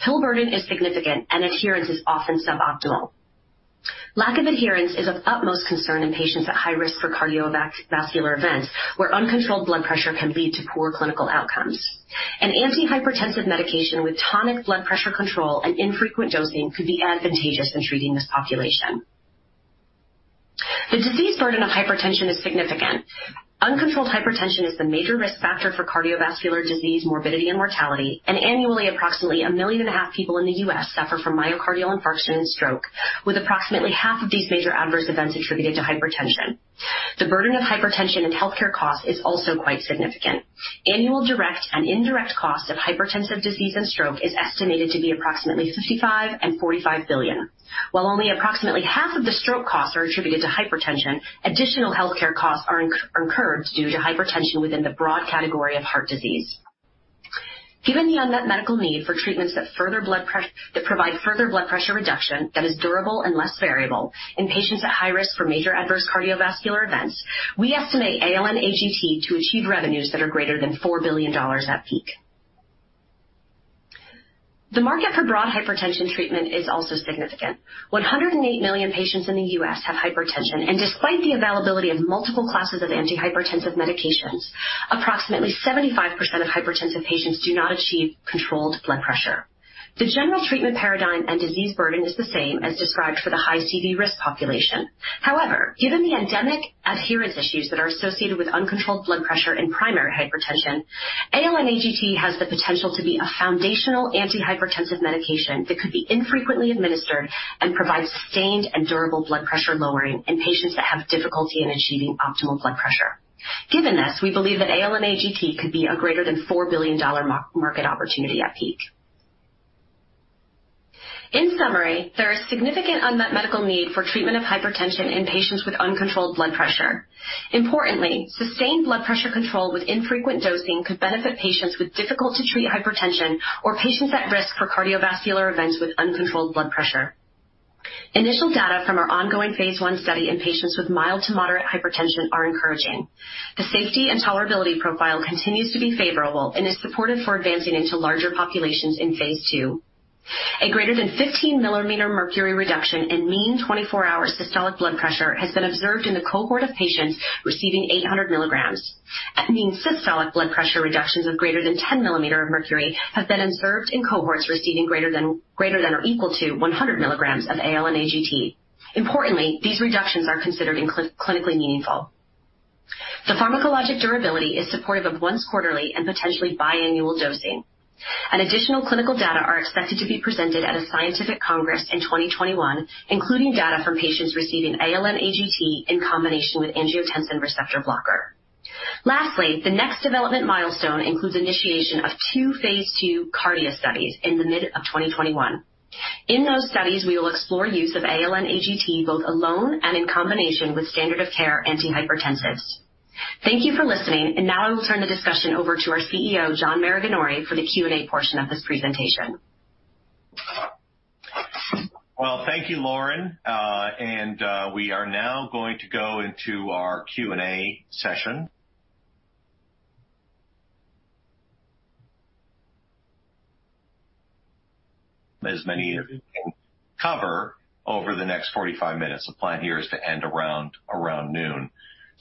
pill burden is significant, and adherence is often suboptimal. Lack of adherence is of utmost concern in patients at high risk for cardiovascular events, where uncontrolled blood pressure can lead to poor clinical outcomes. An antihypertensive medication with tonic blood pressure control and infrequent dosing could be advantageous in treating this population. The disease burden of hypertension is significant. Uncontrolled hypertension is the major risk factor for cardiovascular disease, morbidity, and mortality, and annually, approximately 1.5 million people in the U.S. suffer from myocardial infarction and stroke, with approximately half of these major adverse events attributed to hypertension. The burden of hypertension and healthcare costs is also quite significant. Annual direct and indirect costs of hypertensive disease and stroke are estimated to be approximately $55 billion and $45 billion. While only approximately half of the stroke costs are attributed to hypertension, additional healthcare costs are incurred due to hypertension within the broad category of heart disease. Given the unmet medical need for treatments that provide further blood pressure reduction that is durable and less variable in patients at high risk for major adverse cardiovascular events, we estimate ALN-AGT to achieve revenues that are greater than $4 billion at peak. The market for broad hypertension treatment is also significant. 108 million patients in the U.S. have hypertension, and despite the availability of multiple classes of antihypertensive medications, approximately 75% of hypertensive patients do not achieve controlled blood pressure. The general treatment paradigm and disease burden are the same as described for the high CV risk population. However, given the endemic adherence issues that are associated with uncontrolled blood pressure in primary hypertension, ALN-AGT has the potential to be a foundational antihypertensive medication that could be infrequently administered and provide sustained and durable blood pressure lowering in patients that have difficulty in achieving optimal blood pressure. Given this, we believe that ALN-AGT could be a greater than $4 billion market opportunity at peak. In summary, there is significant unmet medical need for treatment of hypertension in patients with uncontrolled blood pressure. Importantly, sustained blood pressure control with infrequent dosing could benefit patients with difficult-to-treat hypertension or patients at risk for cardiovascular events with uncontrolled blood pressure. Initial data from our ongoing Phase I study in patients with mild to moderate hypertension are encouraging. The safety and tolerability profile continues to be favorable and is supportive for advancing into larger populations in Phase II. A greater than 15 mm mercury reduction in mean 24-hour systolic blood pressure has been observed in the cohort of patients receiving 800 mg. Mean systolic blood pressure reductions of greater than 10 mm mercury have been observed in cohorts receiving greater than or equal to 100 mg of ALN-AGT. Importantly, these reductions are considered clinically meaningful. The pharmacologic durability is supportive of once-quarterly and potentially biannual dosing. Additional clinical data are expected to be presented at a scientific congress in 2021, including data from patients receiving ALN-AGT in combination with angiotensin receptor blocker. Lastly, the next development milestone includes initiation of two Phase II KARDIA studies in the mid of 2021. In those studies, we will explore the use of ALN-AGT both alone and in combination with standard of care antihypertensives. Thank you for listening, and now I will turn the discussion over to our CEO, John Maraganore, for the Q&A portion of this presentation. Thank you, Lauren. We are now going to go into our Q&A session. As many of you can cover over the next 45 minutes, the plan here is to end around noon.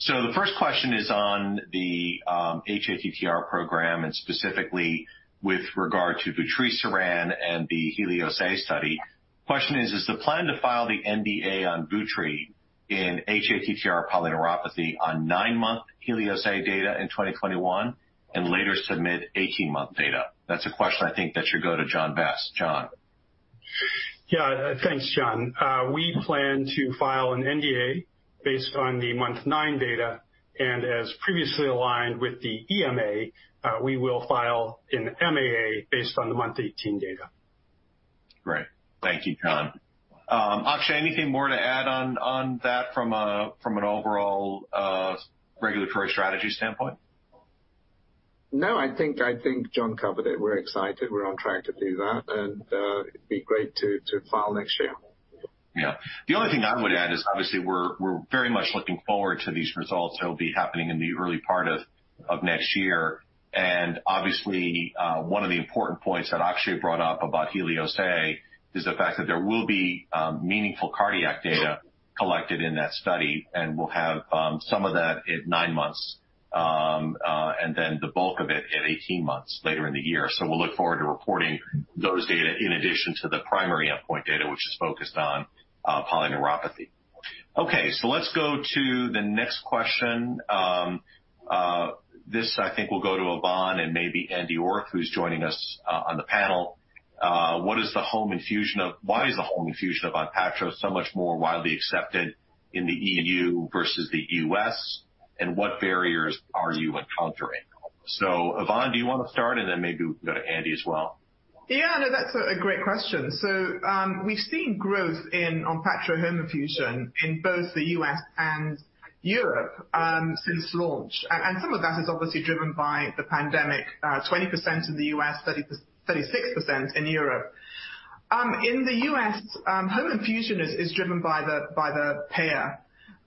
The first question is on the hATTR program, and specifically with regard to vutrisiran and the HELIOS-A study. The question is, is the plan to file the NDA on vutrisiran in hATTR polyneuropathy on nine-month HELIOS-A data in 2021 and later submit 18-month data? That's a question I think that should go to John Vest. John. Yeah, thanks, John. We plan to file an NDA based on the month nine data, and as previously aligned with the EMA, we will file an MAA based on the month 18 data. Great. Thank you, John. Akshay, anything more to add on that from an overall regulatory strategy standpoint? No, I think John covered it. We're excited. We're on track to do that, and it'd be great to file next year. Yeah. The only thing I would add is, obviously, we're very much looking forward to these results. They'll be happening in the early part of next year. And obviously, one of the important points that Akshay brought up about HELIOS-A is the fact that there will be meaningful cardiac data collected in that study, and we'll have some of that at nine months and then the bulk of it at 18 months later in the year. So we'll look forward to reporting those data in addition to the primary endpoint data, which is focused on polyneuropathy. Okay, so let's go to the next question. This I think will go to Yvonne and maybe Andy Orth, who's joining us on the panel. Why is the home infusion of ONPATTRO so much more widely accepted in the EU versus the U.S., and what barriers are you encountering? Yvonne, do you want to start, and then maybe we can go to Andy as well? Yeah, no, that's a great question. We've seen growth in ONPATTRO home infusion in both the U.S. and Europe since launch, and some of that is obviously driven by the pandemic: 20% in the U.S., 36% in Europe. In the U.S., home infusion is driven by the payer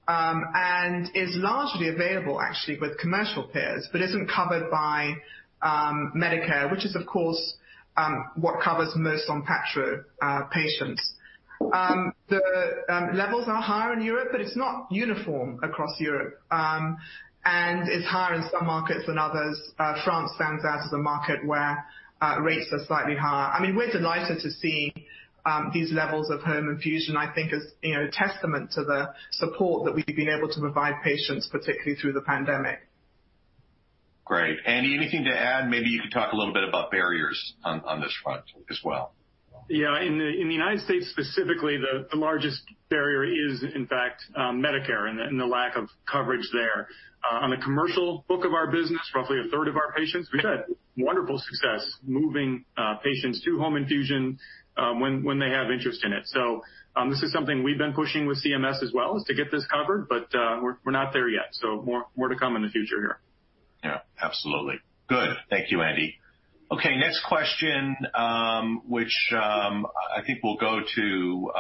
and is largely available actually with commercial payers, but isn't covered by Medicare, which is, of course, what covers most ONPATTRO patients. The levels are higher in Europe, but it's not uniform across Europe, and it's higher in some markets than others. France stands out as a market where rates are slightly higher. I mean, we're delighted to see these levels of home infusion, I think, as a testament to the support that we've been able to provide patients, particularly through the pandemic. Great. Andy, anything to add? Maybe you could talk a little bit about barriers on this front as well. Yeah, in the United States specifically, the largest barrier is, in fact, Medicare and the lack of coverage there. On the commercial book of our business, roughly a third of our patients, we've had wonderful success moving patients to home infusion when they have interest in it. So this is something we've been pushing with CMS as well to get this covered, but we're not there yet. So more to come in the future here. Yeah, absolutely. Good. Thank you, Andy. Okay, next question, which I think will go to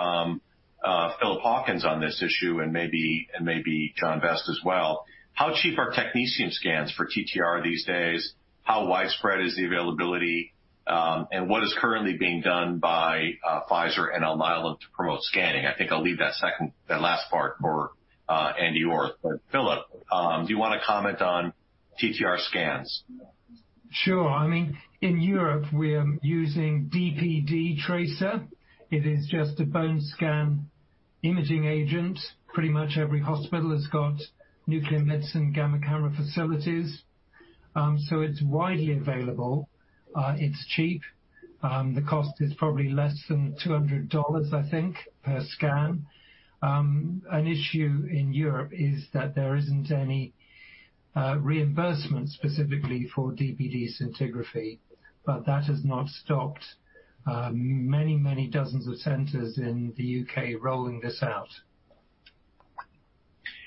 Philip Hawkins on this issue and maybe John Vest as well. How cheap are technetium scans for TTR these days? How widespread is the availability, and what is currently being done by Pfizer and Alnylam to promote scanning? I think I'll leave that last part for Andy Orth. But Philip, do you want to comment on TTR scans? Sure. I mean, in Europe, we're using DPD tracer. It is just a bone scan imaging agent. Pretty much every hospital has got nuclear medicine gamma camera facilities, so it's widely available. It's cheap. The cost is probably less than $200, I think, per scan. An issue in Europe is that there isn't any reimbursement specifically for DPD scintigraphy, but that has not stopped many, many dozens of centers in the U.K. rolling this out.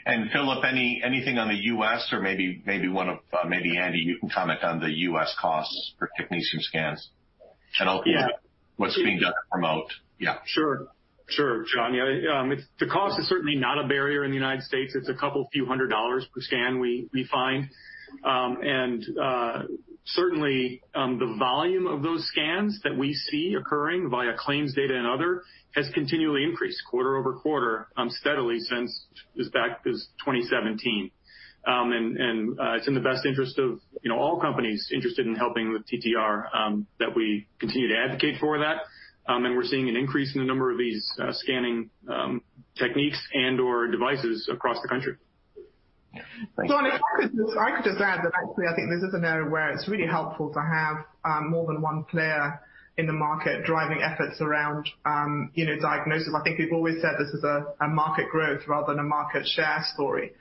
And Philip, anything on the U.S. or maybe Andy, you can comment on the U.S. costs for technetium scans and also what's being done to promote? Yeah. Sure. Sure, John. The cost is certainly not a barrier in the United States. It's a couple few hundred dollars per scan we find. And certainly, the volume of those scans that we see occurring via claims data and other has continually increased quarter over quarter steadily since as far back as 2017. And it's in the best interest of all companies interested in helping with TTR that we continue to advocate for that. And we're seeing an increase in the number of these scanning techniques and/or devices across the country. I could just add that actually I think this is an area where it's really helpful to have more than one player in the market driving efforts around diagnosis. I think we've always said this is a market growth rather than a market share story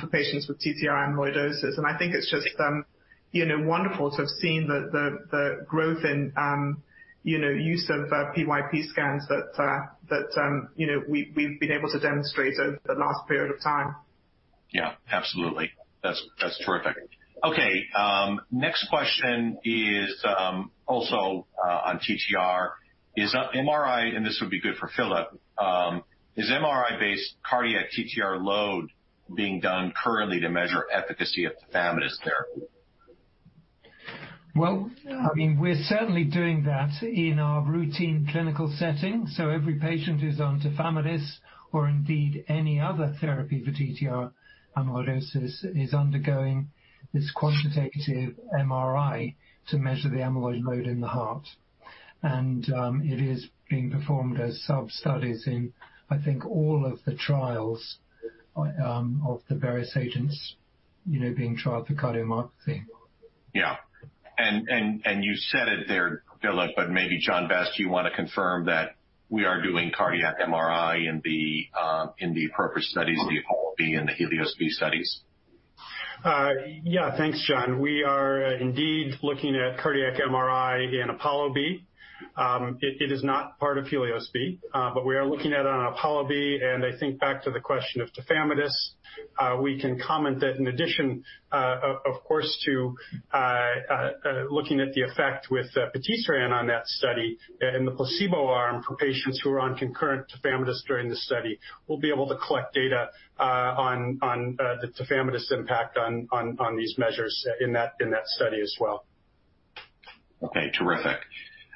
for patients with TTR amyloidosis. And I think it's just wonderful to have seen the growth in use of PYP scans that we've been able to demonstrate over the last period of time. Yeah, absolutely. That's terrific. Okay, next question is also on TTR. And this would be good for Philip. Is MRI-based cardiac TTR load being done currently to measure efficacy of tafamidis therapy? Well, I mean, we're certainly doing that in our routine clinical setting. So every patient who's on tafamidis or indeed any other therapy for TTR amyloidosis is undergoing this quantitative MRI to measure the amyloid load in the heart. And it is being performed as sub-studies in, I think, all of the trials of the various agents being tried for cardiomyopathy. Yeah. And you said it there, Philip, but maybe John Vest, do you want to confirm that we are doing cardiac MRI in the appropriate studies, the APOLLO-B and the HELIOS-B studies? Yeah, thanks, John. We are indeed looking at cardiac MRI in APOLLO-B. It is not part of HELIOS-B, but we are looking at it on APOLLO-B. I think back to the question of tafamidis. We can comment that in addition, of course, to looking at the effect with vutrisiran on that study and the placebo arm for patients who are on concurrent tafamidis during the study, we'll be able to collect data on the tafamidis impact on these measures in that study as well. Okay, terrific.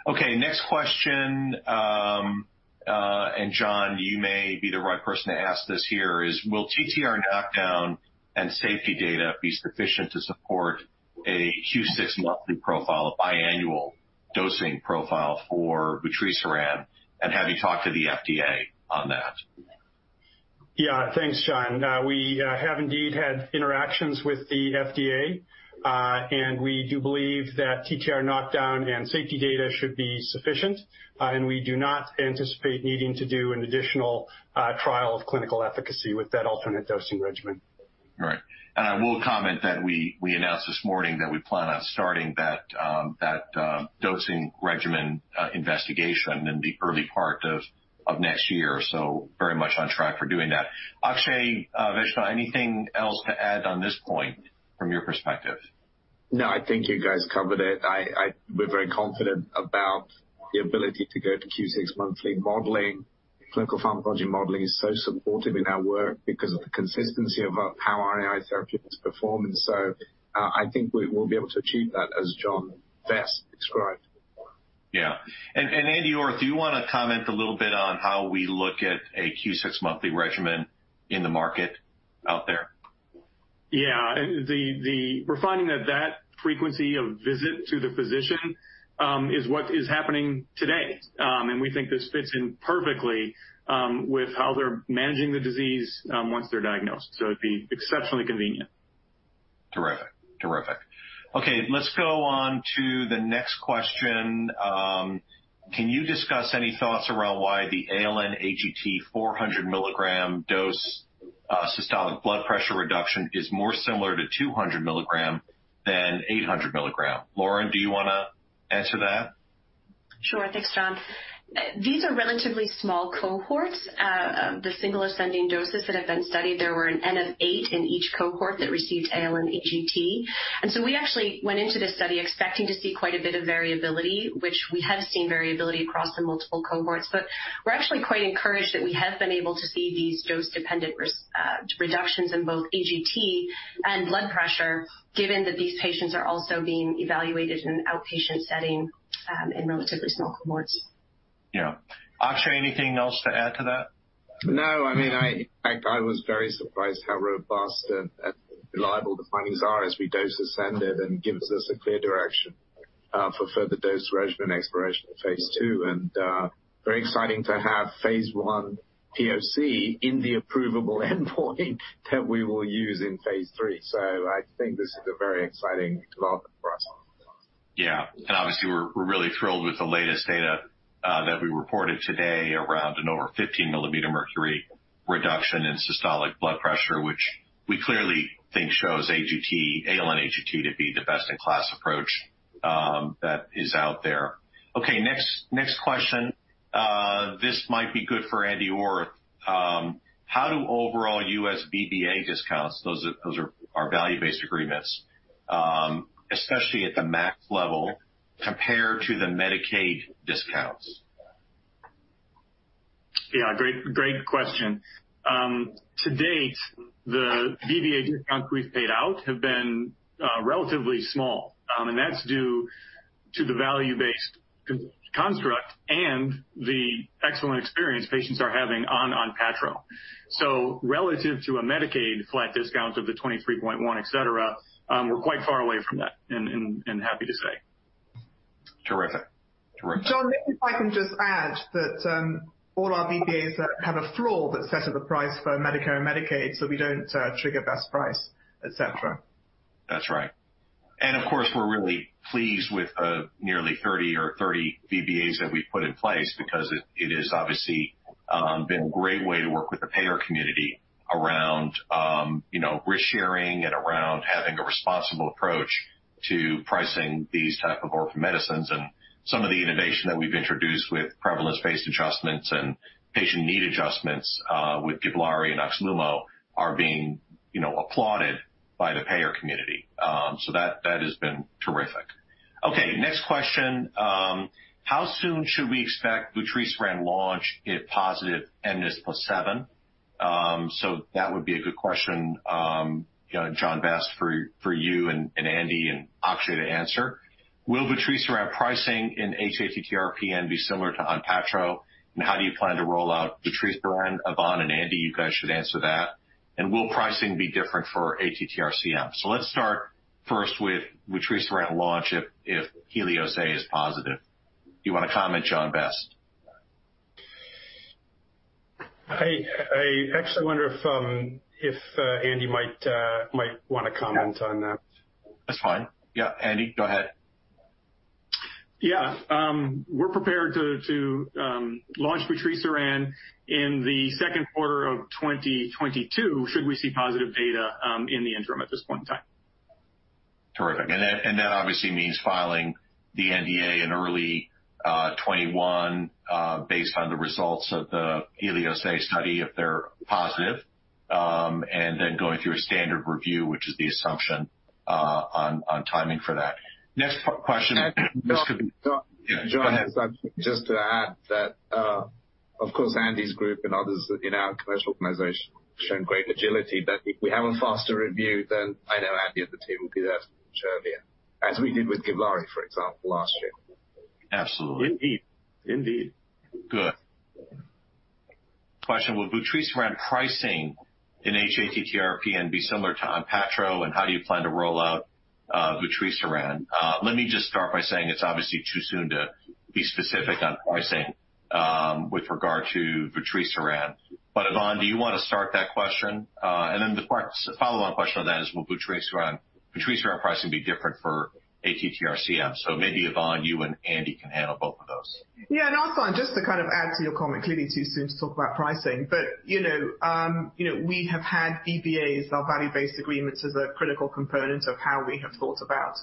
Okay, next question. John, you may be the right person to ask this here. Will TTR knockdown and safety data be sufficient to support a Q6 monthly profile, a biannual dosing profile for vutrisiran? And have you talked to the FDA on that? Yeah, thanks, John. We have indeed had interactions with the FDA, and we do believe that TTR knockdown and safety data should be sufficient. And we do not anticipate needing to do an additional trial of clinical efficacy with that alternate dosing regimen. All right. I will comment that we announced this morning that we plan on starting that dosing regimen investigation in the early part of next year. So very much on track for doing that. Akshay Vaishnaw, anything else to add on this point from your perspective? No, I think you guys covered it. We're very confident about the ability to go to Q6 monthly modeling. Clinical pharmacology modeling is so supportive in our work because of the consistency of how our RNAi therapy is performing. So I think we'll be able to achieve that, as John best described. Yeah. And Andy Orth, do you want to comment a little bit on how we look at a Q6 monthly regimen in the market out there? Yeah. We're finding that that frequency of visit to the physician is what is happening today. We think this fits in perfectly with how they're managing the disease once they're diagnosed. It'd be exceptionally convenient. Terrific. Terrific. Okay, let's go on to the next question. Can you discuss any thoughts around why the ALN-AGT 400 mg dose systolic blood pressure reduction is more similar to 200 mg than 800 mg? Lauren, do you want to answer that? Sure. Thanks, John. These are relatively small cohorts. The single ascending doses that have been studied, there were an N of 8 in each cohort that received ALN-AGT. So we actually went into this study expecting to see quite a bit of variability, which we have seen variability across the multiple cohorts. But we're actually quite encouraged that we have been able to see these dose-dependent reductions in both AGT and blood pressure, given that these patients are also being evaluated in an outpatient setting in relatively small cohorts. Yeah. Akshay, anything else to add to that? No. I mean, I was very surprised how robust and reliable the findings are as we dose ascend it and gives us a clear direction for further dose regimen exploration in Phase II. And very exciting to have Phase I POC in the approvable endpoint that we will use in Phase III. So I think this is a very exciting development for us. Yeah. And obviously, we're really thrilled with the latest data that we reported today around an over 15 mm of mercury reduction in systolic blood pressure, which we clearly think shows ALN-AGT to be the best-in-class approach that is out there. Okay, next question. This might be good for Andy Orth. How do overall U.S. VBA discounts (those are value-based agreements), especially at the max level, compare to the Medicaid discounts? Yeah, great question. To date, the VBA discounts we've paid out have been relatively small, and that's due to the value-based construct and the excellent experience patients are having on ONPATTRO. So relative to a Medicaid flat discount of the 23.1, etc., we're quite far away from that, and happy to say. Terrific. Terrific. John, maybe if I can just add that all our VBAs have a floor that sets at the price for Medicare and Medicaid, so we don't trigger best price, etc. That's right. Of course, we're really pleased with nearly 30 or 30 VBAs that we've put in place because it has obviously been a great way to work with the payer community around risk sharing and around having a responsible approach to pricing these types of orphan medicines. Some of the innovation that we've introduced with prevalence-based adjustments and patient need adjustments with GIVLAARI and OXLUMO are being applauded by the payer community. That has been terrific. Okay, next question. How soon should we expect vutrisiran launch if positive mNIS+7? So that would be a good question, John Vest, for you and Andy and Akshay to answer. Will vutrisiran pricing in hATTR-PN be similar to ONPATTRO? And how do you plan to roll out vutrisiran? Yvonne and Andy, you guys should answer that. And will pricing be different for ATTR-CM? So let's start first with vutrisiran launch if HELIOS-A is positive. Do you want to comment, John Vest? I actually wonder if Andy might want to comment on that. That's fine. Yeah, Andy, go ahead. Yeah. We're prepared to launch vutrisiran in the second quarter of 2022 should we see positive data in the interim at this point in time. Terrific. And that obviously means filing the NDA in early 2021 based on the results of the HELIOS-A study if they're positive, and then going through a standard review, which is the assumption on timing for that. Next question. This could be. John, just to add that, of course, Andy's group and others in our commercial organization showed great agility. But if we have a faster review, then I know Andy at the table will be there much earlier, as we did with GIVLAARI, for example, last year. Absolutely. Indeed. Indeed. Good question. Will vutrisiran pricing in hATTR-PN be similar to ONPATTRO, and how do you plan to roll out vutrisiran? Let me just start by saying it's obviously too soon to be specific on pricing with regard to vutrisiran. But Yvonne, do you want to start that question? And then the follow-on question on that is, will vutrisiran pricing be different for ATTR-CM? So maybe Yvonne, you and Andy can handle both of those. Yeah. And I'll start just to kind of add to your comment. Clearly, too soon to talk about pricing. But we have had VBAs, our value-based agreements, as a critical component of how we have thought about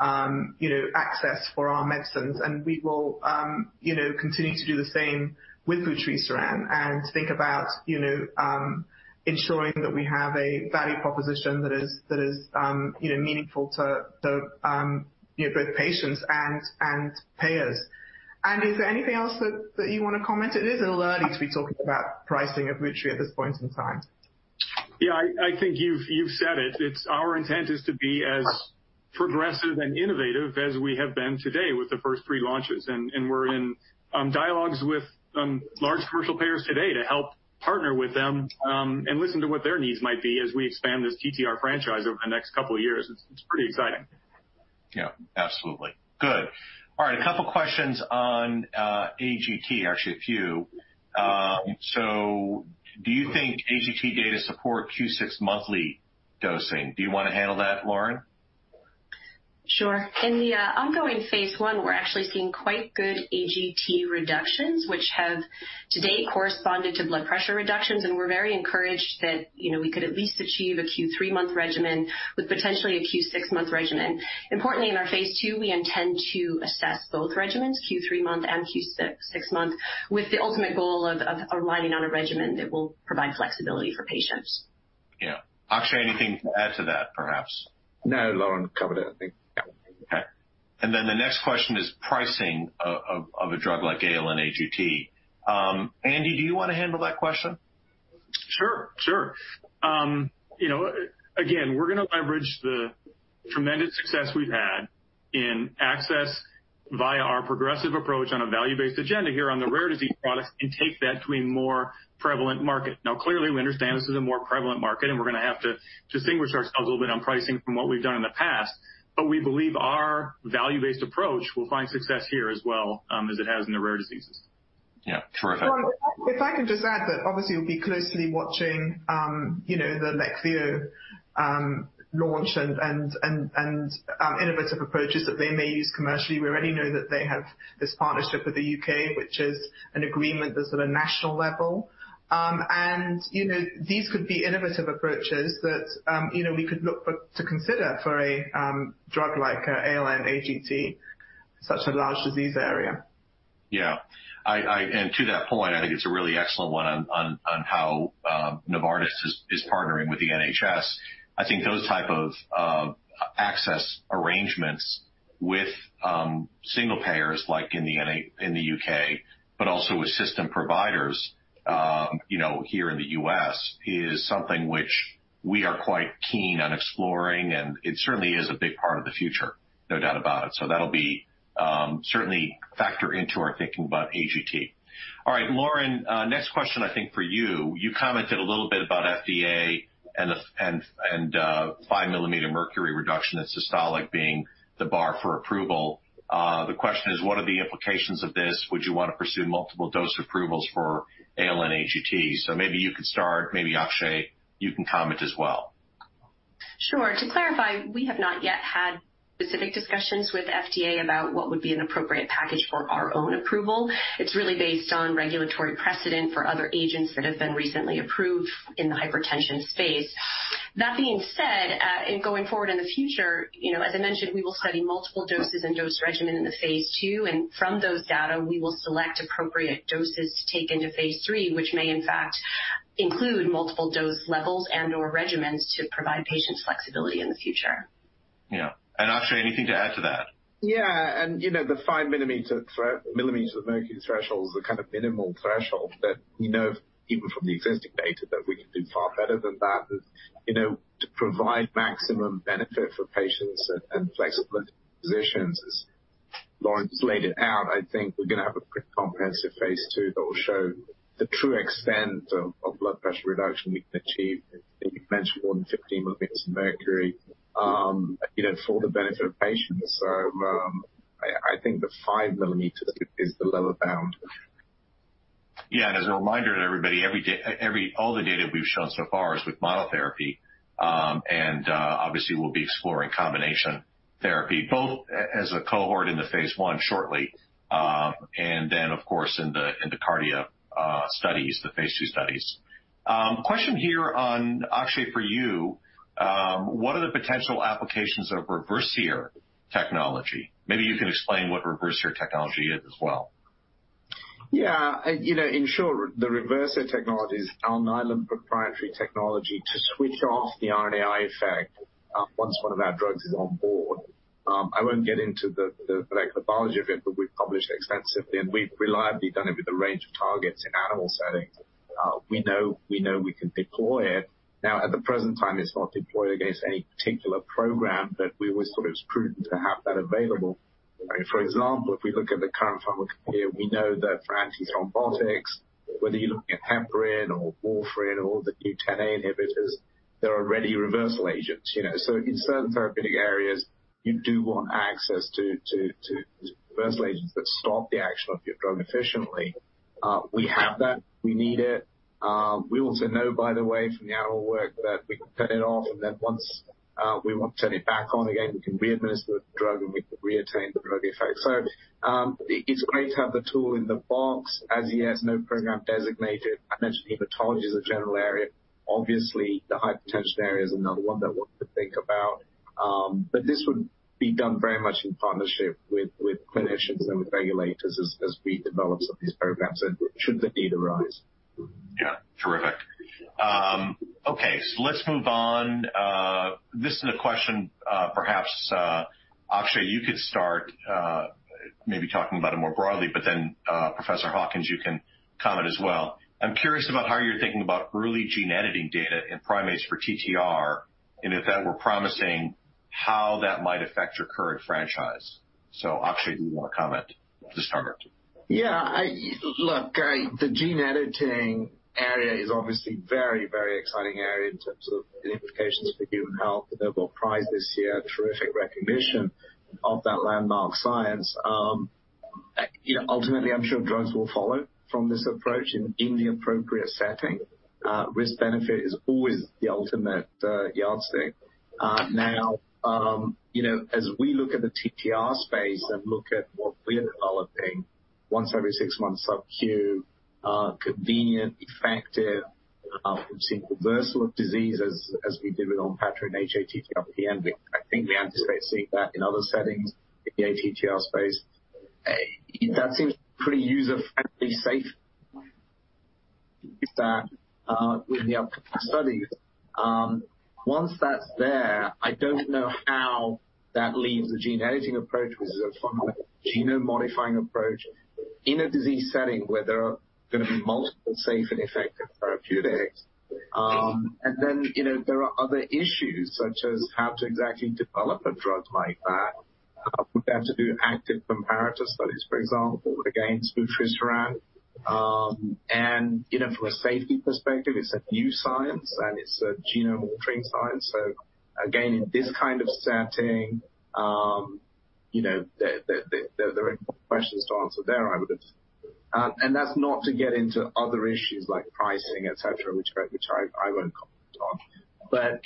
access for our medicines. And we will continue to do the same with vutrisiran and think about ensuring that we have a value proposition that is meaningful to both patients and payers. Andy, is there anything else that you want to comment? It is a little early to be talking about pricing of vutrisiran at this point in time. Yeah, I think you've said it. Our intent is to be as progressive and innovative as we have been today with the first three launches. And we're in dialogues with large commercial payers today to help partner with them and listen to what their needs might be as we expand this TTR franchise over the next couple of years. It's pretty exciting. Yeah, absolutely. Good. All right. A couple of questions on AGT, actually a few. So do you think AGT data support Q6 monthly dosing? Do you want to handle that, Lauren? Sure. In the ongoing Phase I, we're actually seeing quite good AGT reductions, which have to date corresponded to blood pressure reductions. We're very encouraged that we could at least achieve a Q3 month regimen with potentially a Q6 month regimen. Importantly, in our Phase II, we intend to assess both regimens, Q3 month and Q6 month, with the ultimate goal of aligning on a regimen that will provide flexibility for patients. Yeahh. Akshay, anything to add to that, perhaps? No, Lauren covered everything. Okay. Then the next question is pricing of a drug like ALN-AGT. Andy, do you want to handle that question? Sure. Again, we're going to leverage the tremendous success we've had in access via our progressive approach on a value-based agenda here on the rare disease products and take that to a more prevalent market. Now, clearly, we understand this is a more prevalent market, and we're going to have to distinguish ourselves a little bit on pricing from what we've done in the past. But we believe our value-based approach will find success here as well as it has in the rare diseases. Yeah. Terrific. If I can just add that, obviously, we'll be closely watching the Leqvio launch and innovative approaches that they may use commercially. We already know that they have this partnership with the U.K., which is an agreement that's at a national level. And these could be innovative approaches that we could look to consider for a drug like ALN-AGT in such a large disease area. Yeah. And to that point, I think it's a really excellent one on how Novartis is partnering with the NHS. I think those types of access arrangements with single payers like in the U.K., but also with system providers here in the U.S., is something which we are quite keen on exploring. It certainly is a big part of the future, no doubt about it. So that'll be certainly a factor into our thinking about AGT. All right. Lauren, next question, I think, for you. You commented a little bit about FDA and 5 mm mercury reduction and systolic being the bar for approval. The question is, what are the implications of this? Would you want to pursue multiple dose approvals for ALN-AGT? So maybe you could start. Maybe Akshay, you can comment as well. Sure. To clarify, we have not yet had specific discussions with FDA about what would be an appropriate package for our own approval. It's really based on regulatory precedent for other agents that have been recently approved in the hypertension space. That being said, going forward in the future, as I mentioned, we will study multiple doses and dose regimen in the Phase II. And from those data, we will select appropriate doses to take into Phase III, which may, in fact, include multiple dose levels and/or regimens to provide patients flexibility in the future. Yeah. And Akshay, anything to add to that? Yeah. And the 5 mm of mercury threshold is a kind of minimal threshold that we know even from the existing data that we can do far better than that. To provide maximum benefit for patients and flexibility for physicians, as Lauren just laid it out, I think we're going to have a pretty comprehensive Phase II that will show the true extent of blood pressure reduction we can achieve. You mentioned more than 15 mm of mercury for the benefit of patients. So I think the 5 mm is the lower bound. Yeah. And as a reminder to everybody, all the data we've shown so far is with monotherapy. Obviously, we'll be exploring combination therapy, both as a cohort in the Phase I shortly, and then, of course, in the cardiac studies, the Phase II studies. Question here on Akshay for you. What are the potential applications of Reversir technology? Maybe you can explain what Reversir technology is as well. Yeah. In short, the Reversir technology is our Alnylam proprietary technology to switch off the RNAi effect once one of our drugs is on board. I won't get into the molecular biology of it, but we've published extensively, and we've reliably done it with a range of targets in animal settings. We know we can deploy it. Now, at the present time, it's not deployed against any particular program, but we always thought it was prudent to have that available. For example, if we look at the current pharmacological milieu, we know that for antithrombotics, whether you're looking at heparin or warfarin or the new Xa inhibitors, there are ready reversal agents. So in certain therapeutic areas, you do want access to reversal agents that stop the action of your drug efficiently. We have that. We need it. We also know, by the way, from the animal work that we can turn it off, and then once we want to turn it back on again, we can readminister the drug, and we can reattain the drug effect. So it's great to have the tool in the box as yet as no program designated. I mentioned hematology is a general area. Obviously, the hypertension area is another one that we'll have to think about. But this would be done very much in partnership with clinicians and with regulators as we develop some of these programs should the need arise. Yeah. Terrific. Okay. So let's move on. This is a question, perhaps, Akshay, you could start maybe talking about it more broadly, but then Professor Hawkins, you can comment as well. I'm curious about how you're thinking about early gene editing data in primates for TTR, and if that were promising, how that might affect your current franchise. So Akshay, do you want to comment to start? Yeah. Look, the gene editing area is obviously a very, very exciting area in terms of the implications for human health. Nobel Prize this year, terrific recognition of that landmark science. Ultimately, I'm sure drugs will follow from this approach in the appropriate setting. Risk-benefit is always the ultimate yardstick. Now, as we look at the TTR space and look at what we're developing, once every six months, subQ, convenient, effective, and seeing reversal of disease as we did with ONPATTRO and hATTR-PN. I think we anticipate seeing that in other settings in the ATTR space. That seems pretty user-friendly, safe. With that, with the upcoming studies. Once that's there, I don't know how that leaves the gene editing approach, which is a genome-modifying approach in a disease setting where there are going to be multiple safe and effective therapeutics. And then there are other issues such as how to exactly develop a drug like that. We've had to do active comparator studies, for example, against vutrisiran. And from a safety perspective, it's a new science, and it's a genome-altering science. So again, in this kind of setting, there are questions to answer there, I would have. And that's not to get into other issues like pricing, etc., which I won't comment on. But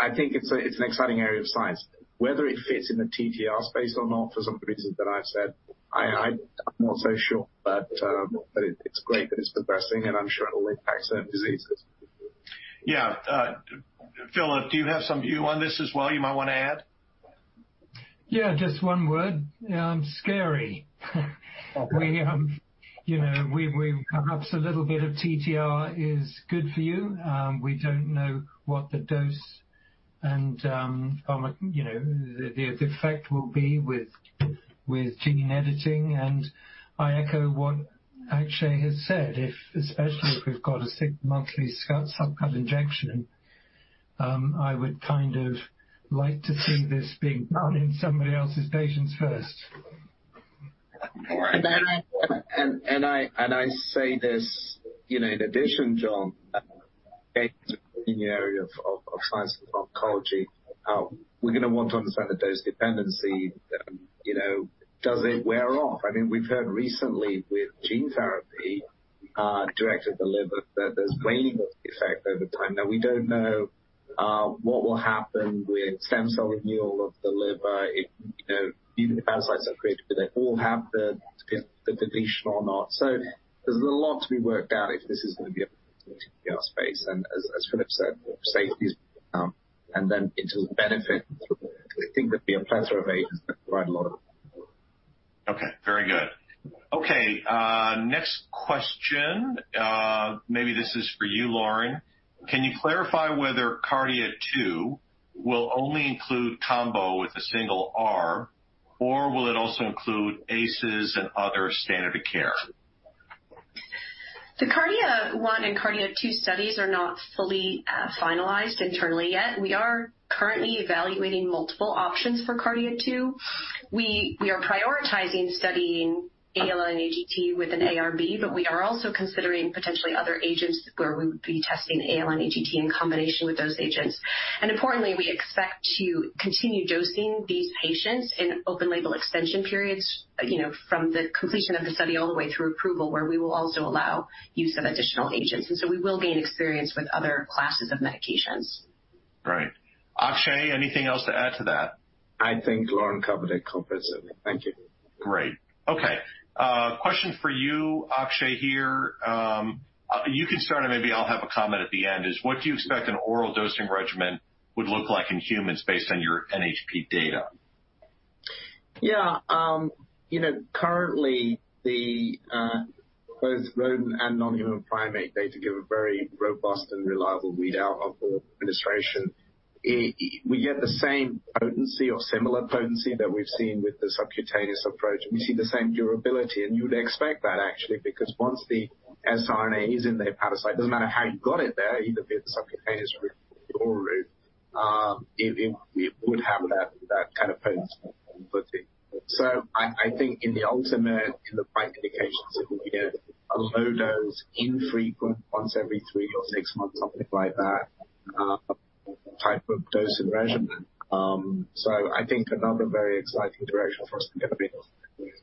I think it's an exciting area of science. Whether it fits in the TTR space or not, for some reason that I've said, I'm not so sure. But it's great that it's progressing, and I'm sure it will impact certain diseases. Yeah. Philip, do you have some view on this as well? You might want to add? Yeah. Just one word. Scary. Perhaps a little bit of TTR is good for you. We don't know what the dose and the effect will be with gene editing. And I echo what Akshay has said, especially if we've got a six-monthly subcut injection. I would kind of like to see this being done in somebody else's patients first. And I say this in addition, John, in the area of science and pharmacology, we're going to want to understand the dose dependency. Does it wear off? I mean, we've heard recently with gene therapy directed to the liver that there's waning of the effect over time. Now, we don't know what will happen with stem cell renewal of the liver, if hepatocytes are created, but they all have the deletion or not. So there's a lot to be worked out if this is going to be a TTR space. And as Philip said, safety is and then into the benefit. I think there'll be a plethora of agents that provide a lot of. Okay. Very good. Okay. Next question. Maybe this is for you, Lauren. Can you clarify whether KARDIA-2 will only include combo with an ARB, or will it also include ACEs and other standard of care? The KARDIA-1 and KARDIA-2 studies are not fully finalized internally yet. We are currently evaluating multiple options for KARDIA-2. We are prioritizing studying ALN-AGT with an ARB, but we are also considering potentially other agents where we would be testing ALN-AGT in combination with those agents. Importantly, we expect to continue dosing these patients in open-label extension periods from the completion of the study all the way through approval, where we will also allow use of additional agents. So we will gain experience with other classes of medications. Right. Akshay, anything else to add to that? I think Lauren covered it comprehensively. Thank you. Great. Okay. Question for you, Akshay here. You can start, and maybe I'll have a comment at the end. What do you expect an oral dosing regimen would look like in humans based on your NHP data? Yeah. Currently, both rodent and non-human primate data give a very robust and reliable readout of administration. We get the same potency or similar potency that we've seen with the subcutaneous approach. We see the same durability. And you would expect that, actually, because once the siRNA is in the hepatocyte, it doesn't matter how you got it there, either via the subcutaneous route or oral route, it would have that kind of potency. So I think in the ultimate, in the right indications, it will be a low dose, infrequent, once every three or six months, something like that type of dose and regimen. So I think another very exciting direction for us is going to be.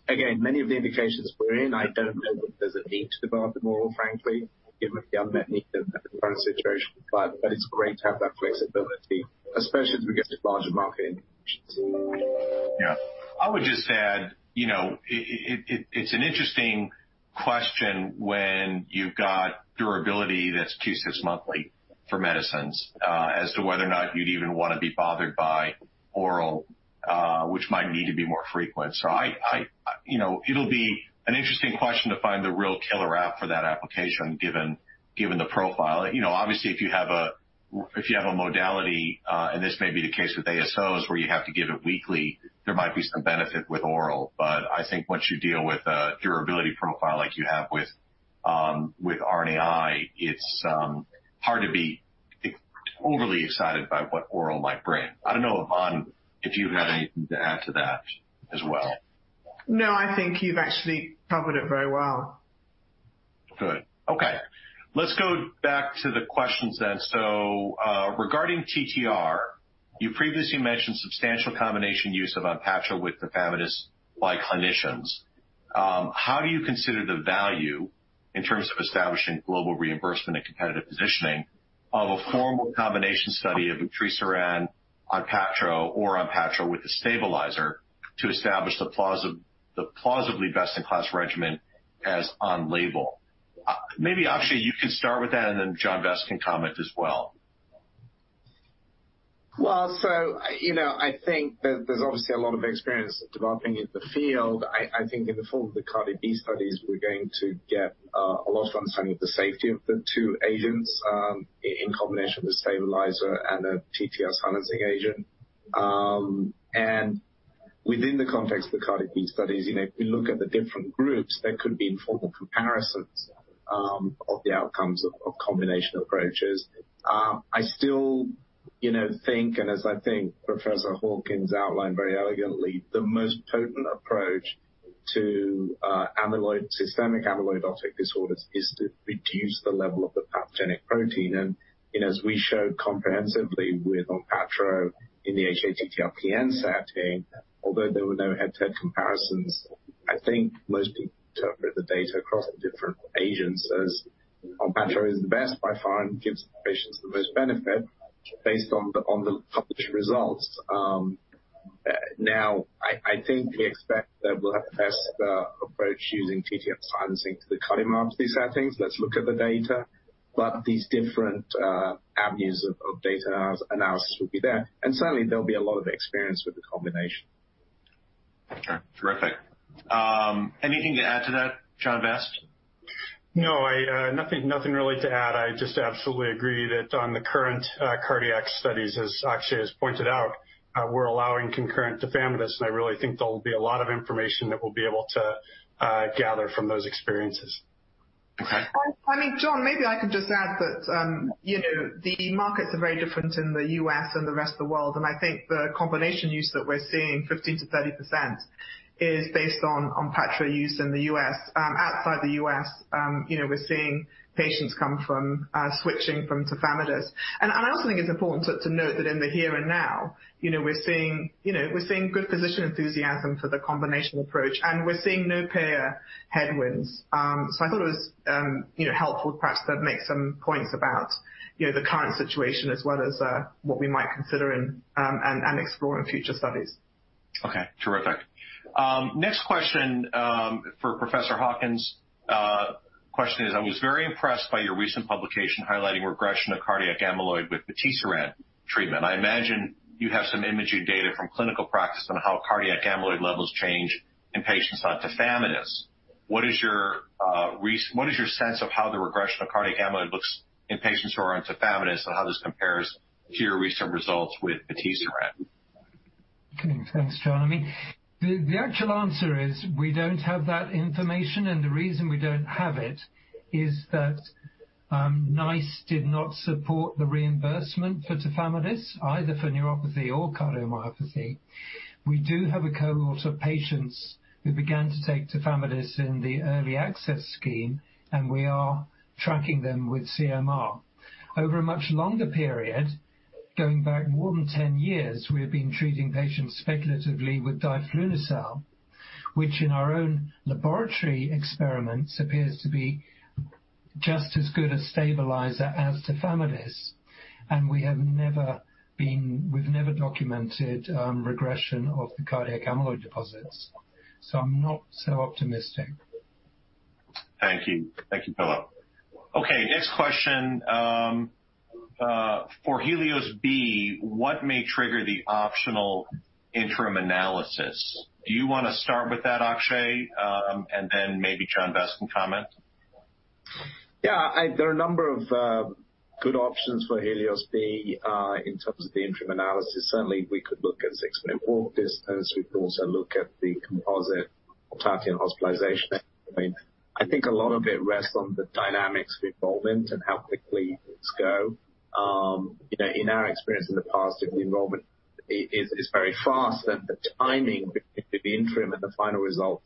Again, many of the indications we're in. I don't know that there's a need to develop them orally, frankly, given the unmet need in the current situation. But it's great to have that flexibility, especially as we get to larger market indications. Yeah. I would just add, it's an interesting question when you've got durability that's two to six monthly for medicines as to whether or not you'd even want to be bothered by oral, which might need to be more frequent. So it'll be an interesting question to find the real killer app for that application given the profile. Obviously, if you have a modality, and this may be the case with ASOs where you have to give it weekly, there might be some benefit with oral. I think once you deal with a durability profile like you have with RNAi, it's hard to be overly excited by what oral might bring. I don't know, Yvonne, if you have anything to add to that as well. No, I think you've actually covered it very well. Good. Okay. Let's go back to the questions then. Regarding TTR, you previously mentioned substantial combination use of ONPATTRO with tafamidis by clinicians. How do you consider the value in terms of establishing global reimbursement and competitive positioning of a formal combination study of vutrisiran, ONPATTRO, or ONPATTRO with a stabilizer to establish the plausibly best-in-class regimen as on label? Maybe, Akshay, you can start with that, and then John Vest can comment as well. I think there's obviously a lot of experience developing in the field. I think in the form of the HELIOS-B studies, we're going to get a lot of understanding of the safety of the two agents in combination with a stabilizer and a TTR silencing agent. And within the context of the HELIOS-B studies, if we look at the different groups, there could be informal comparisons of the outcomes of combination approaches. I still think, and as I think Professor Hawkins outlined very elegantly, the most potent approach to systemic amyloidotic disorders is to reduce the level of the pathogenic protein. And as we showed comprehensively with ONPATTRO in the hATTR-PN setting, although there were no head-to-head comparisons, I think most people interpret the data across the different agents as ONPATTRO is the best by far and gives patients the most benefit based on the published results. Now, I think we expect that we'll have the best approach using TTR silencing to the cardiomyopathy settings. Let's look at the data. But these different avenues of data analysis will be there. And certainly, there'll be a lot of experience with the combination. Okay. Terrific. Anything to add to that, John Vest? No, nothing really to add. I just absolutely agree that on the current cardiac studies, as Akshay has pointed out, we're allowing concurrent tafamidis, and I really think there'll be a lot of information that we'll be able to gather from those experiences. Okay. I mean, John, maybe I can just add that the markets are very different in the U.S. and the rest of the world. And I think the combination use that we're seeing, 15%-30%, is based on ONPATTRO use in the U.S. Outside the U.S., we're seeing patients come from switching from tafamidis. And I also think it's important to note that in the here and now, we're seeing good physician enthusiasm for the combination approach, and we're seeing no payer headwinds. So I thought it was helpful perhaps to make some points about the current situation as well as what we might consider and explore in future studies. Okay. Terrific. Next question for Professor Hawkins. Question is, I was very impressed by your recent publication highlighting regression of cardiac amyloid with vutrisiran treatment. I imagine you have some imaging data from clinical practice on how cardiac amyloid levels change in patients on tafamidis. What is your sense of how the regression of cardiac amyloid looks in patients who are on tafamidis and how this compares to your recent results with vutrisiran? Okay. Thanks, John. I mean, the actual answer is we don't have that information. And the reason we don't have it is that NICE did not support the reimbursement for tafamidis, either for neuropathy or cardiomyopathy. We do have a cohort of patients who began to take tafamidis in the early access scheme, and we are tracking them with CMR. Over a much longer period, going back more than 10 years, we have been treating patients speculatively with diflunisal, which in our own laboratory experiments appears to be just as good a stabilizer as tafamidis. And we have never been—we've never documented regression of the cardiac amyloid deposits. So I'm not so optimistic. Thank you. Thank you, Philip. Okay. Next question. For HELIOS-B, what may trigger the optional interim analysis? Do you want to start with that, Akshay, and then maybe John Vest can comment? Yeah. There are a number of good options for HELIOS-B in terms of the interim analysis. Certainly, we could look at six-minute walk distance. We could also look at the composite ONPATTRO hospitalization. I think a lot of it rests on the dynamics of involvement and how quickly things go. In our experience in the past, if the involvement is very fast, then the timing between the interim and the final result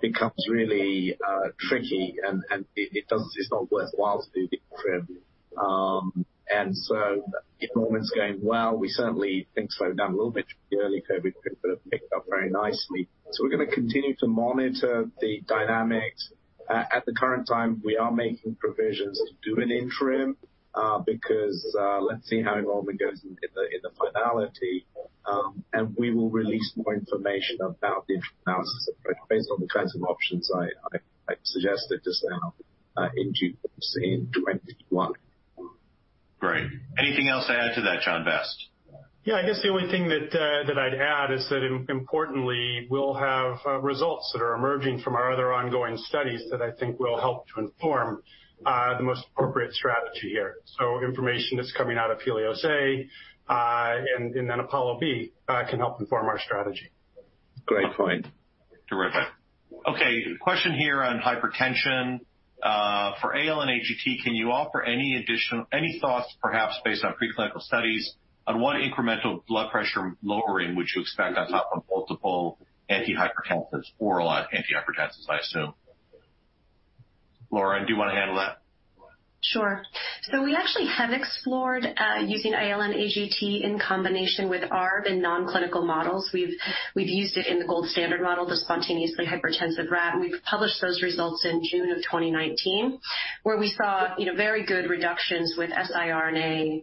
becomes really tricky, and it's not worthwhile to do the interim, and so if involvement's going well, we certainly think slowing down a little bit during the early COVID period, but it picked up very nicely, so we're going to continue to monitor the dynamics. At the current time, we are making provisions to do an interim because let's see how involvement goes in the finality. And we will release more information about the interim analysis approach based on the kinds of options I suggested just now in June 2021. Great. Anything else to add to that, John Vest? Yeah. I guess the only thing that I'd add is that importantly, we'll have results that are emerging from our other ongoing studies that I think will help to inform the most appropriate strategy here. So information that's coming out of HELIOS-A and then APOLLO-B can help inform our strategy. Great point. Terrific. Okay. Question here on hypertension. For ALN-AGT, can you offer any thoughts, perhaps based on preclinical studies, on what incremental blood pressure lowering would you expect on top of multiple antihypertensives, oral antihypertensives, I assume? Lauren, do you want to handle that? Sure. So we actually have explored using ALN-AGT in combination with ARB in non-clinical models. We've used it in the gold standard model, the spontaneously hypertensive rat, and we've published those results in June of 2019, where we saw very good reductions with siRNA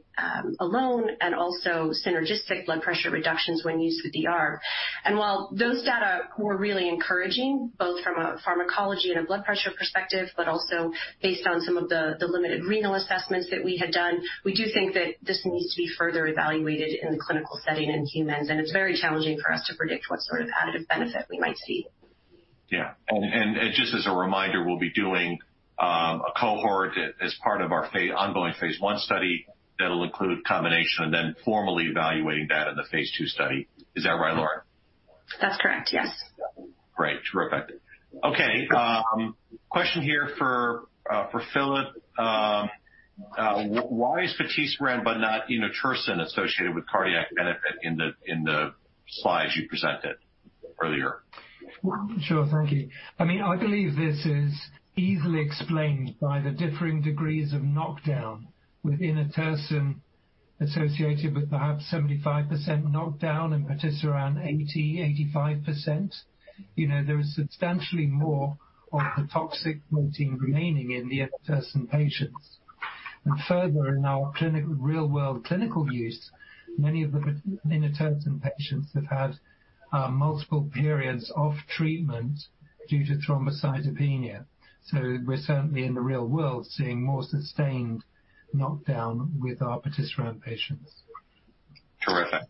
alone and also synergistic blood pressure reductions when used with the ARB. And while those data were really encouraging, both from a pharmacology and a blood pressure perspective, but also based on some of the limited renal assessments that we had done, we do think that this needs to be further evaluated in the clinical setting in humans, and it's very challenging for us to predict what sort of additive benefit we might see. Yeah, and just as a reminder, we'll be doing a cohort as part of our ongoing Phase I study that'll include combination and then formally evaluating that in the Phase II study. Is that right, Lauren? That's correct. Yes. Great. Terrific. Okay. Question here for Philip. Why is vutrisiran but not inotersen associated with cardiac benefit in the slides you presented earlier? Sure. Thank you. I mean, I believe this is easily explained by the differing degrees of knockdown with inotersen associated with perhaps 75% knockdown and vutrisiran 80%-85%. There is substantially more of the toxic protein remaining in the inotersen patients. And further, in our real-world clinical use, many of the inotersen patients have had multiple periods of treatment due to thrombocytopenia. So we're certainly in the real world seeing more sustained knockdown with our vutrisiran patients. Terrific.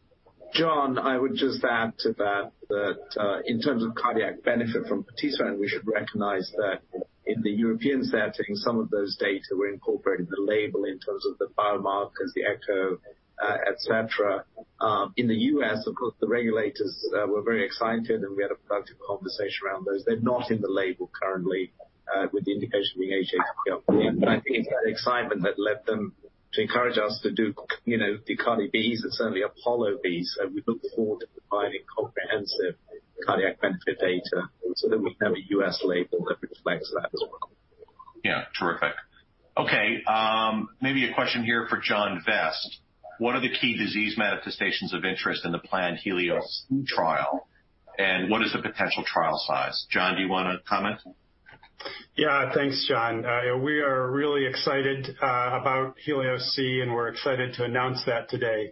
John, I would just add to that that in terms of cardiac benefit from vutrisiran, we should recognize that in the European setting, some of those data were incorporated in the label in terms of the biomarkers, the echo, etc. In the U.S., of course, the regulators were very excited, and we had a productive conversation around those. They're not in the label currently with the indication being hATTR. But I think it's that excitement that led them to encourage us to do the HELIOS-Bs and certainly APOLLO-Bs. And we look forward to providing comprehensive cardiac benefit data so that we can have a U.S. label that reflects that as well. Yeah. Terrific. Okay. Maybe a question here for John Vest. What are the key disease manifestations of interest in the planned HELIOS-C trial? And what is the potential trial size? John, do you want to comment? Yeah. Thanks, John. We are really excited about HELIOS-C, and we're excited to announce that today.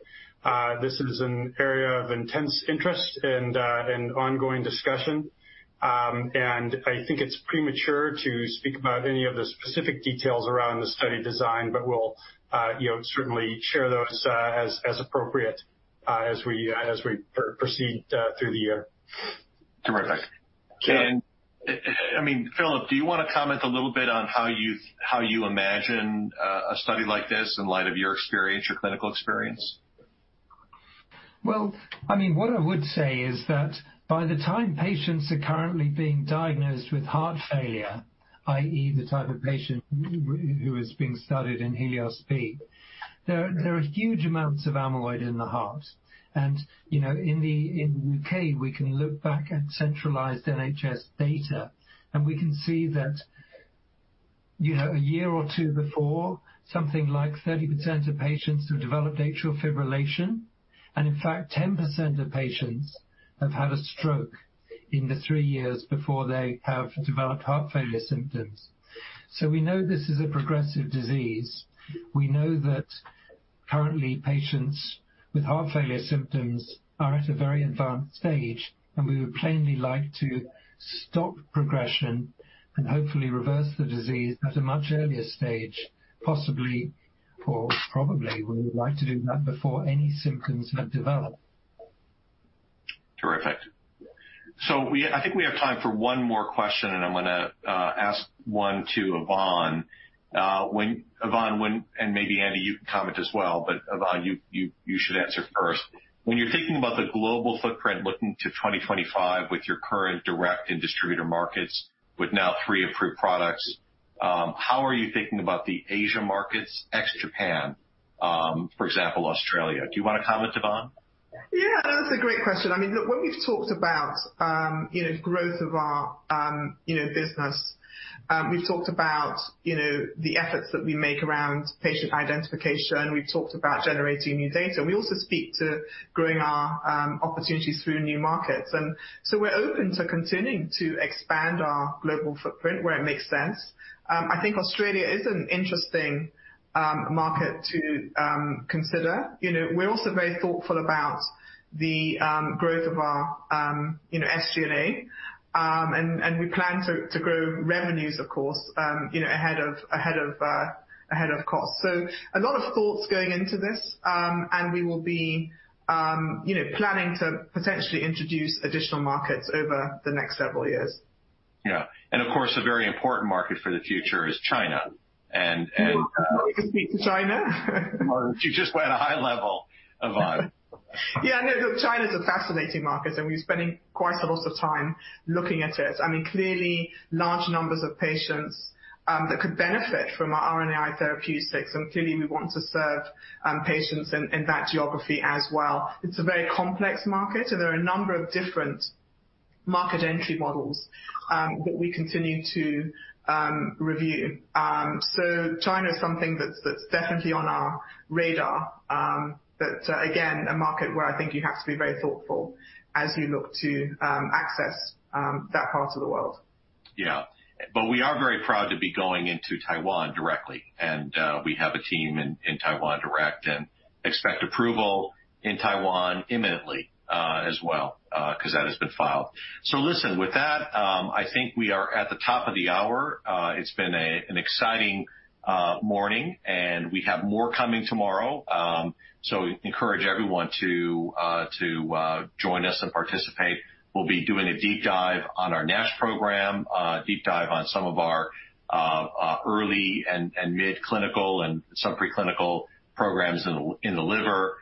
This is an area of intense interest and ongoing discussion. I think it's premature to speak about any of the specific details around the study design, but we'll certainly share those as appropriate as we proceed through the year. Terrific. I mean, Philip, do you want to comment a little bit on how you imagine a study like this in light of your experience, your clinical experience? I mean, what I would say is that by the time patients are currently being diagnosed with heart failure, i.e., the type of patient who is being studied in HELIOS-B, there are huge amounts of amyloid in the heart. And in the U.K., we can look back at centralized NHS data, and we can see that a year or two before, something like 30% of patients have developed atrial fibrillation. In fact, 10% of patients have had a stroke in the three years before they have developed heart failure symptoms. So we know this is a progressive disease. We know that currently, patients with heart failure symptoms are at a very advanced stage, and we would plainly like to stop progression and hopefully reverse the disease at a much earlier stage, possibly or probably. We would like to do that before any symptoms have developed. Terrific. So I think we have time for one more question, and I'm going to ask one to Yvonne. Yvonne, and maybe Andy, you can comment as well. But Yvonne, you should answer first. When you're thinking about the global footprint looking to 2025 with your current direct and distributor markets with now three approved products, how are you thinking about the Asia markets ex-Japan, for example, Australia? Do you want to comment, Yvonne? Yeah. That's a great question. I mean, look, when we've talked about growth of our business, we've talked about the efforts that we make around patient identification. We've talked about generating new data. We also speak to growing our opportunities through new markets. And so we're open to continuing to expand our global footprint where it makes sense. I think Australia is an interesting market to consider. We're also very thoughtful about the growth of our SG&A. And we plan to grow revenues, of course, ahead of costs. So a lot of thoughts going into this, and we will be planning to potentially introduce additional markets over the next several years. Yeah. And of course, a very important market for the future is China. And we can speak to China. You just went high level, Yvonne. Yeah. No, China is a fascinating market, and we're spending quite a lot of time looking at it. I mean, clearly, large numbers of patients that could benefit from our RNAi therapeutics. And clearly, we want to serve patients in that geography as well. It's a very complex market, and there are a number of different market entry models that we continue to review. So China is something that's definitely on our radar. But again, a market where I think you have to be very thoughtful as you look to access that part of the world. Yeah. But we are very proud to be going into Taiwan directly. And we have a team in Taiwan directly and expect approval in Taiwan imminently as well because that has been filed. So listen, with that, I think we are at the top of the hour. It's been an exciting morning, and we have more coming tomorrow. So encourage everyone to join us and participate. We'll be doing a deep dive on our NASH program, a deep dive on some of our early and mid-clinical and some preclinical programs in the liver,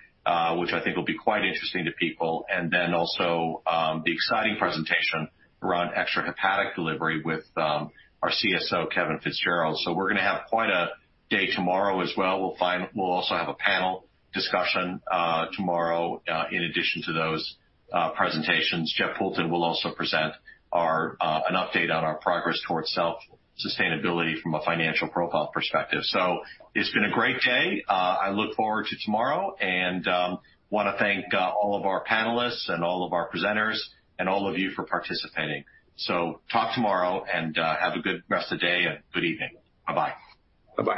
which I think will be quite interesting to people. And then also the exciting presentation around extrahepatic delivery with our CSO, Kevin Fitzgerald. So we're going to have quite a day tomorrow as well. We'll also have a panel discussion tomorrow in addition to those presentations. Jeff Poulton will also present an update on our progress towards self-sustainability from a financial profile perspective. So it's been a great day. I look forward to tomorrow and want to thank all of our panelists and all of our presenters and all of you for participating. Talk tomorrow, and have a good rest of the day and good evening. Bye-bye. Bye-bye.